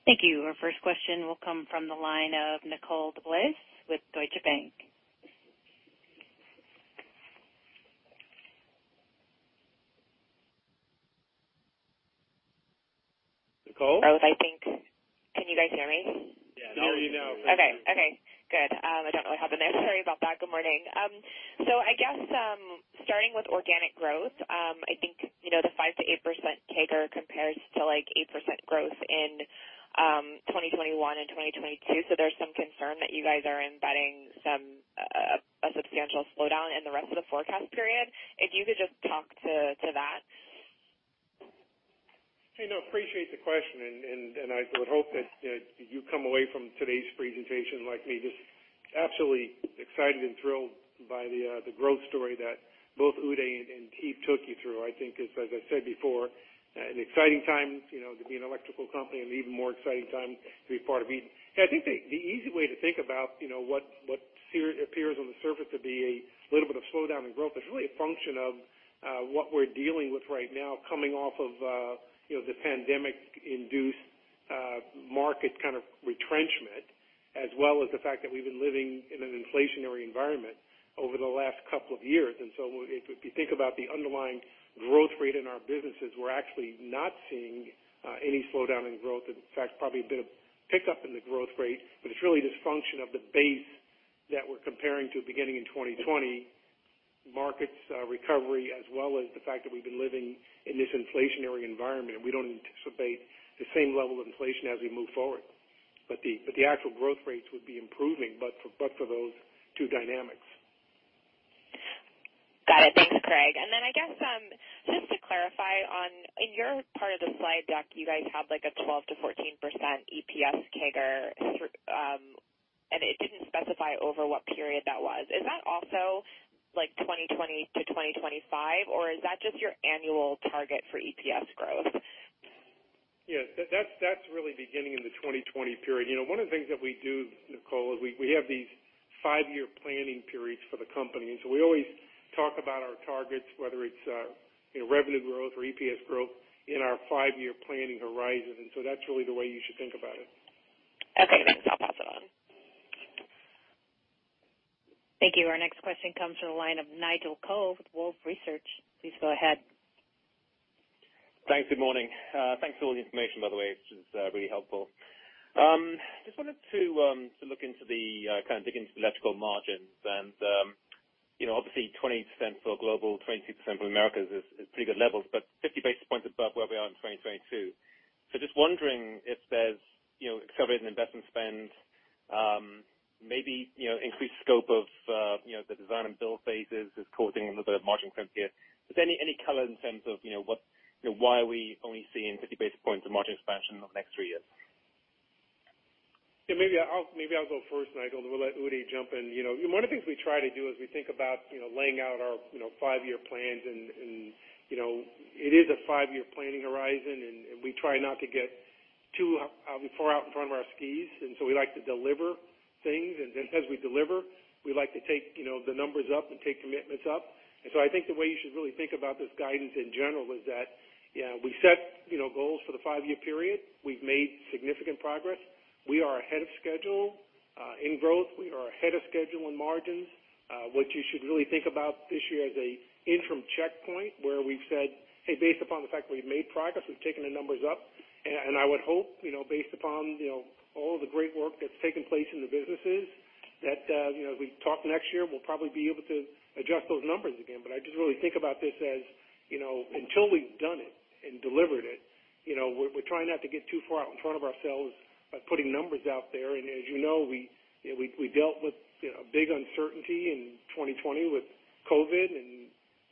Thank you. Our first question will come from the line of Nicole DeBlase with Deutsche Bank. Nicole? Can you guys hear me? Yeah, now we know. Okay, good. I don't know what happened there. Sorry about that. Good morning. I guess, starting with organic growth, I think, you know, the 5%-8% CAGR compares to, like, 8% growth in 2021 and 2022. There's some concern that you guys are embedding some substantial slowdown in the rest of the forecast period, if you could just talk to that. Hey, no, appreciate the question. I would hope that you come away from today's presentation like me, just absolutely excited and thrilled by the growth story that both Uday and Heath took you through. I think it's, as I said before, an exciting time, you know, to be an electrical company and even more exciting time to be part of Eaton. Yeah, I think the easy way to think about, you know, what appears on the surface to be a little bit of slowdown in growth is really a function of what we're dealing with right now coming off of, you know, the pandemic-induced market kind of retrenchment, as well as the fact that we've been living in an inflationary environment over the last couple of years. If you think about the underlying growth rate in our businesses, we're actually not seeing any slowdown in growth. In fact, probably a bit of pickup in the growth rate, but it's really this function of the base that we're comparing to beginning in 2020, markets recovery, as well as the fact that we've been living in this inflationary environment. We don't anticipate the same level of inflation as we move forward. The actual growth rates would be improving, but for those two dynamics. Got it. Thanks, Craig. I guess, just to clarify on, in your part of the slide deck, you guys have like a 12%-14% EPS CAGR, and it didn't specify over what period that was. Is that also like 2020 to 2025, or is that just your annual target for EPS growth? Yeah. That's really beginning in the 2020 period. You know, one of the things that we do, Nicole, is we have these five-year planning periods for the company. We always talk about our targets, whether it's, you know, revenue growth or EPS growth in our five-year planning horizon. That's really the way you should think about it. Okay. Thanks. I'll pass it on. Thank you. Our next question comes from the line of Nigel Coe with Wolfe Research. Please go ahead. Thanks. Good morning. Thanks for all the information, by the way. It's just really helpful. Just wanted to look into the kind of dig into the electrical margins. You know, obviously 20% for global, 22% for Americas is pretty good levels, but 50 basis points above where we are in 2022. Just wondering if there's accelerated investment spend, maybe you know increased scope of you know the design and build phases is causing a little bit of margin crimp here. Is there any color in terms of you know what's you know why are we only seeing 50 basis points of margin expansion over the next three years? Yeah, maybe I'll go first, Nigel, then we'll let Uday jump in. You know, one of the things we try to do is we think about, you know, laying out our, you know, five-year plans and, you know, it is a five-year planning horizon, and we try not to get too far out in front of our skis. So we like to deliver things. Then as we deliver, we like to take, you know, the numbers up and take commitments up. So I think the way you should really think about this guidance in general is that, yeah, we set, you know, goals for the five-year period. We've made significant progress. We are ahead of schedule in growth. We are ahead of schedule in margins. What you should really think about this year as an interim checkpoint where we've said, "Hey, based upon the fact that we've made progress, we've taken the numbers up." I would hope, you know, based upon, you know, all of the great work that's taken place in the businesses that, you know, as we talk next year, we'll probably be able to adjust those numbers again. I just really think about this as, you know, until we've done it and delivered it, you know, we're trying not to get too far out in front of ourselves by putting numbers out there. As you know, we dealt with, you know, big uncertainty in 2020 with COVID.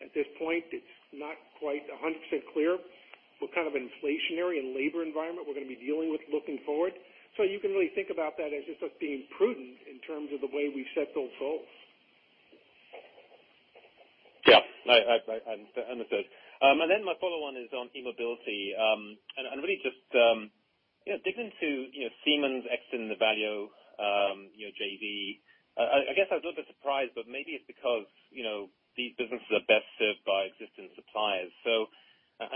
At this point, it's not quite 100% clear what kind of inflationary and labor environment we're gonna be dealing with looking forward. You can really think about that as just us being prudent in terms of the way we've set those goals. Yeah. I understood. Then my follow-on is on eMobility. Really just, you know, digging into, you know, Siemens exiting the Valeo JV. I guess I was a little bit surprised, but maybe it's because, you know, these businesses are best served by existing suppliers.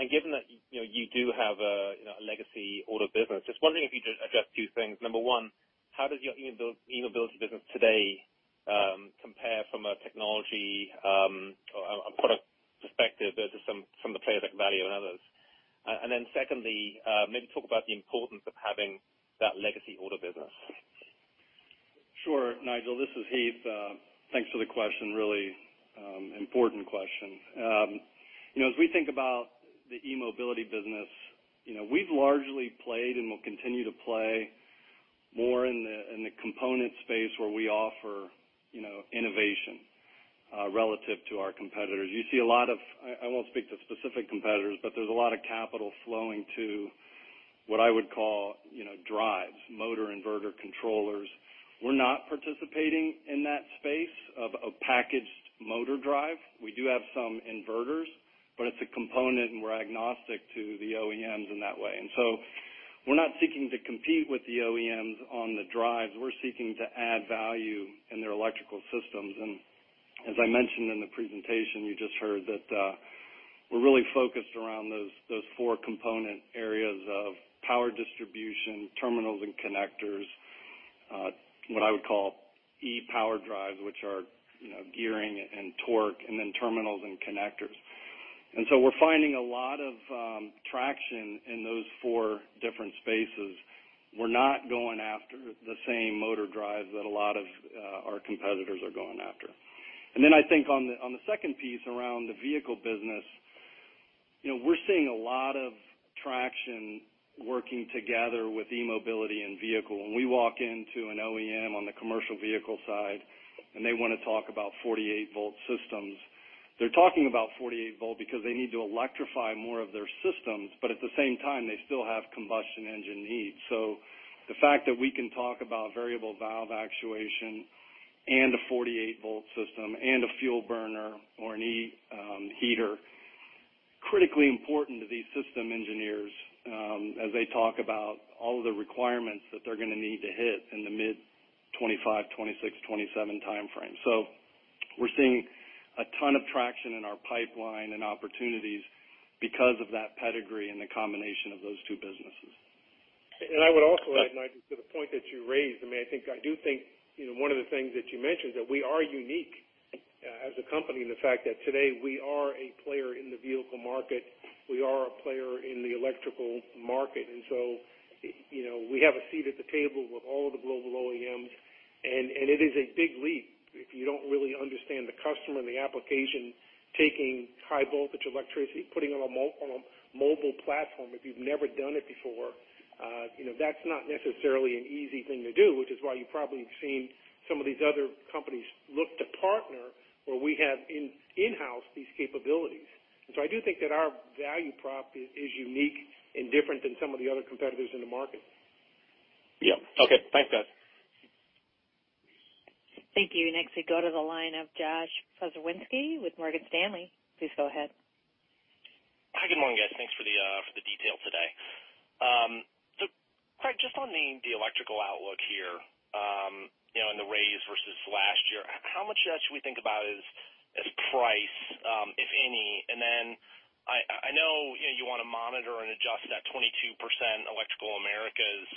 Given that, you know, you do have a, you know, a legacy auto business, just wondering if you could address two things. Number one, how does your eMobility business today compare from a technology or a product perspective versus some of the players like Valeo and others? Then secondly, maybe talk about the importance of having that legacy auto business. Sure, Nigel, this is Heath. Thanks for the question. Really important question. You know, as we think about the eMobility business, you know, we've largely played and will continue to play more in the component space where we offer, you know, innovation relative to our competitors. You see a lot of capital flowing to what I would call, you know, drives, motor inverter controllers. I won't speak to specific competitors, but there's a lot of capital flowing to what I would call, you know, drives, motor inverter controllers. We're not participating in that space of a packaged motor drive. We do have some inverters, but it's a component, and we're agnostic to the OEMs in that way. We're not seeking to compete with the OEMs on the drives. We're seeking to add value in their electrical systems. As I mentioned in the presentation, you just heard that, we're really focused around those four component areas of power distribution, terminals and connectors, what I would call e-power drives, which are, you know, gearing and torque, and then terminals and connectors. We're finding a lot of traction in those four different spaces. We're not going after the same motor drives that a lot of our competitors are going after. I think on the second piece around the vehicle business You know, we're seeing a lot of traction working together with eMobility and vehicle. When we walk into an OEM on the commercial vehicle side and they wanna talk about 48-volt systems, they're talking about 48-volt because they need to electrify more of their systems, but at the same time, they still have combustion engine needs. The fact that we can talk about variable valve actuation and a 48-volt system and a fuel burner or an e-heater critically important to these system engineers as they talk about all of the requirements that they're gonna need to hit in the mid-2025, 2026, 2027 timeframe. We're seeing a ton of traction in our pipeline and opportunities because of that pedigree and the combination of those two businesses. I would also add, Nigel, to the point that you raised. I mean, I think I do think, you know, one of the things that you mentioned, that we are unique as a company in the fact that today we are a player in the vehicle market, we are a player in the electrical market, and so you know, we have a seat at the table with all of the global OEMs. It is a big leap if you don't really understand the customer and the application, taking high voltage electricity, putting it on a mobile platform if you've never done it before. You know, that's not necessarily an easy thing to do, which is why you probably have seen some of these other companies look to partner, where we have in-house these capabilities. I do think that our value prop is unique and different than some of the other competitors in the market. Yeah. Okay. Thanks, guys. Thank you. Next, we go to the line of Josh Pokrzywinski with Morgan Stanley. Please go ahead. Hi, good morning, guys. Thanks for the detail today. Craig, just on the electrical outlook here, you know, in the raise versus last year, how much of that should we think about as price, if any? Then I know, you know, you wanna monitor and adjust that 22% Electrical Americas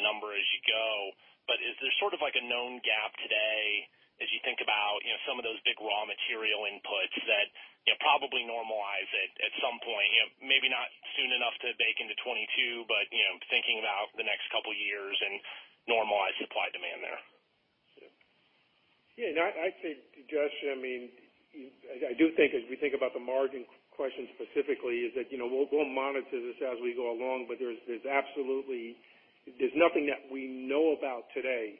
number as you go, but is there sort of like a known gap today as you think about, you know, some of those big raw material inputs that, you know, probably normalize at some point? You know, maybe not soon enough to bake into 2022, but, you know, thinking about the next couple years and normalized supply-demand there. Yeah, I'd say, Josh, I mean, I do think as we think about the margin question specifically is that, you know, we'll monitor this as we go along, but there's absolutely. There's nothing that we know about today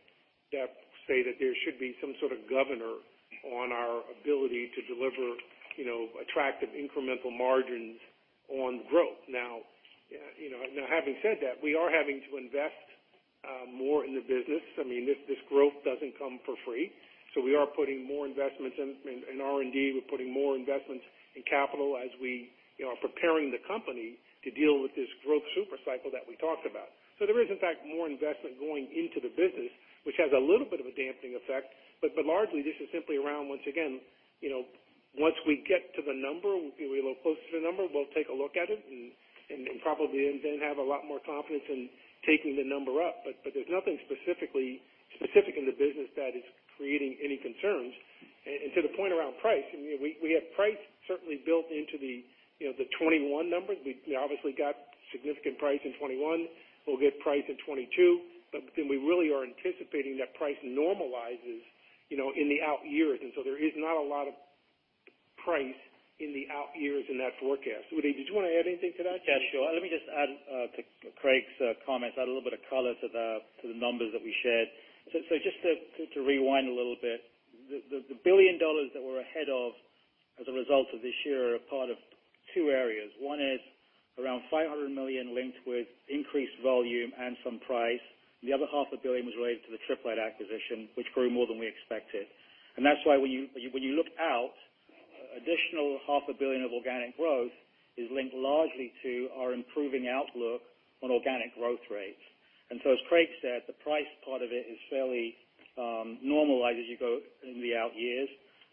that say that there should be some sort of governor on our ability to deliver, you know, attractive incremental margins on growth. Now, you know, now having said that, we are having to invest more in the business. I mean, this growth doesn't come for free. We are putting more investments in R&D. We're putting more investments in capital as we, you know, are preparing the company to deal with this growth super cycle that we talked about. There is, in fact, more investment going into the business, which has a little bit of a damping effect. Largely, this is simply around, once again, you know, once we get to the number, we get a little closer to the number, we'll take a look at it and probably then have a lot more confidence in taking the number up. There's nothing specific in the business that is creating any concerns. To the point around price, I mean, we have price certainly built into the, you know, the 2021 numbers. We obviously got significant price in 2021. We'll get price in 2022. We really are anticipating that price normalizes, you know, in the out years. There is not a lot of price in the out years in that forecast. Woody, did you wanna add anything to that? Yeah, sure. Let me just add to Craig's comments, add a little bit of color to the numbers that we shared. Just to rewind a little bit, the $1 billion that we're ahead of as a result of this year are a part of two areas. One is around $500 million linked with increased volume and some price. The other half a billion was related to the Tripp Lite acquisition, which grew more than we expected. That's why when you look out, additional half a billion of organic growth is linked largely to our improving outlook on organic growth rates. As Craig said, the price part of it is fairly normalized as you go in the out years.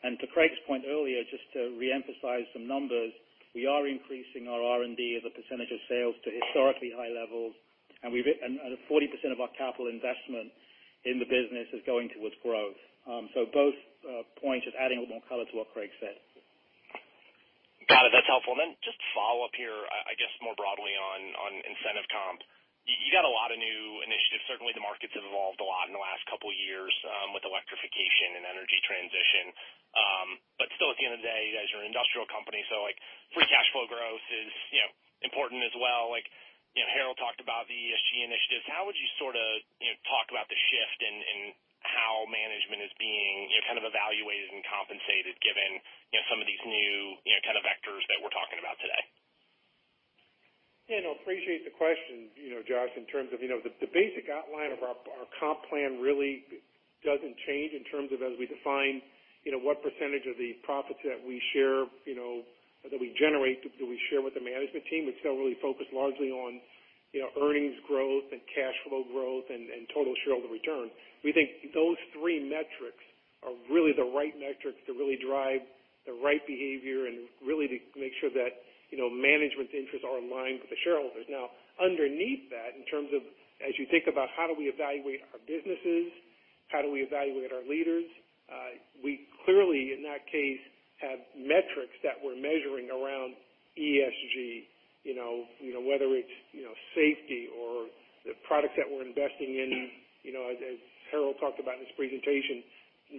To Craig's point earlier, just to re-emphasize some numbers, we are increasing our R&D as a percentage of sales to historically high levels, and 40% of our capital investment in the business is going towards growth. Both points, just adding a little more color to what Craig said. Got it. That's helpful. Just to follow up here, I guess more broadly on incentive comp. You got a lot of new initiatives. Certainly, the market's evolved a lot in the last couple years with electrification and energy transition. Still, at the end of the day, you guys are an industrial company, so like, free cash flow growth is, you know, important as well. Like, you know, Harold talked about the ESG initiatives. How would you sort, you know, talk about the shift in how management is being, you know, kind of evaluated and compensated given, you know, some of these new, you know, kind of vectors that we're talking about today? Yeah, no, appreciate the question, you know, Josh. In terms of, you know, the basic outline of our comp plan really doesn't change in terms of as we define, you know, what percentage of the profits that we share, you know, that we generate, do we share with the management team. It's still really focused largely on, you know, earnings growth and cash flow growth and total shareholder return. We think those three metrics are really the right metrics to really drive the right behavior and really to make sure that, you know, management's interests are aligned with the shareholders. Now, underneath that, in terms of as you think about how do we evaluate our businesses, how do we evaluate our leaders, we clearly, in that case, have metrics that we're measuring around ESG. You know, whether it's, you know, safety or the products that we're investing in, you know, as Harold talked about in his presentation,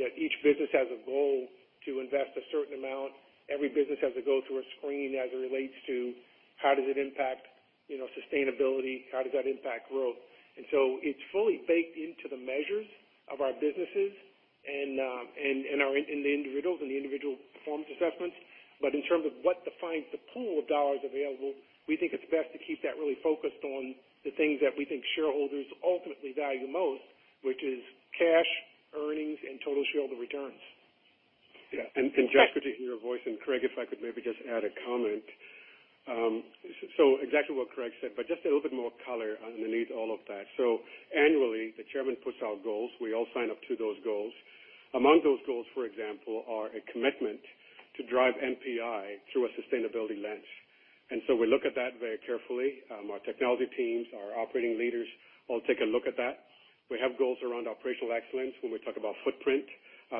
that each business has a goal to invest a certain amount. Every business has to go through a screen as it relates to how does it impact, you know, sustainability? How does that impact growth? It's fully baked into the measures of our businesses and in the individual performance assessments. In terms of what defines the pool of dollars available, we think it's best to keep that really focused on the things that we think shareholders ultimately value most, which is cash, earnings, and total shareholder returns. Josh, I could hear your voice, and Craig, if I could maybe just add a comment. Exactly what Craig said, but just a little bit more color underneath all of that. Annually, the chairman puts our goals. We all sign up to those goals. Among those goals, for example, are a commitment to drive NPI through a sustainability lens. We look at that very carefully. Our technology teams, our operating leaders all take a look at that. We have goals around operational excellence when we talk about footprint.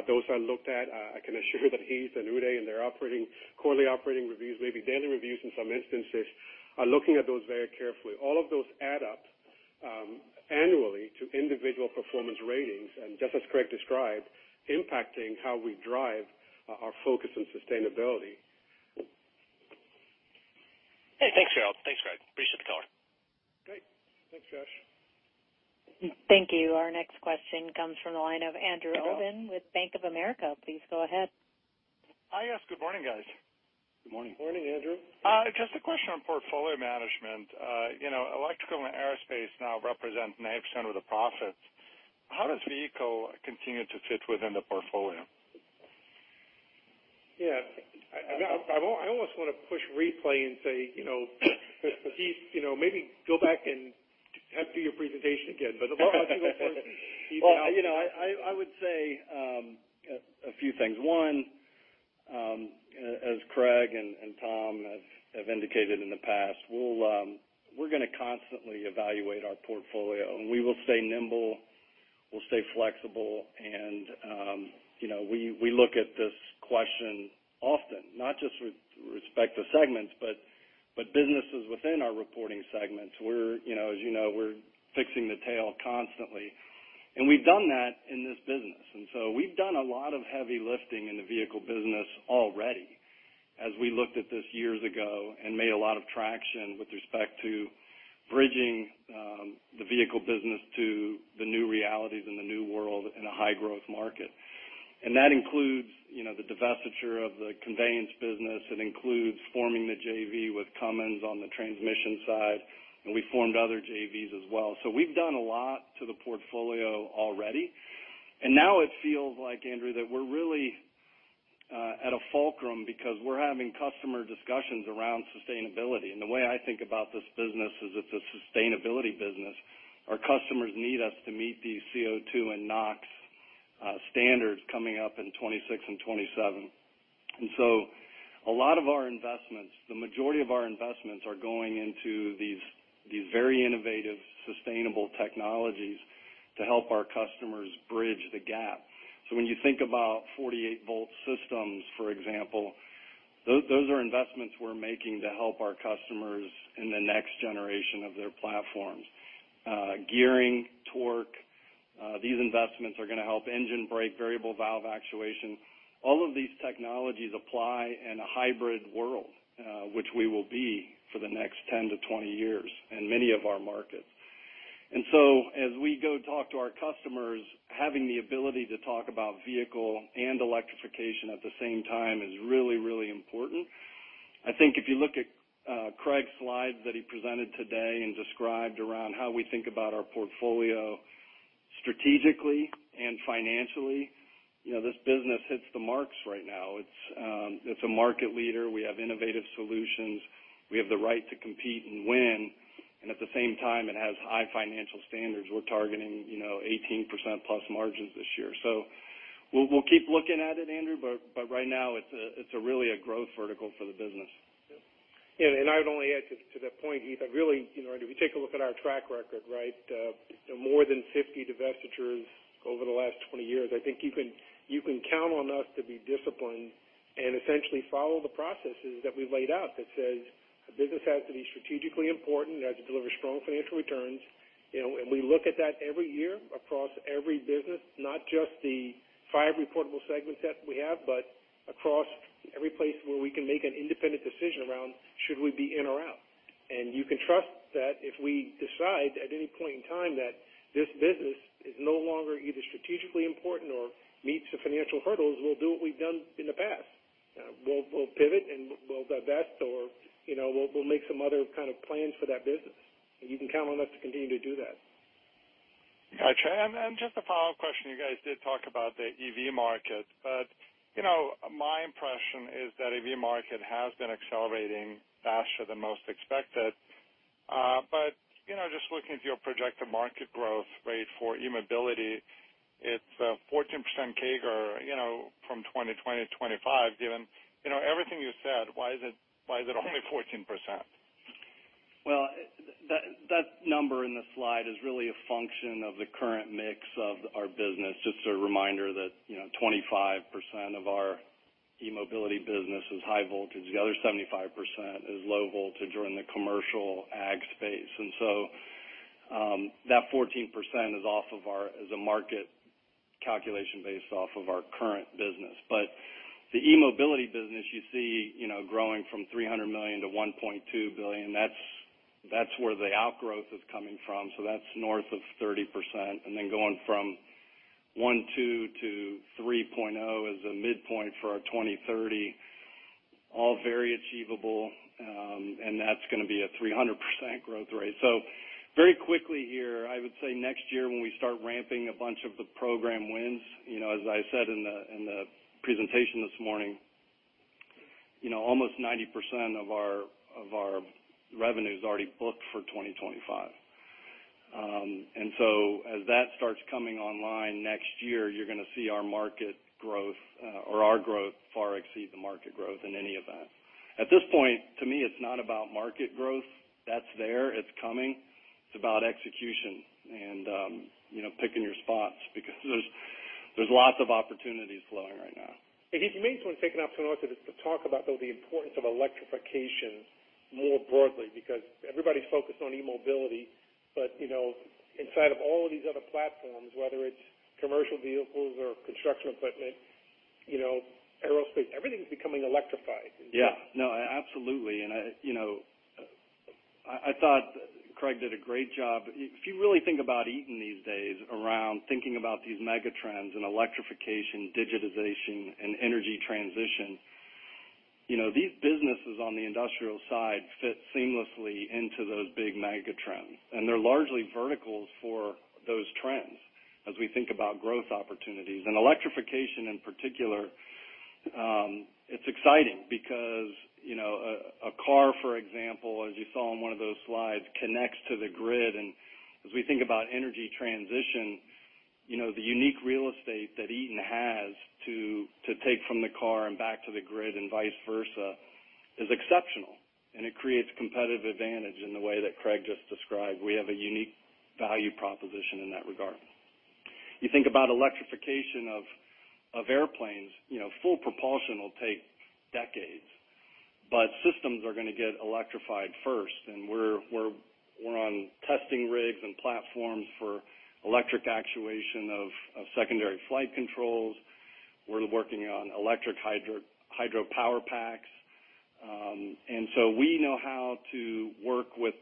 Those are looked at. I can assure you that Heath and Uday in their quarterly operating reviews, maybe daily reviews in some instances, are looking at those very carefully. All of those add up, annually to individual performance ratings, and just as Craig described, impacting how we drive our focus on sustainability. Hey, thanks, Harold. Thanks, Craig. Appreciate the color. Great. Thanks, Josh. Thank you. Our next question comes from the line of Andrew Obin with Bank of America. Please go ahead. Hi, yes. Good morning, guys. Good morning. Morning, Andrew. Just a question on portfolio management. You know, electrical and aerospace now represent 9% of the profits. How does vehicle continue to fit within the portfolio? Yeah. I almost wanna push replay and say, you know, Heath, you know, maybe go back and do your presentation again. I'll give it for Heath now. Well, you know, I would say a few things. One, as Craig and Tom have indicated in the past, we'll, we're gonna constantly evaluate our portfolio, and we will stay nimble, we'll stay flexible, and, you know, we look at this question often, not just with respect to segments, but businesses within our reporting segments. We're, you know, as you know, we're fixing the tail constantly. We've done that in this business. We've done a lot of heavy lifting in the vehicle business already as we looked at this years ago and made a lot of traction with respect to bridging the vehicle business to the new realities and the new world in a high-growth market. That includes, you know, the divestiture of the conveyance business. It includes forming the JV with Cummins on the transmission side, and we formed other JVs as well. We've done a lot to the portfolio already. Now it feels like, Andrew, that we're really at a fulcrum because we're having customer discussions around sustainability. The way I think about this business is it's a sustainability business. Our customers need us to meet these CO₂ and NOx standards coming up in 2026 and 2027. A lot of our investments, the majority of our investments are going into these very innovative, sustainable technologies to help our customers bridge the gap. When you think about 48-volt systems, for example, those are investments we're making to help our customers in the next generation of their platforms. Gearing, torque, these investments are gonna help engine brake, variable valve actuation. All of these technologies apply in a hybrid world, which we will be for the next 10-20 years in many of our markets. As we go talk to our customers, having the ability to talk about vehicle and electrification at the same time is really, really important. I think if you look at Craig's slides that he presented today and described around how we think about our portfolio strategically and financially, you know, this business hits the marks right now. It's a market leader. We have innovative solutions. We have the right to compete and win, and at the same time, it has high financial standards. We're targeting, you know, 18%+ margins this year. So we'll keep looking at it, Andrew, but right now it's really a growth vertical for the business. Yeah. I would only add to that point, Heath. I really, you know, if you take a look at our track record, right, more than 50 divestitures over the last 20 years, I think you can count on us to be disciplined and essentially follow the processes that we've laid out that says a business has to be strategically important, it has to deliver strong financial returns. You know, we look at that every year across every business, not just the five reportable segments that we have, but across every place where we can make an independent decision around should we be in or out. You can trust that if we decide at any point in time that this business is no longer either strategically important or meets the financial hurdles, we'll do what we've done in the past. We'll pivot, and we'll divest or, you know, we'll make some other kind of plans for that business. You can count on us to continue to do that. Gotcha. Just a follow-up question. You guys did talk about the EV market, but you know, my impression is that EV market has been accelerating faster than most expected. You know, just looking at your projected market growth rate for eMobility, it's 14% CAGR, you know, from 2020 to 2025. Given, you know, everything you said, why is it only 14%? Well, that number in the slide is really a function of the current mix of our business. Just a reminder that you know 25% of our eMobility business is high voltage. The other 75% is low voltage or in the commercial ag space. That 14% is a market calculation based off of our current business. The eMobility business you see, you know, growing from $300 million to $1.2 billion, that's where the outgrowth is coming from. That's north of 30%. Then going from 1.2 to 3.0 as a midpoint for our 2030, all very achievable, and that's gonna be a 300% growth rate. Very quickly here, I would say next year when we start ramping a bunch of the program wins, you know, as I said in the presentation this morning, you know almost 90% of our revenue is already booked for 2025. And so as that starts coming online next year, you're gonna see our market growth, or our growth far exceed the market growth in any event. At this point, to me, it's not about market growth. That's there. It's coming. It's about execution and, you know, picking your spots because there's lots of opportunities flowing right now. If you may just want to take an opportunity to talk about, though, the importance of electrification more broadly, because everybody's focused on eMobility, but, you know, inside of all of these other platforms, whether it's commercial vehicles or construction equipment, you know, aerospace, everything's becoming electrified. Yeah. No, absolutely. I thought Craig did a great job. If you really think about Eaton these days around thinking about these megatrends and electrification, digitization and energy transition, you know, these businesses on the industrial side fit seamlessly into those big megatrends, and they're largely verticals for those trends as we think about growth opportunities. Electrification in particular, it's exciting because, you know, a car, for example, as you saw in one of those slides, connects to the grid. As we think about energy transition, you know, the unique real estate that Eaton has to take from the car and back to the grid and vice versa is exceptional, and it creates competitive advantage in the way that Craig just described. We have a unique value proposition in that regard. You think about electrification of airplanes, you know full propulsion will take decades, but systems are going to get electrified first. We're on testing rigs and platforms for electric actuation of secondary flight controls. We're working on electric hydropower packs. We know how to work with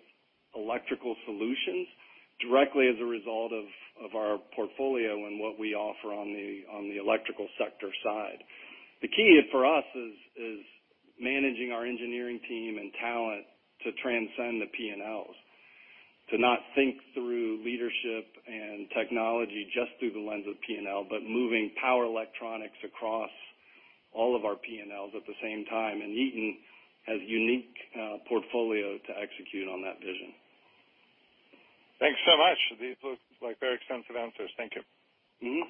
electrical solutions directly as a result of our portfolio and what we offer on the electrical sector side. The key for us is managing our engineering team and talent to transcend the P&Ls, to not think through leadership and technology just through the lens of P&L, but moving power electronics across all of our P&Ls at the same time. Eaton has unique portfolio to execute on that vision. Thanks so much. These look like very extensive answers. Thank you. Mm-hmm.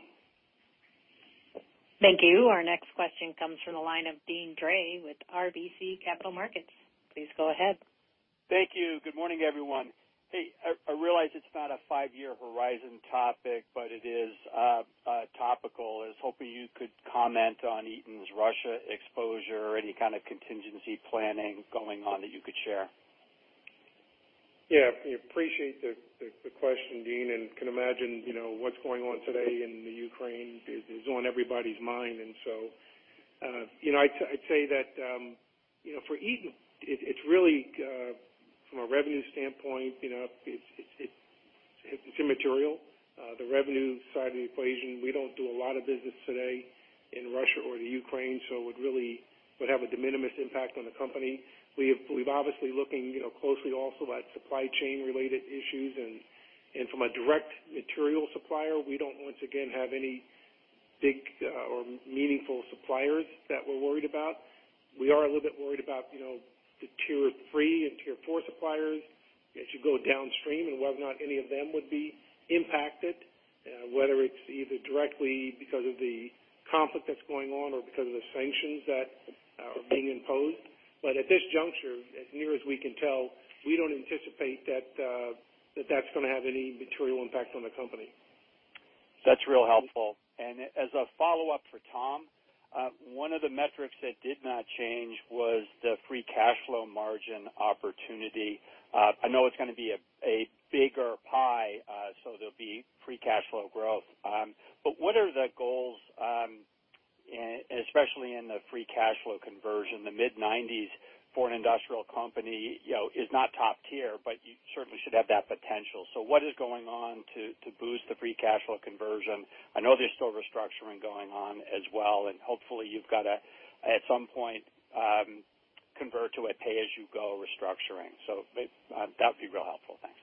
Thank you. Our next question comes from the line of Deane Dray with RBC Capital Markets. Please go ahead. Thank you. Good morning, everyone. Hey, I realize it's not a five-year horizon topic, but it is topical. I was hoping you could comment on Eaton's Russia exposure, any kind of contingency planning going on that you could share. Yeah, appreciate the question, Deane, and can imagine, you know, what's going on today in the Ukraine is on everybody's mind. You know, I'd say that, you know, for Eaton, it's really from a revenue standpoint, you know, it's immaterial. The revenue side of the equation, we don't do a lot of business today in Russia or the Ukraine, so it would really have a de minimis impact on the company. We're obviously looking, you know, closely also at supply chain related issues. From a direct material supplier, we don't once again have any big or meaningful suppliers that we're worried about. We are a little bit worried about, you know, the tier three and tier four suppliers as you go downstream and whether or not any of them would be impacted, whether it's either directly because of the conflict that's going on or because of the sanctions that are being imposed. At this juncture, as near as we can tell, we don't anticipate that that's gonna have any material impact on the company. That's real helpful. As a follow-up for Tom, one of the metrics that did not change was the free cash flow margin opportunity. I know it's gonna be a bigger pie, so there'll be free cash flow growth. What are the goals, especially in the free cash flow conversion, the mid-1990s for an industrial company, you know, is not top tier, but you certainly should have that potential. What is going on to boost the free cash flow conversion? I know there's still restructuring going on as well, and hopefully you've got to, at some point, convert to a pay-as-you-go restructuring. That'd be real helpful. Thanks.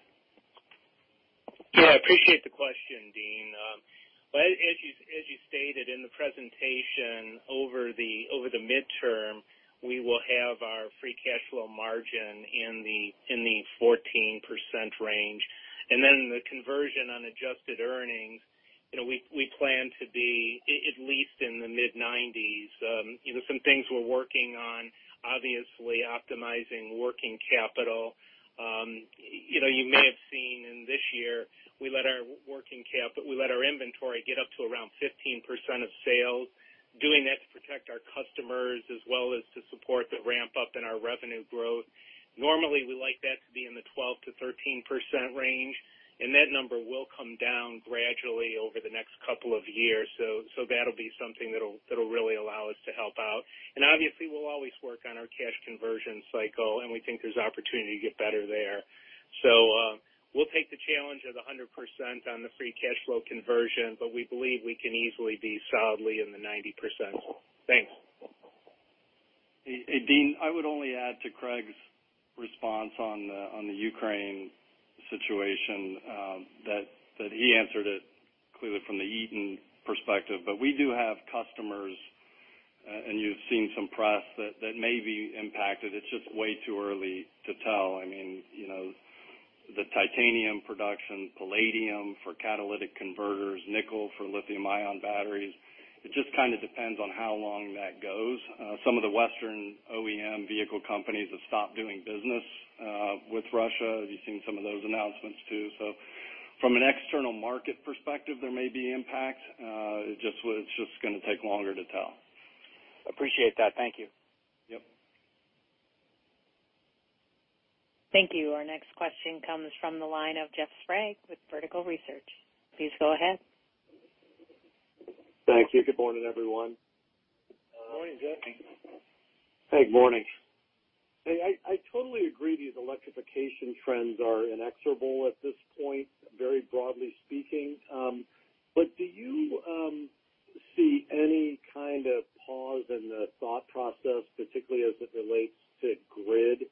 Yeah, I appreciate the question, Deane. As you stated in the presentation, over the midterm, we will have our free cash flow margin in the 14% range. The conversion on adjusted earnings You know, we plan to be at least in the mid-1990s. You know, some things we're working on, obviously optimizing working capital. You know, you may have seen in this year, we let our inventory get up to around 15% of sales, doing that to protect our customers as well as to support the ramp up in our revenue growth. Normally, we like that to be in the 12%-13% range, and that number will come down gradually over the next couple of years. That'll be something that'll really allow us to help out. Obviously, we'll always work on our cash conversion cycle, and we think there's opportunity to get better there. We'll take the challenge of the 100% on the free cash flow conversion, but we believe we can easily be solidly in the 90%. Thanks. Hey, Deane, I would only add to Craig's response on the Ukraine situation that he answered it clearly from the Eaton perspective. We do have customers and you've seen some press that may be impacted. It's just way too early to tell. I mean, you know, the titanium production, palladium for catalytic converters, nickel for lithium-ion batteries. It just kind of depends on how long that goes. Some of the Western OEM vehicle companies have stopped doing business with Russia. You've seen some of those announcements too. From an external market perspective, there may be impact. It's just gonna take longer to tell. Appreciate that. Thank you. Yep. Thank you. Our next question comes from the line of Jeff Sprague with Vertical Research. Please go ahead. Thank you. Good morning, everyone. Morning, Jeff. Morning. Hey, morning. Hey, I totally agree these electrification trends are inexorable at this point, very broadly speaking. Do you see any kind of pause in the thought process, particularly as it relates to grid,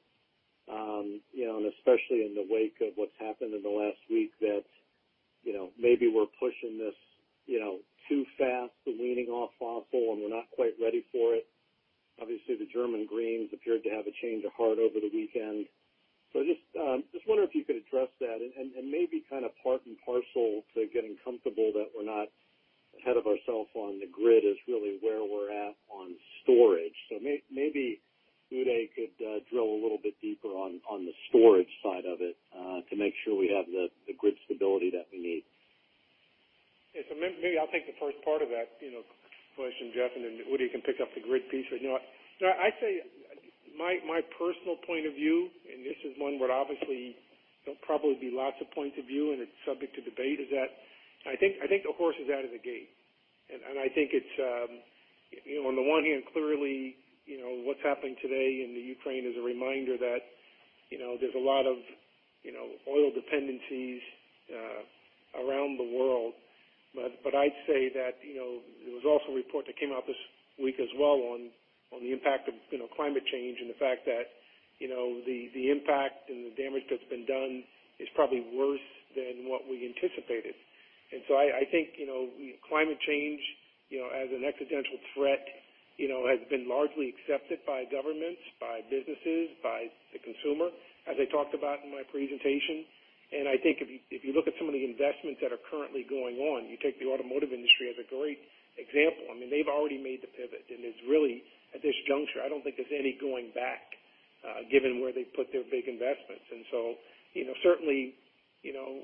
you know, and especially in the wake of what's happened in the last week that, you know, maybe we're pushing this, you know, too fast, we're leaning off fossil, and we're not quite ready for it. Obviously, the German greens appeared to have a change of heart over the weekend. Just wonder if you could address that, and maybe kind of part and parcel to getting comfortable that we're not ahead of ourself on the grid is really where we're at on storage. Maybe Uday could drill a little bit deeper on the storage side of it to make sure we have the grid stability that we need. Maybe I'll take the first part of that, you know, question, Jeff, and then Uday can pick up the grid piece. You know what? I say my personal point of view, and this is one where obviously there'll probably be lots of points of view, and it's subject to debate, is that I think the horse is out of the gate. I think it's, you know, on the one hand, clearly, you know, what's happening today in the Ukraine is a reminder that, you know, there's a lot of, you know, oil dependencies around the world. I'd say that, you know, there was also a report that came out this week as well on the impact of, you know, climate change and the fact that, you know, the impact and the damage that's been done is probably worse than what we anticipated. I think, you know, climate change, you know, as an existential threat, you know, has been largely accepted by governments, by businesses, by the consumer, as I talked about in my presentation. I think if you look at some of the investments that are currently going on, you take the automotive industry as a great example. I mean, they've already made the pivot, and it's really at this juncture, I don't think there's any going back, given where they put their big investments. You know, certainly, you know,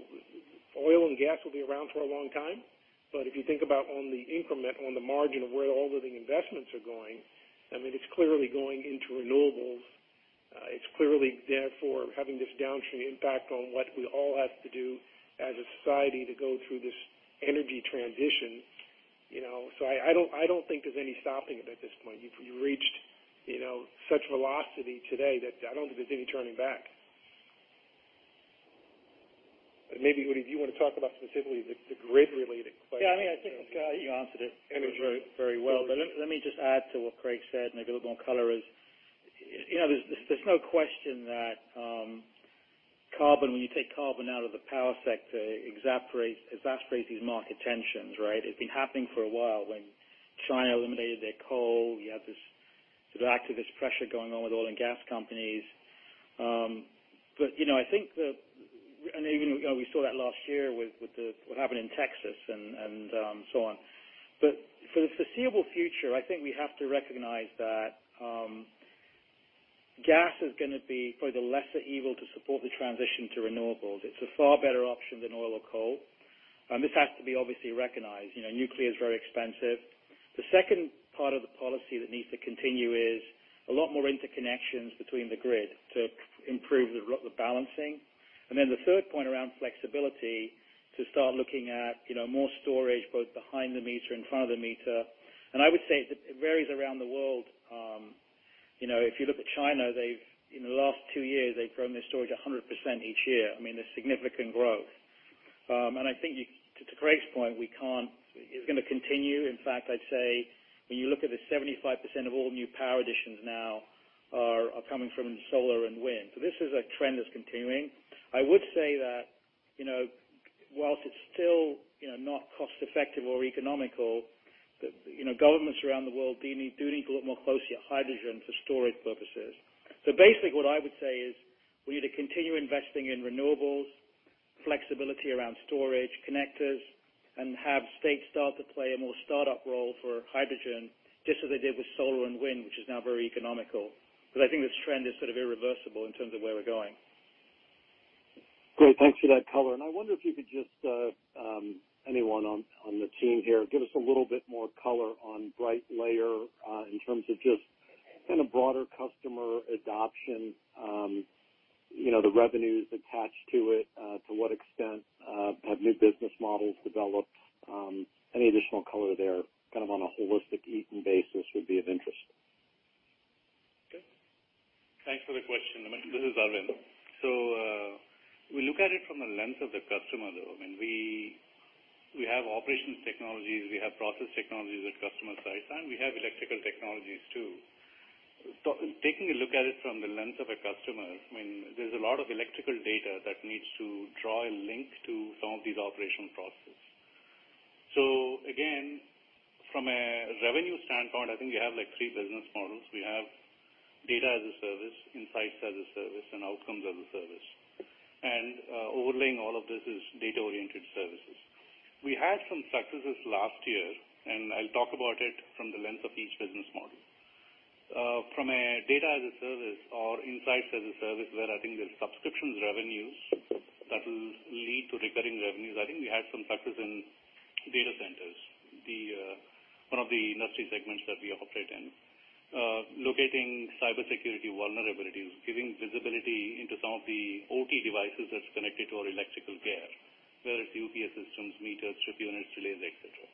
oil and gas will be around for a long time. But if you think about on the increment, on the margin of where all of the investments are going, I mean, it's clearly going into renewables. It's clearly therefore having this downstream impact on what we all have to do as a society to go through this energy transition. You know, I don't think there's any stopping it at this point. You've reached, you know, such velocity today that I don't think there's any turning back. Maybe, Uday, if you want to talk about specifically the grid related question. Yeah. I mean, I think you answered it very, very well. Let me just add to what Craig said, and maybe a little more color is, you know, there's no question that carbon, when you take carbon out of the power sector, it exasperates these market tensions, right? It's been happening for a while. When China eliminated their coal, you have this sort of activist pressure going on with oil and gas companies. You know, I think. Even, you know, we saw that last year with the what happened in Texas and so on. For the foreseeable future, I think we have to recognize that gas is gonna be probably the lesser evil to support the transition to renewables. It's a far better option than oil or coal. And this has to be obviously recognized. You know, nuclear is very expensive. The second part of the policy that needs to continue is a lot more interconnections between the grid to improve the balancing. The third point around flexibility to start looking at, you know, more storage, both behind the meter, in front of the meter. I would say it varies around the world. You know, if you look at China, in the last two years, they've grown their storage 100% each year. I mean, there's significant growth. I think to Craig's point, it's gonna continue. In fact, I'd say when you look at the 75% of all new power additions now are coming from solar and wind. This is a trend that's continuing. I would say that, you know, while it's still, you know, not cost effective or economical. The, you know, governments around the world do need to look more closely at hydrogen for storage purposes. Basically what I would say is we need to continue investing in renewables, flexibility around storage, connectors, and have states start to play a more startup role for hydrogen, just as they did with solar and wind, which is now very economical. I think this trend is sort of irreversible in terms of where we're going. Great. Thanks for that color. I wonder if you could just anyone on the team here give us a little bit more color on Brightlayer in terms of just kinda broader customer adoption, you know, the revenues attached to it, to what extent have new business models developed, any additional color there kind of on a holistic Eaton basis would be of interest. Okay. Thanks for the question. This is Aravind. We look at it from a lens of the customer, though. I mean, we have operations technologies, we have process technologies at customer sites, and we have electrical technologies too. Taking a look at it from the lens of a customer, I mean, there's a lot of electrical data that needs to draw a link to some of these operational processes. Again, from a revenue standpoint, I think we have, like, three business models. We have data as a service, insights as a service, and outcomes as a service. Overlaying all of this is data-oriented services. We had some successes last year, and I'll talk about it from the lens of each business model. From a data as a service or insights as a service, where I think there's subscriptions revenues that will lead to recurring revenues, I think we had some success in data centers, one of the industry segments that we operate in. Locating cybersecurity vulnerabilities, giving visibility into some of the OT devices that's connected to our electrical gear, whether it's UPS systems, meters, trip units, relays, et cetera.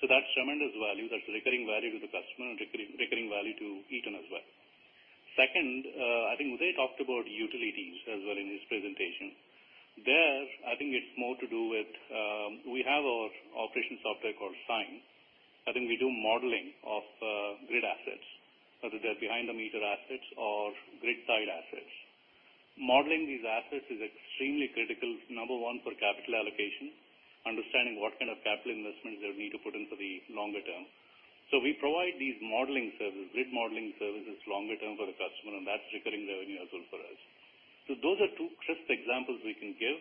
So that's tremendous value. That's recurring value to the customer and recurring value to Eaton as well. Second, I think Uday talked about utilities as well in his presentation. I think it's more to do with, we have our operations software called CYME. I think we do modeling of grid assets, whether they're behind the meter assets or grid side assets. Modeling these assets is extremely critical, number one, for capital allocation, understanding what kind of capital investments they'll need to put in for the longer term. We provide these modeling services, grid modeling services longer term for the customer, and that's recurring revenue as well for us. Those are two crisp examples we can give.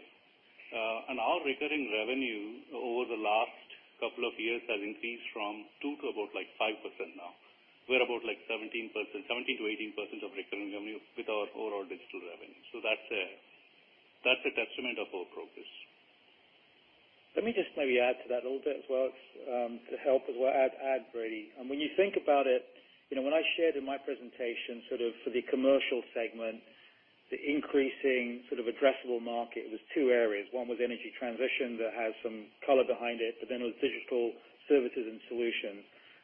Our recurring revenue over the last couple of years has increased from 2% to about, like, 5% now. We're about, like, 17%, 17%-18% of recurring revenue with our overall digital revenue. That's a testament of our progress. Let me just maybe add to that a little bit as well, to help as well, add Aravind. When you think about it, you know, when I shared in my presentation sort of for the commercial segment, the increasing sort of addressable market, it was two areas. One was energy transition that has some color behind it, but then it was digital services and solutions.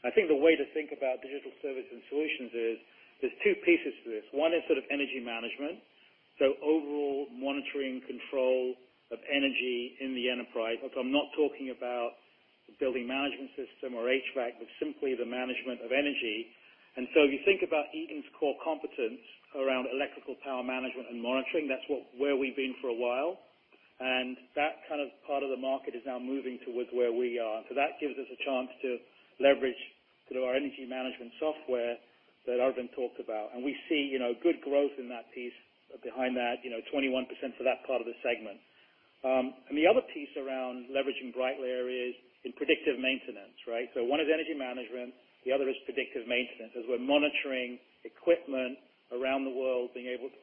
I think the way to think about digital services and solutions is there's two pieces to this. One is sort of energy management, so overall monitoring control of energy in the enterprise. Like, I'm not talking about the building management system or HVAC, but simply the management of energy. You think about Eaton's core competence around electrical power management and monitoring, that's what, where we've been for a while. That kind of part of the market is now moving towards where we are. That gives us a chance to leverage sort of our energy management software that Aravind talked about. We see, you know, good growth in that piece behind that, you know, 21% for that part of the segment. The other piece around leveraging Brightlayer is in predictive maintenance, right? One is energy management, the other is predictive maintenance. As we're monitoring equipment around the world, being able to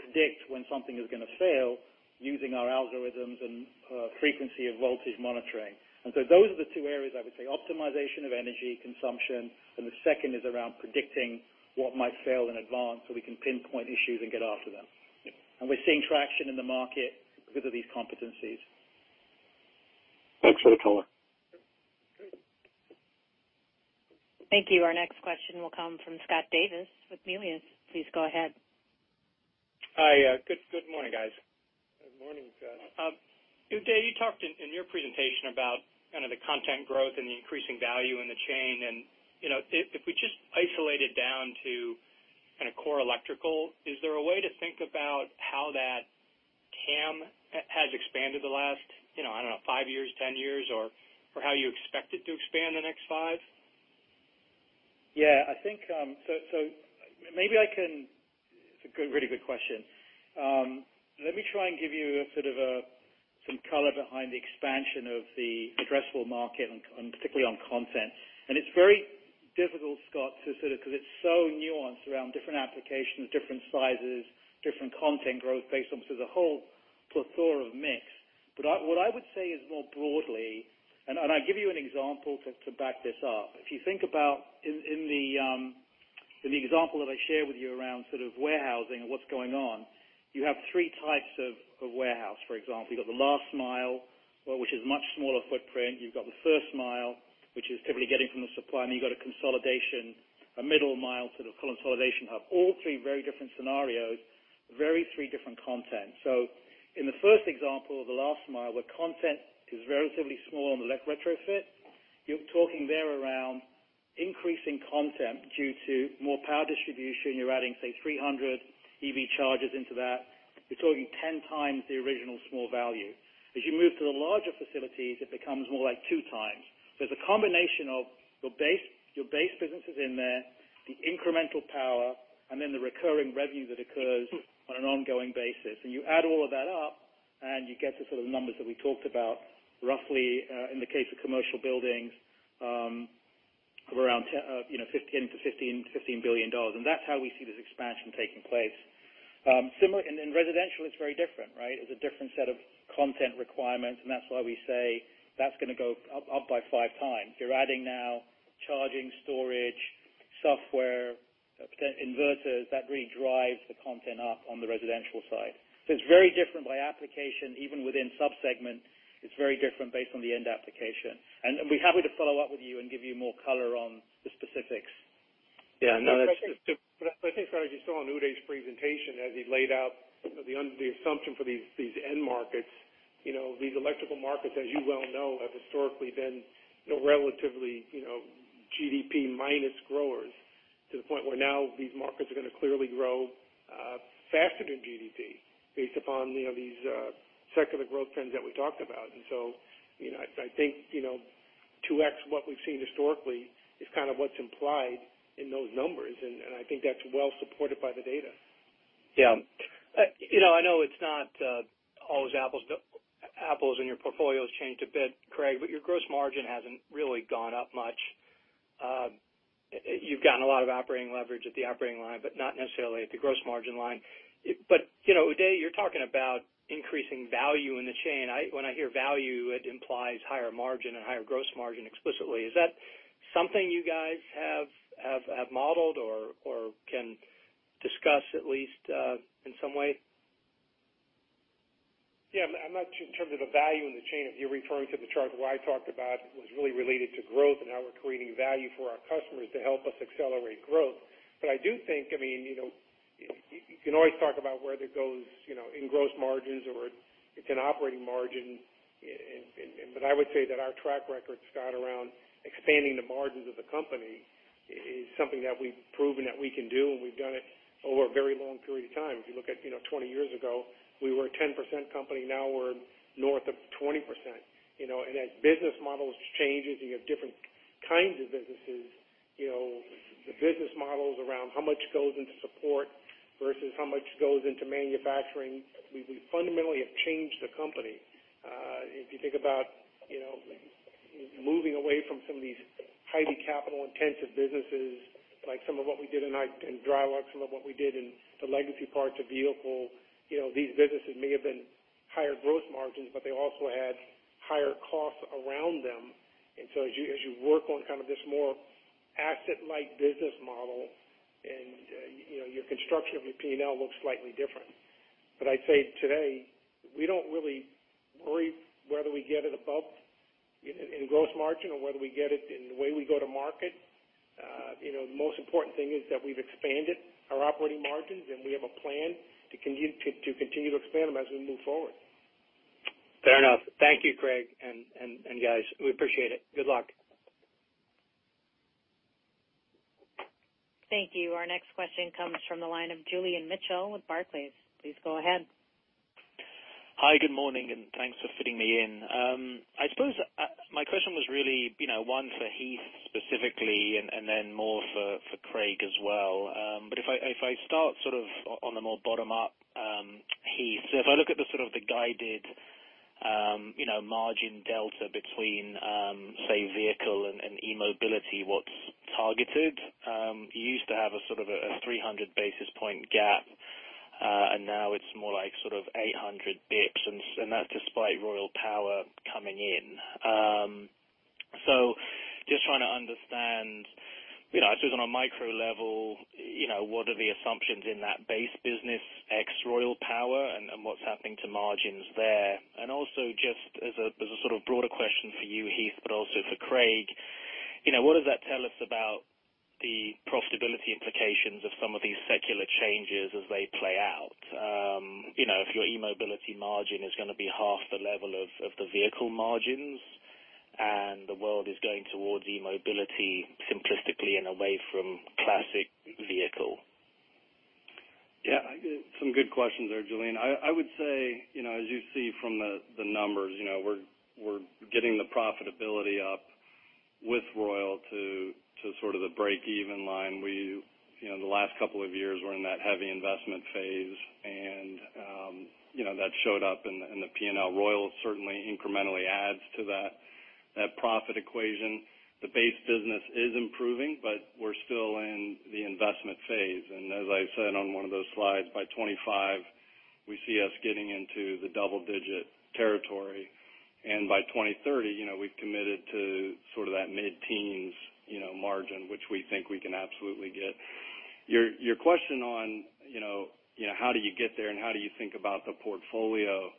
predict when something is gonna fail using our algorithms and frequency of voltage monitoring. Those are the two areas, I would say, optimization of energy consumption, and the second is around predicting what might fail in advance so we can pinpoint issues and get after them. We're seeing traction in the market because of these competencies. Thanks for the color. Sure. Thank you. Our next question will come from Scott Davis with Melius. Please go ahead. Hi. Good morning, guys. Good morning, Scott. Uday, you talked in your presentation about kind of the content growth and the increasing value in the chain. You know, if we just isolate it down to kinda core electrical, is there a way to think about how that TAM has expanded the last, you know, I don't know, five years, ten years, or how you expect it to expand the next five? Yeah, I think. Maybe I can. It's a good, really good question. Let me try and give you some color behind the expansion of the addressable market and particularly on content. It's very difficult, Scott, to sort of, 'cause it's so nuanced around different applications, different sizes, different content growth based on sort of a whole plethora of mix. But what I would say is more broadly, and I'll give you an example to back this up. If you think about the example that I shared with you around sort of warehousing and what's going on, you have three types of warehouse, for example. You've got the last mile, which is much smaller footprint. You've got the first mile, which is typically getting from the supplier. You've got a consolidation, a middle mile sort of consolidation hub. All three very different scenarios, three very different content. In the first example, the last mile, the content is relatively small on the retrofit. You're talking there around increasing content due to more power distribution. You're adding, say, 300 EV chargers into that. You're talking 10x the original small value. As you move to the larger facilities, it becomes more like 2x. There's a combination of your base businesses in there, the incremental power, and then the recurring revenue that occurs on an ongoing basis. You add all of that up, and you get the sort of numbers that we talked about roughly in the case of commercial buildings of around $10 billion-$15 billion. That's how we see this expansion taking place. In residential, it's very different, right? It's a different set of content requirements, and that's why we say that's gonna go up by 5x. You're adding now charging, storage, software, potential inverters that really drives the content up on the residential side. It's very different by application. Even within sub-segment, it's very different based on the end application. I'd be happy to follow up with you and give you more color on the specifics. Yeah, no, that's. I think, Craig, as you saw on Uday's presentation, as he laid out the assumption for these end markets, you know, these electrical markets, as you well know, have historically been, you know, relatively, you know, GDP-minus growers, to the point where now these markets are gonna clearly grow faster than GDP based upon, you know, these secular growth trends that we talked about. You know, I think 2x what we've seen historically is kind of what's implied in those numbers, and I think that's well supported by the data. Yeah. You know, I know it's not all those apples to apples in your portfolio has changed a bit, Craig, but your gross margin hasn't really gone up much. You've gotten a lot of operating leverage at the operating line, but not necessarily at the gross margin line. You know, Uday, you're talking about increasing value in the chain. When I hear value, it implies higher margin and higher gross margin explicitly. Is that something you guys have modeled or can discuss at least in some way? Yeah. I'm not sure in terms of the value in the chain, if you're referring to the chart that I talked about, was really related to growth and how we're creating value for our customers to help us accelerate growth. I do think, I mean, you know, you can always talk about whether it goes, you know, in gross margins or it's in operating margin. I would say that our track record, Scott, around expanding the margins of the company is something that we've proven that we can do, and we've done it over a very long period of time. If you look at, you know, 20 years ago, we were a 10% company. Now we're north of 20%, you know. As business models change, you have different kinds of businesses, you know, the business models around how much goes into support versus how much goes into manufacturing, we fundamentally have changed the company. If you think about, you know, moving away from some of these highly capital-intensive businesses, like some of what we did in hydraulics, some of what we did in the legacy parts of vehicle, you know, these businesses may have been higher gross margins, but they also had higher costs around them. As you work on kind of this more asset-light business model and, you know, your construction of your P&L looks slightly different. But I'd say today, we don't really worry whether we get it above in gross margin or whether we get it in the way we go to market. You know, the most important thing is that we've expanded our operating margins, and we have a plan to continue to expand them as we move forward. Fair enough. Thank you, Craig, and guys. We appreciate it. Good luck. Thank you. Our next question comes from the line of Julian Mitchell with Barclays. Please go ahead. Hi, good morning, and thanks for fitting me in. I suppose my question was really, you know, one for Heath specifically and then more for Craig as well. But if I start sort of on a more bottom-up, Heath. If I look at the sort of the guidance, you know, margin delta between, say, vehicle and eMobility, what's targeted, you used to have a sort of a 300 basis point gap, and now it's more like sort of 800 basis points, and that's despite Royal Power coming in. So just trying to understand, you know, I suppose on a micro level, you know, what are the assumptions in that base business ex Royal Power and what's happening to margins there? also just as a sort of broader question for you, Heath, but also for Craig, you know, what does that tell us about the profitability implications of some of these secular changes as they play out? You know, if your eMobility margin is gonna be half the level of the vehicle margins, and the world is going towards eMobility simplistically and away from classic vehicle. Yeah. Some good questions there, Julian. I would say, you know, as you see from the numbers, you know, we're getting the profitability up with Royal to sort of the break-even line. We, you know, the last couple of years were in that heavy investment phase and, you know, that showed up in the P&L. Royal certainly incrementally adds to that profit equation. The base business is improving, but we're still in the investment phase. As I said on one of those slides, by 2025, we see us getting into the double-digit territory. By 2030, you know, we've committed to sort of that mid-teens margin, which we think we can absolutely get. Your question on, you know, how do you get there and how do you think about the portfolio,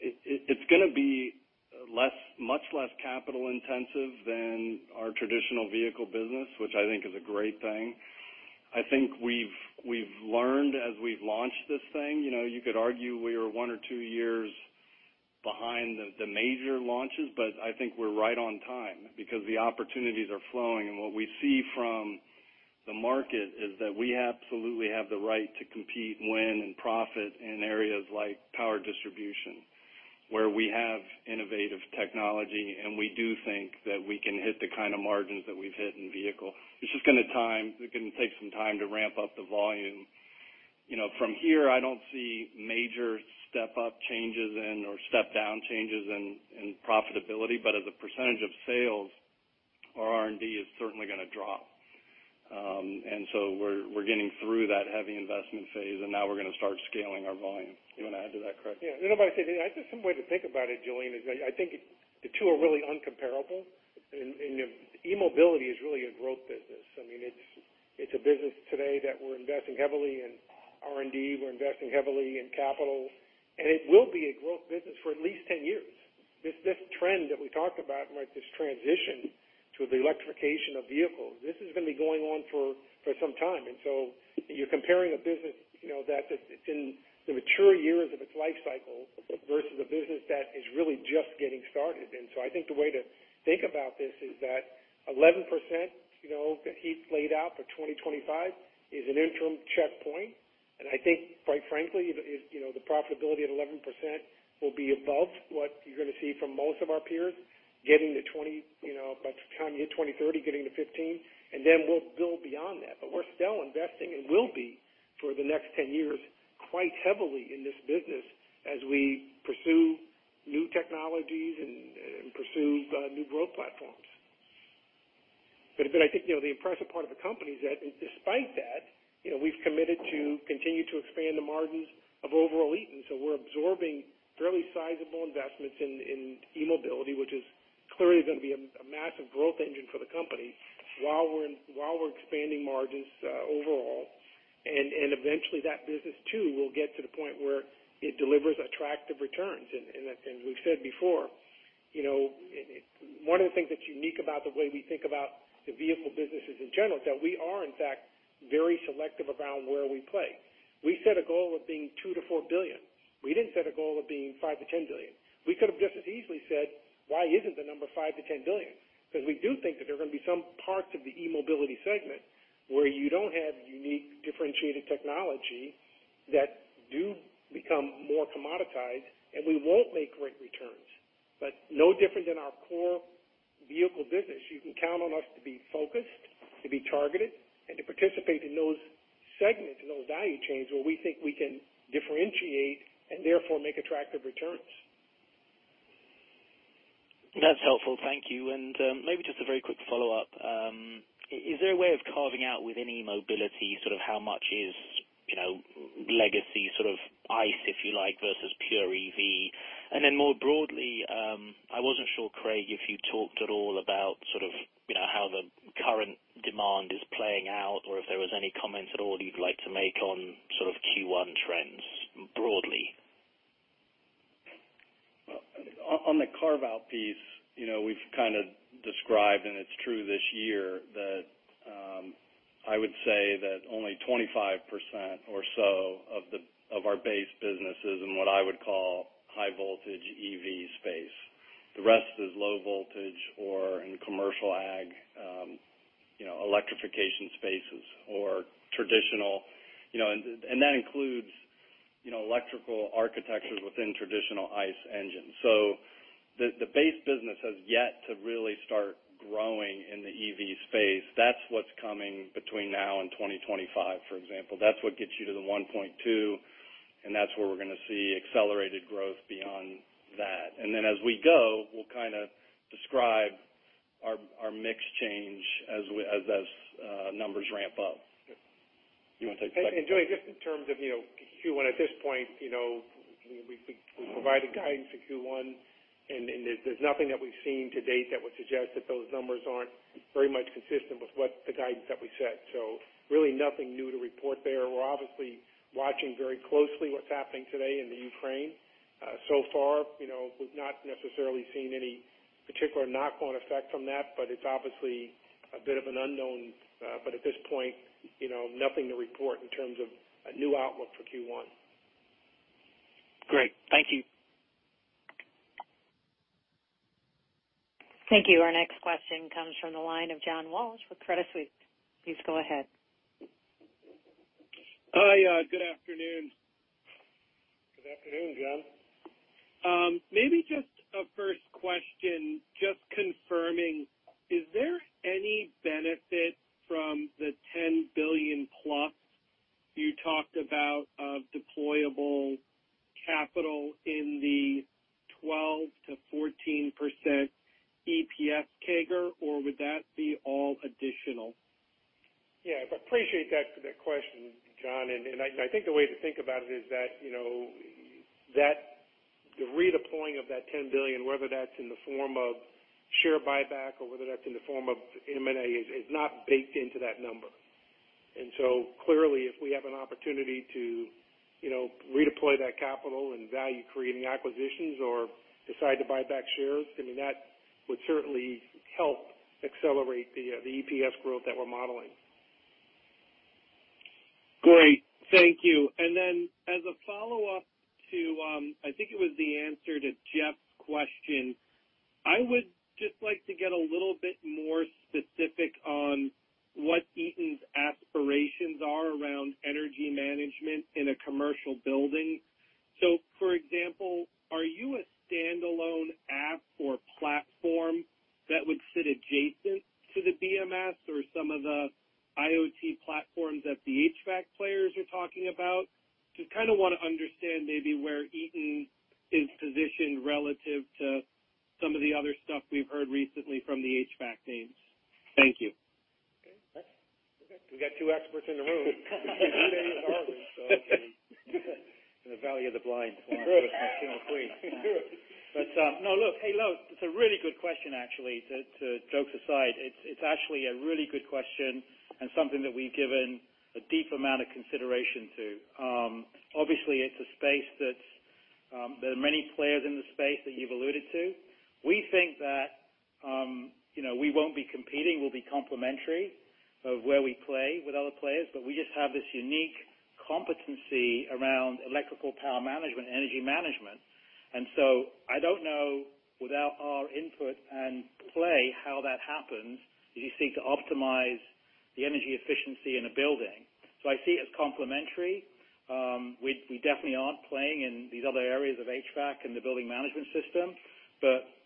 it's gonna be much less capital intensive than our traditional vehicle business, which I think is a great thing. I think we've learned as we've launched this thing, you know, you could argue we are one or two years behind the major launches, but I think we're right on time because the opportunities are flowing. What we see from the market is that we absolutely have the right to compete, win, and profit in areas like power distribution, where we have innovative technology, and we do think that we can hit the kind of margins that we've hit in vehicle. It's just gonna take time. It can take some time to ramp up the volume. You know, from here, I don't see major step up changes and/or step down changes in profitability, but as a percentage of sales, our R&D is certainly gonna drop. We're getting through that heavy investment phase, and now we're gonna start scaling our volume. You wanna add to that, Craig? Yeah. No, but I said, I think some way to think about it, Julian, is I think the two are really incomparable. eMobility is really a growth business. I mean, it's a business today that we're investing heavily in R&D, we're investing heavily in capital, and it will be a growth business for at least 10 years. This trend that we talked about, like this transition to the electrification of vehicles, this is gonna be going on for some time. You're comparing a business, you know, that it's in the mature years of its life cycle versus a business that is really just getting started. I think the way to think about this is that 11%, you know, that he laid out for 2025 is an interim checkpoint. I think, quite frankly, the profitability at 11% will be above what you're gonna see from most of our peers getting to 20%, you know, by the time you hit 2030, getting to 15%, and then we'll go beyond that. We're still investing and will be for the next 10 years, quite heavily in this business as we pursue new technologies and pursue new growth platforms. I think, you know, the impressive part of the company is that despite that, you know, we've committed to continue to expand the margins of overall Eaton. We're absorbing fairly sizable investments in eMobility, which is clearly gonna be a massive growth engine for the company while we're expanding margins overall. Eventually that business, too, will get to the point where it delivers attractive returns. As we've said before, you know, one of the things that's unique about the way we think about the vehicle businesses in general, is that we are in fact very selective around where we play. We set a goal of being $2 billion-$4 billion. We didn't set a goal of being $5 billion-$10 billion. We could have just as easily said, "Why isn't the number $5 billion-$10 billion?" Because we do think that there are gonna be some parts of the eMobility segment where you don't have unique differentiated technology that do become more commoditized, and we won't make great returns. No different than our core vehicle business, you can count on us to be focused, to be targeted, and to participate in those segments and those value chains where we think we can differentiate and therefore make attractive returns. That's helpful. Thank you. Maybe just a very quick follow-up. Is there a way of carving out within eMobility sort of how much is, you know, legacy sort of ICE, if you like, versus pure EV? Then more broadly, I wasn't sure, Craig, if you talked at all about sort of, you know, how the current demand is playing out or if there was any comments at all you'd like to make on sort of Q1 trends broadly. On the carve-out piece, you know, we've kind of described, and it's true this year, that I would say that only 25% or so of our base businesses in what I would call high voltage EV space. The rest is low voltage or in commercial ag, you know, electrification spaces or traditional, you know, and that includes, you know, electrical architectures within traditional ICE engines. The base business has yet to really start growing in the EV space. That's what's coming between now and 2025, for example. That's what gets you to the $1.2, and that's where we're gonna see accelerated growth beyond that. Then as we go, we'll kinda describe our mix change as numbers ramp up. You wanna take a second? Julian, just in terms of, you know, Q1 at this point, you know, we provided guidance for Q1, and there's nothing that we've seen to date that would suggest that those numbers aren't very much consistent with what the guidance that we set. Really nothing new to report there. We're obviously watching very closely what's happening today in the Ukraine. So far, you know, we've not necessarily seen any particular knock-on effect from that, but it's obviously a bit of an unknown. But at this point, you know, nothing to report in terms of a new outlook for Q1. Great. Thank you. Thank you. Our next question comes from the line of John Walsh with Credit Suisse. Please go ahead. Hi. Good afternoon. Good afternoon, John. Maybe just a first question, just confirming, is there any benefit from the $10 billion+ you talked about of deployable capital in the 12%-14% EPS CAGR, or would that be all additional? Yeah, I appreciate that, the question, John. I think the way to think about it is that, you know, that the redeploying of that $10 billion, whether that's in the form of share buyback or whether that's in the form of M&A, is not baked into that number. Clearly, if we have an opportunity to, you know, redeploy that capital in value-creating acquisitions or decide to buy back shares, I mean, that Would certainly help accelerate the EPS growth that we're modeling. Great. Thank you. As a follow-up to, I think it was the answer to Jeff's question, I would just like to get a little bit more specific on what Eaton's aspirations are around energy management in a commercial building. For example, are you a standalone app or platform that would sit adjacent to the BMS or some of the IoT platforms that the HVAC players are talking about? Just kind of wanna understand maybe where Eaton is positioned relative to some of the other stuff we've heard recently from the HVAC names. Thank you. Okay. We got two experts in the room. Arvind, in the valley of the blind. No, look. It's a really good question, actually, jokes aside. It's actually a really good question and something that we've given a deep amount of consideration to. Obviously, it's a space that there are many players in the space that you've alluded to. We think that, you know, we won't be competing. We'll be complementary of where we play with other players, but we just have this unique competency around electrical power management and energy management. I don't know, without our input and play, how that happens as you seek to optimize the energy efficiency in a building. I see it as complementary. We definitely aren't playing in these other areas of HVAC and the building management system.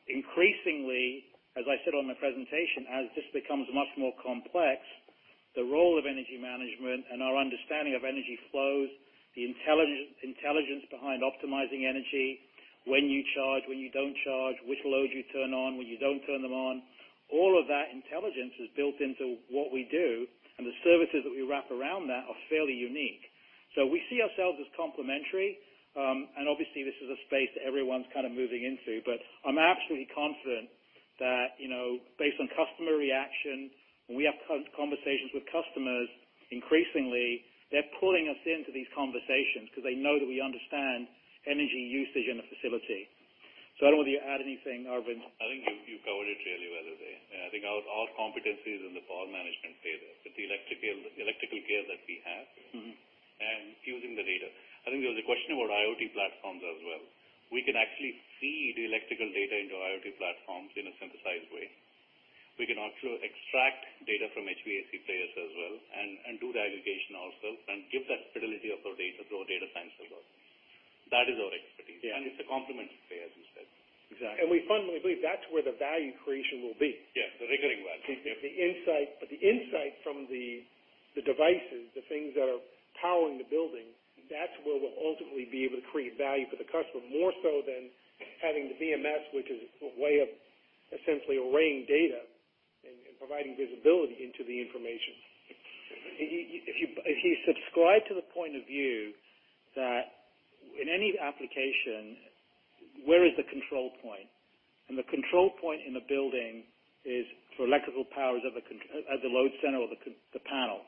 Increasingly, as I said on my presentation, as this becomes much more complex, the role of energy management and our understanding of energy flows, the intelligence behind optimizing energy, when you charge, when you don't charge, which load you turn on, when you don't turn them on, all of that intelligence is built into what we do, and the services that we wrap around that are fairly unique. We see ourselves as complementary. Obviously, this is a space that everyone's kind of moving into. I'm absolutely confident that, you know, based on customer reaction, when we have conversations with customers, increasingly, they're pulling us into these conversations 'cause they know that we understand energy usage in a facility. I don't know whether you add anything, Aravind. I think you covered it really well, Uday. I think our competencies in the power management space, with the electrical care that we have. Using the data. I think there was a question about IoT platforms as well. We can actually feed the electrical data into IoT platforms in a synthesized way. We can also extract data from HVAC players as well and do the aggregation also and give that fidelity of our data through our data science as well. That is our expertise. Yeah. It's a complementary play, as you said. Exactly. We fundamentally believe that's where the value creation will be. Yes, the recurring value. Yep. The insight from the devices, the things that are powering the building, that's where we'll ultimately be able to create value for the customer, more so than having the BMS, which is a way of essentially arraying data and providing visibility into the information. If you subscribe to the point of view that in any application, where is the control point? The control point in the building is for electrical powers at the load center or the panel.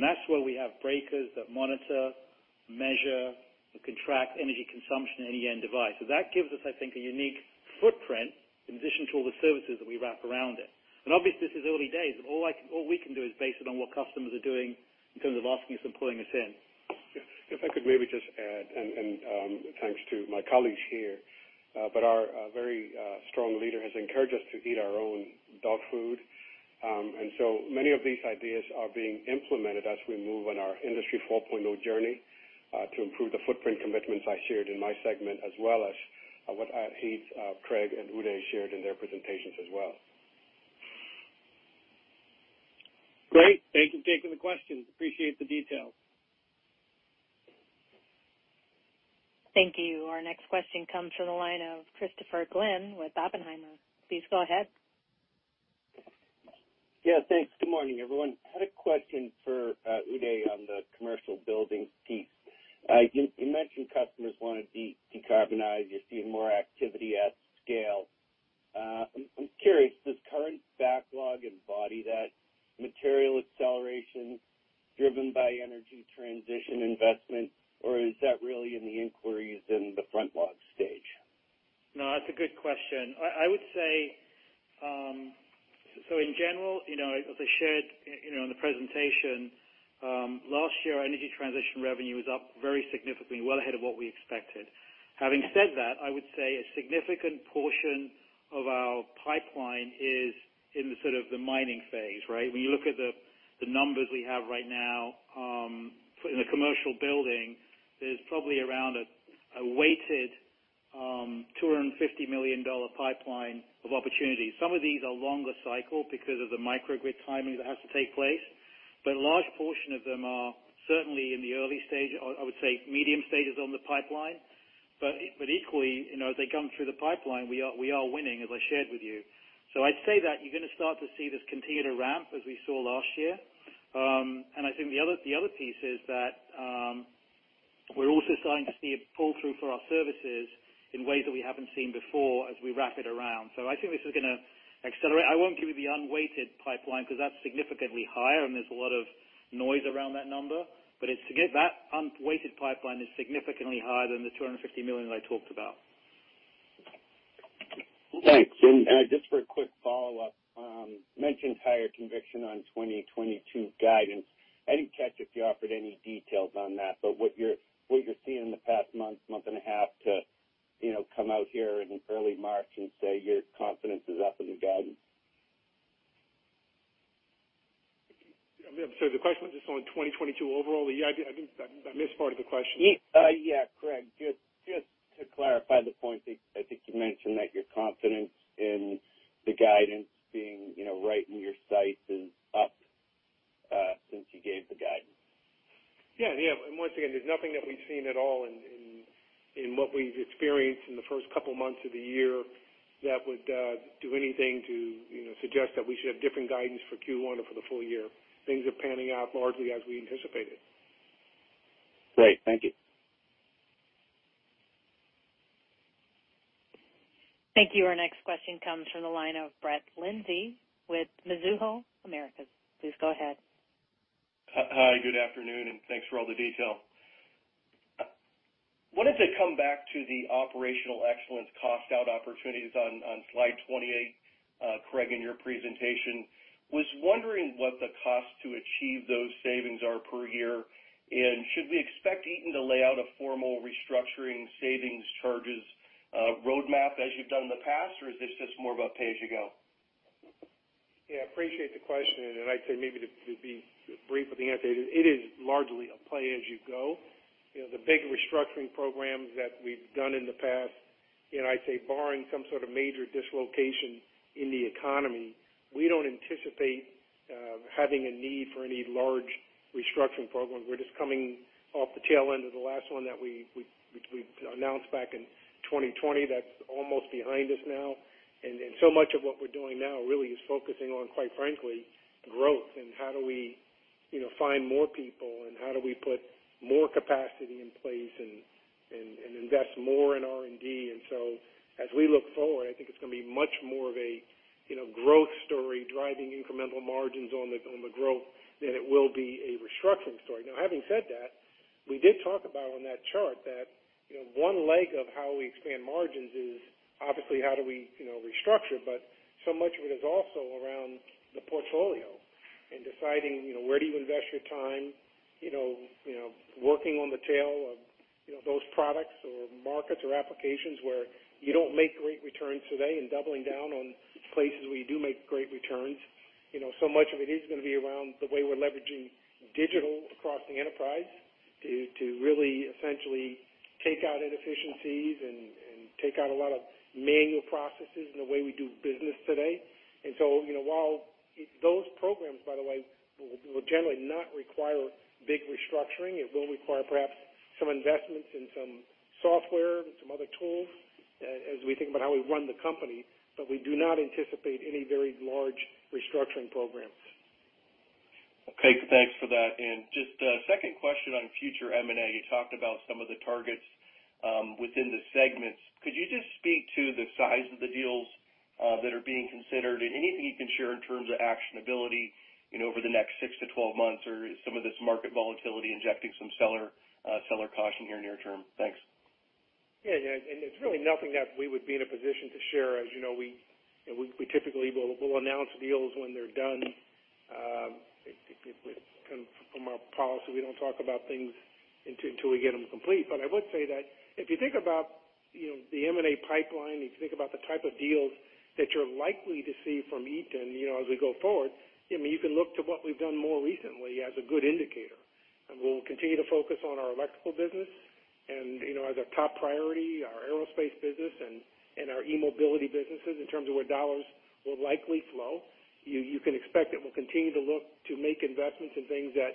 That's where we have breakers that monitor, measure, and control energy consumption at any end device. That gives us, I think, a unique footprint in addition to all the services that we wrap around it. Obviously, this is early days. All we can do is base it on what customers are doing in terms of asking us and pulling us in. If I could maybe just add, thanks to my colleagues here, but our very strong leader has encouraged us to eat our own dog food. Many of these ideas are being implemented as we move on our Industry 4.0 journey to improve the footprint commitments I shared in my segment, as well as what Heath, Craig, and Uday shared in their presentations as well. Great. Thank you for taking the questions. Appreciate the details. Thank you. Our next question comes from the line of Christopher Glynn with Oppenheimer. Please go ahead. Yeah, thanks. Good morning, everyone. I had a question for Uday on the commercial buildings piece. You mentioned customers wanna decarbonize. You're seeing more activity at scale. I'm curious, does current backlog embody that material acceleration driven by energy transition investment, or is that really in the inquiries in the front log stage? No, that's a good question. I would say, so in general, you know, as I shared, you know, in the presentation, last year, our energy transition revenue was up very significantly, well ahead of what we expected. Having said that, I would say a significant portion of our pipeline is in the sort of mining phase, right? When you look at the numbers we have right now, in the commercial building, there's probably around a weighted $250 million pipeline of opportunities. Some of these are longer cycle because of the microgrid timing that has to take place. But a large portion of them are certainly in the early stage, or I would say medium stages on the pipeline. Equally, you know, as they come through the pipeline, we are winning, as I shared with you. I'd say that you're gonna start to see this continue to ramp as we saw last year. I think the other piece is that, we're also starting to see a pull-through for our services in ways that we haven't seen before as we wrap it around. I think this is gonna accelerate. I won't give you the unweighted pipeline because that's significantly higher, and there's a lot of noise around that number. But just to get that unweighted pipeline is significantly higher than the $250 million that I talked about. Thanks. Just for a quick follow-up, you mentioned higher conviction on 2022 guidance. I didn't catch if you offered any details on that, but what you're seeing in the past month and a half to, you know, come out here in early March and say your confidence is up in the guidance. I'm sorry, the question was just on 2022 overall? Yeah, I think I missed part of the question. Yeah, correct. Just to clarify the point, I think you mentioned that your confidence in the guidance being, you know, right in your sights is up since you gave the guidance. Once again, there's nothing that we've seen at all in what we've experienced in the first couple months of the year that would do anything to, you know, suggest that we should have different guidance for Q1 or for the full year. Things are panning out largely as we anticipated. Great. Thank you. Thank you. Our next question comes from the line of Brett Linzey with Mizuho Americas. Please go ahead. Hi, good afternoon, and thanks for all the detail. Wanted to come back to the operational excellence cost out opportunities on slide 28, Craig, in your presentation. Was wondering what the cost to achieve those savings are per year, and should we expect Eaton to lay out a formal restructuring savings charges roadmap as you've done in the past, or is this just more of a pay-as-you-go? Yeah, appreciate the question, and I'd say maybe to be brief with the answer, it is largely a play as you go. You know, the big restructuring programs that we've done in the past, and I'd say barring some sort of major dislocation in the economy, we don't anticipate having a need for any large restructuring programs. We're just coming off the tail end of the last one that we, which we announced back in 2020. That's almost behind us now. So much of what we're doing now really is focusing on, quite frankly, growth and how do we, you know, find more people, and how do we put more capacity in place and invest more in R&D. As we look forward, I think it's gonna be much more of a, you know, growth story, driving incremental margins on the growth than it will be a restructuring story. Now, having said that, we did talk about on that chart that, you know, one leg of how we expand margins is obviously how do we, you know, restructure, but so much of it is also around the portfolio and deciding, you know, where do you invest your time, you know, working on the tail of, you know, those products or markets or applications where you don't make great returns today and doubling down on places where you do make great returns. You know, so much of it is gonna be around the way we're leveraging digital across the enterprise to really essentially take out inefficiencies and take out a lot of manual processes in the way we do business today. You know, while those programs, by the way, will generally not require big restructuring, it will require perhaps some investments in some software and some other tools, as we think about how we run the company, but we do not anticipate any very large restructuring programs. Okay, thanks for that. Just a second question on future M&A. You talked about some of the targets within the segments. Could you just speak to the size of the deals that are being considered? And anything you can share in terms of actionability, you know, over the next six to 12 months, or is some of this market volatility injecting some seller caution here near term? Thanks. Yeah. Yeah. It's really nothing that we would be in a position to share. As you know, we typically will announce deals when they're done. From our policy, we don't talk about things until we get them complete. I would say that if you think about, you know, the M&A pipeline, you think about the type of deals that you're likely to see from Eaton, you know, as we go forward, I mean, you can look to what we've done more recently as a good indicator. We'll continue to focus on our electrical business and, you know, as our top priority, our aerospace business and our eMobility businesses in terms of where dollars will likely flow. You can expect that we'll continue to look to make investments in things that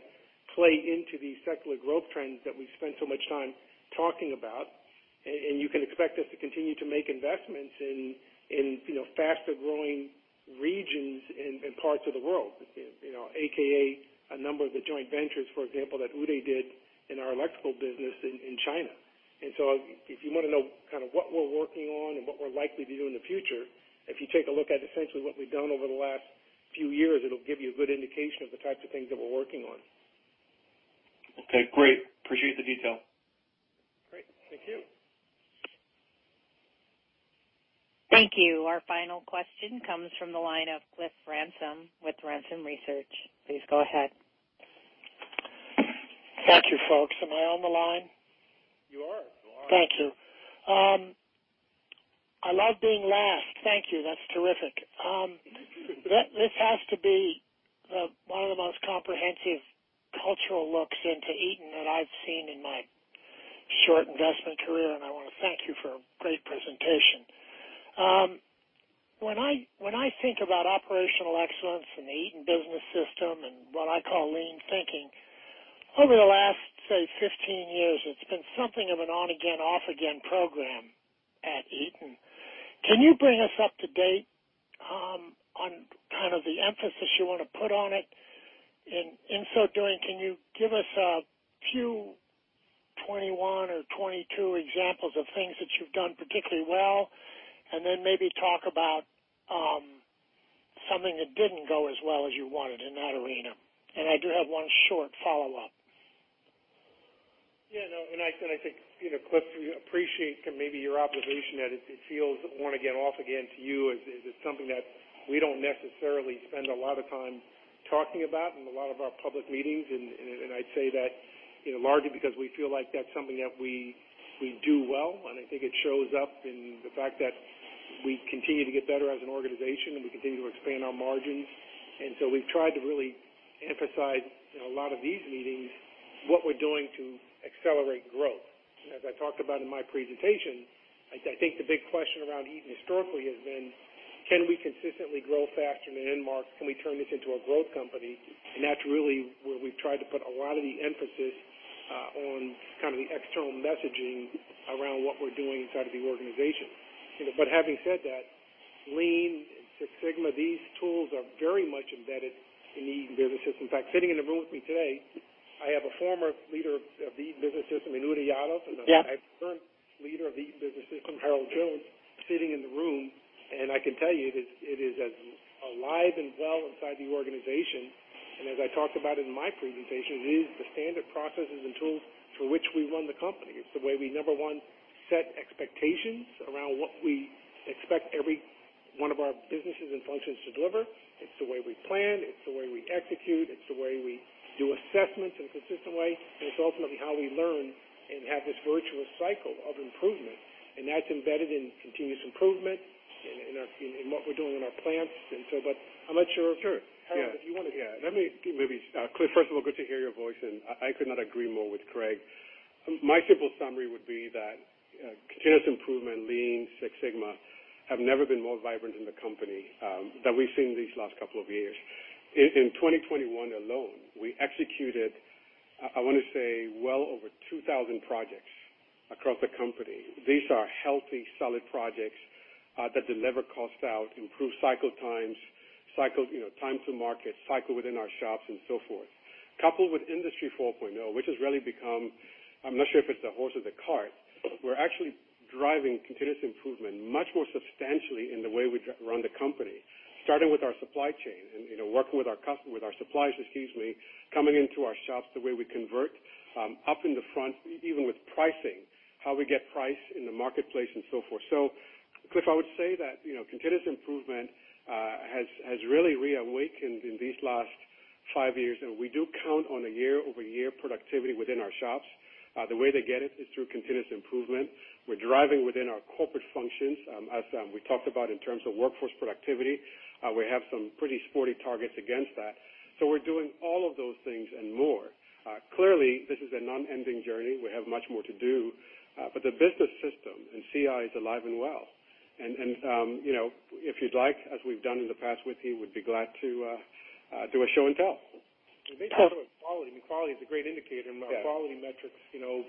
play into the secular growth trends that we've spent so much time talking about. You can expect us to continue to make investments in, you know, faster-growing regions in parts of the world, you know, AKA a number of the joint ventures, for example, that Uday did in our electrical business in China. If you wanna know kind of what we're working on and what we're likely to do in the future, if you take a look at essentially what we've done over the last few years, it'll give you a good indication of the types of things that we're working on. Okay, great. Appreciate the detail. Great. Thank you. Thank you. Our final question comes from the line of Cliff Ransom with Ransom Research. Please go ahead. Thank you, folks. Am I on the line? You are. Thank you. I love being last. Thank you. That's terrific. This has to be one of the most comprehensive cultural looks into Eaton that I've seen in my short investment career, and I wanna thank you for a great presentation. When I think about operational excellence and the Eaton Business System and what I call lean thinking, over the last, say, 15 years, it's been something of an on-again, off-again program at Eaton. Can you bring us up to date on kind of the emphasis you wanna put on it? In so doing, can you give us a few 2021 or 2022 examples of things that you've done particularly well, and then maybe talk about something that didn't go as well as you wanted in that arena? I do have one short follow-up. Yeah, no, I think, you know, Cliff, we appreciate maybe your observation that it feels on-again, off-again to you is something that we don't necessarily spend a lot of time talking about in a lot of our public meetings. I'd say that, you know, largely because we feel like that's something that we do well, and I think it shows up in the fact that we continue to get better as an organization, and we continue to expand our margins. We've tried to really emphasize in a lot of these meetings what we're doing to accelerate growth. As I talked about in my presentation, I think the big question around Eaton historically has been, can we consistently grow faster than end market? Can we turn this into a growth company? That's really where we've tried to put a lot of the emphasis on kind of the external messaging around what we're doing inside of the organization. Having said that, Lean and Six Sigma, these tools are very much embedded in Eaton Business System. In fact, sitting in the room with me today, I have a former leader of the business system, Uday Yadav. Yeah. A current leader of the Business System, Harold Jones, sitting in the room, and I can tell you it is as alive and well inside the organization. As I talked about in my presentation, it is the standard processes and tools through which we run the company. It's the way we, number one, set expectations around what we expect every one of our businesses and functions to deliver. It's the way we plan. It's the way we execute. It's the way we do assessments in a consistent way. It's ultimately how we learn and have this virtuous cycle of improvement. That's embedded in continuous improvement in what we're doing in our plants. But I'm not sure. Sure. Harold, if you wanna. Yeah. Let me, Cliff, first of all, good to hear your voice. I could not agree more with Craig. My simple summary would be that continuous improvement, Lean Six Sigma, have never been more vibrant in the company than we've seen these last couple of years. In 2021 alone, we executed, I wanna say well over 2000 projects across the company. These are healthy, solid projects that deliver cost out, improve cycle times, cycle, you know, time to market, cycle within our shops and so forth. Coupled with Industry 4.0, which has really become, I'm not sure if it's the horse or the cart, we're actually driving continuous improvement much more substantially in the way we run the company. Starting with our supply chain and, you know, working with our suppliers, excuse me, coming into our shops, the way we convert up in the front, even with pricing, how we get price in the marketplace and so forth. Cliff, I would say that, you know, continuous improvement has really reawakened in these last five years. We do count on a year-over-year productivity within our shops. The way they get it is through continuous improvement. We're driving within our corporate functions, as we talked about in terms of workforce productivity. We have some pretty sporty targets against that. We're doing all of those things and more. Clearly, this is a non-ending journey. We have much more to do. The business system and CI is alive and well. you know, if you'd like, as we've done in the past with you, we'd be glad to do a show and tell. Based also on quality, I mean, quality is a great indicator. Yeah. Our quality metrics, you know,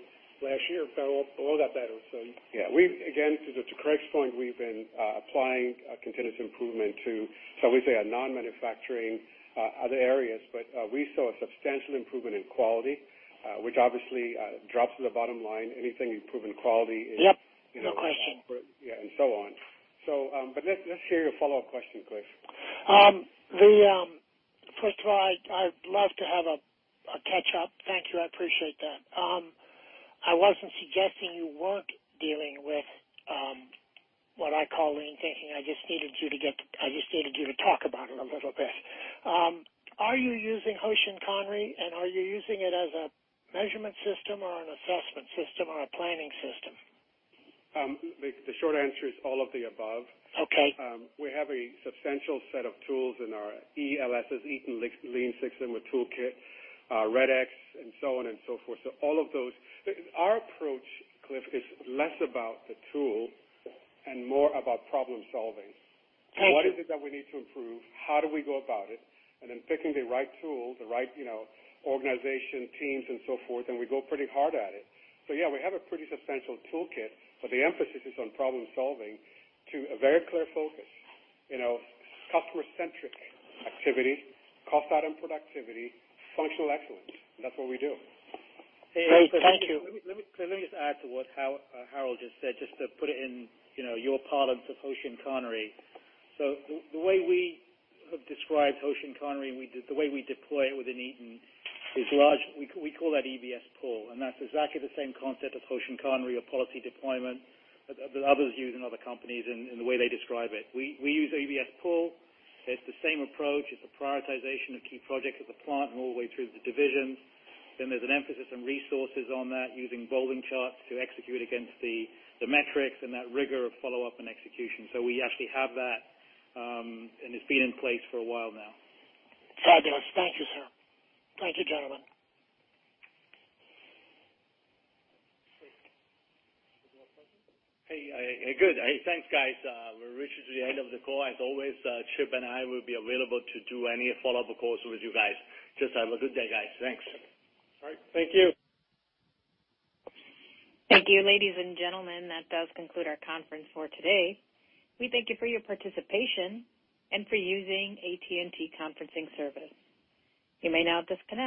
last year fell all that better, so. Yeah. We've again, to Craig's point, we've been applying continuous improvement to, shall we say, a non-manufacturing other areas. We saw a substantial improvement in quality, which obviously drops to the bottom line. Any improvement in quality is. Yep. No question. Yeah, and so on. Let's hear your follow-up question, Cliff. First of all, I'd love to have a catch-up. Thank you, I appreciate that. I wasn't suggesting you weren't dealing with what I call Lean thinking. I just needed you to talk about it a little bit. Are you using Hoshin Kanri, and are you using it as a measurement system or an assessment system or a planning system? The short answer is all of the above. Okay. We have a substantial set of tools in our ELSS, Eaton Lean Six Sigma toolkit, Red X and so on and so forth. All of those. Our approach, Cliff, is less about the tool and more about problem-solving. Thank you. What is it that we need to improve? How do we go about it? Picking the right tool, the right, you know, organization, teams, and so forth, and we go pretty hard at it. Yeah, we have a pretty substantial toolkit, but the emphasis is on problem-solving to a very clear focus. You know, customer-centric activities, cost out and productivity, functional excellence. That's what we do. Great. Thank you. Let me, Cliff, let me just add to what Hal, Harold just said, just to put it in, you know, your parlance of Hoshin Kanri. The way we have described Hoshin Kanri, the way we deploy it within Eaton is large. We call that EBS PULL, and that's exactly the same concept as Hoshin Kanri or policy deployment that others use in other companies in the way they describe it. We use EBS PULL. It's the same approach. It's a prioritization of key projects at the plant and all the way through the divisions. Then there's an emphasis on resources on that using bowling charts to execute against the metrics and that rigor of follow-up and execution. We actually have that, and it's been in place for a while now. Fabulous. Thank you, sir. Thank you, gentlemen. Any more questions? Hey, hey, good. Hey, thanks, guys. We're reaching the end of the call. As always, Chip and I will be available to do any follow-up calls with you guys. Just have a good day, guys. Thanks. All right. Thank you. Thank you, ladies and gentlemen. That does conclude our conference for today. We thank you for your participation and for using AT&T conferencing service. You may now disconnect.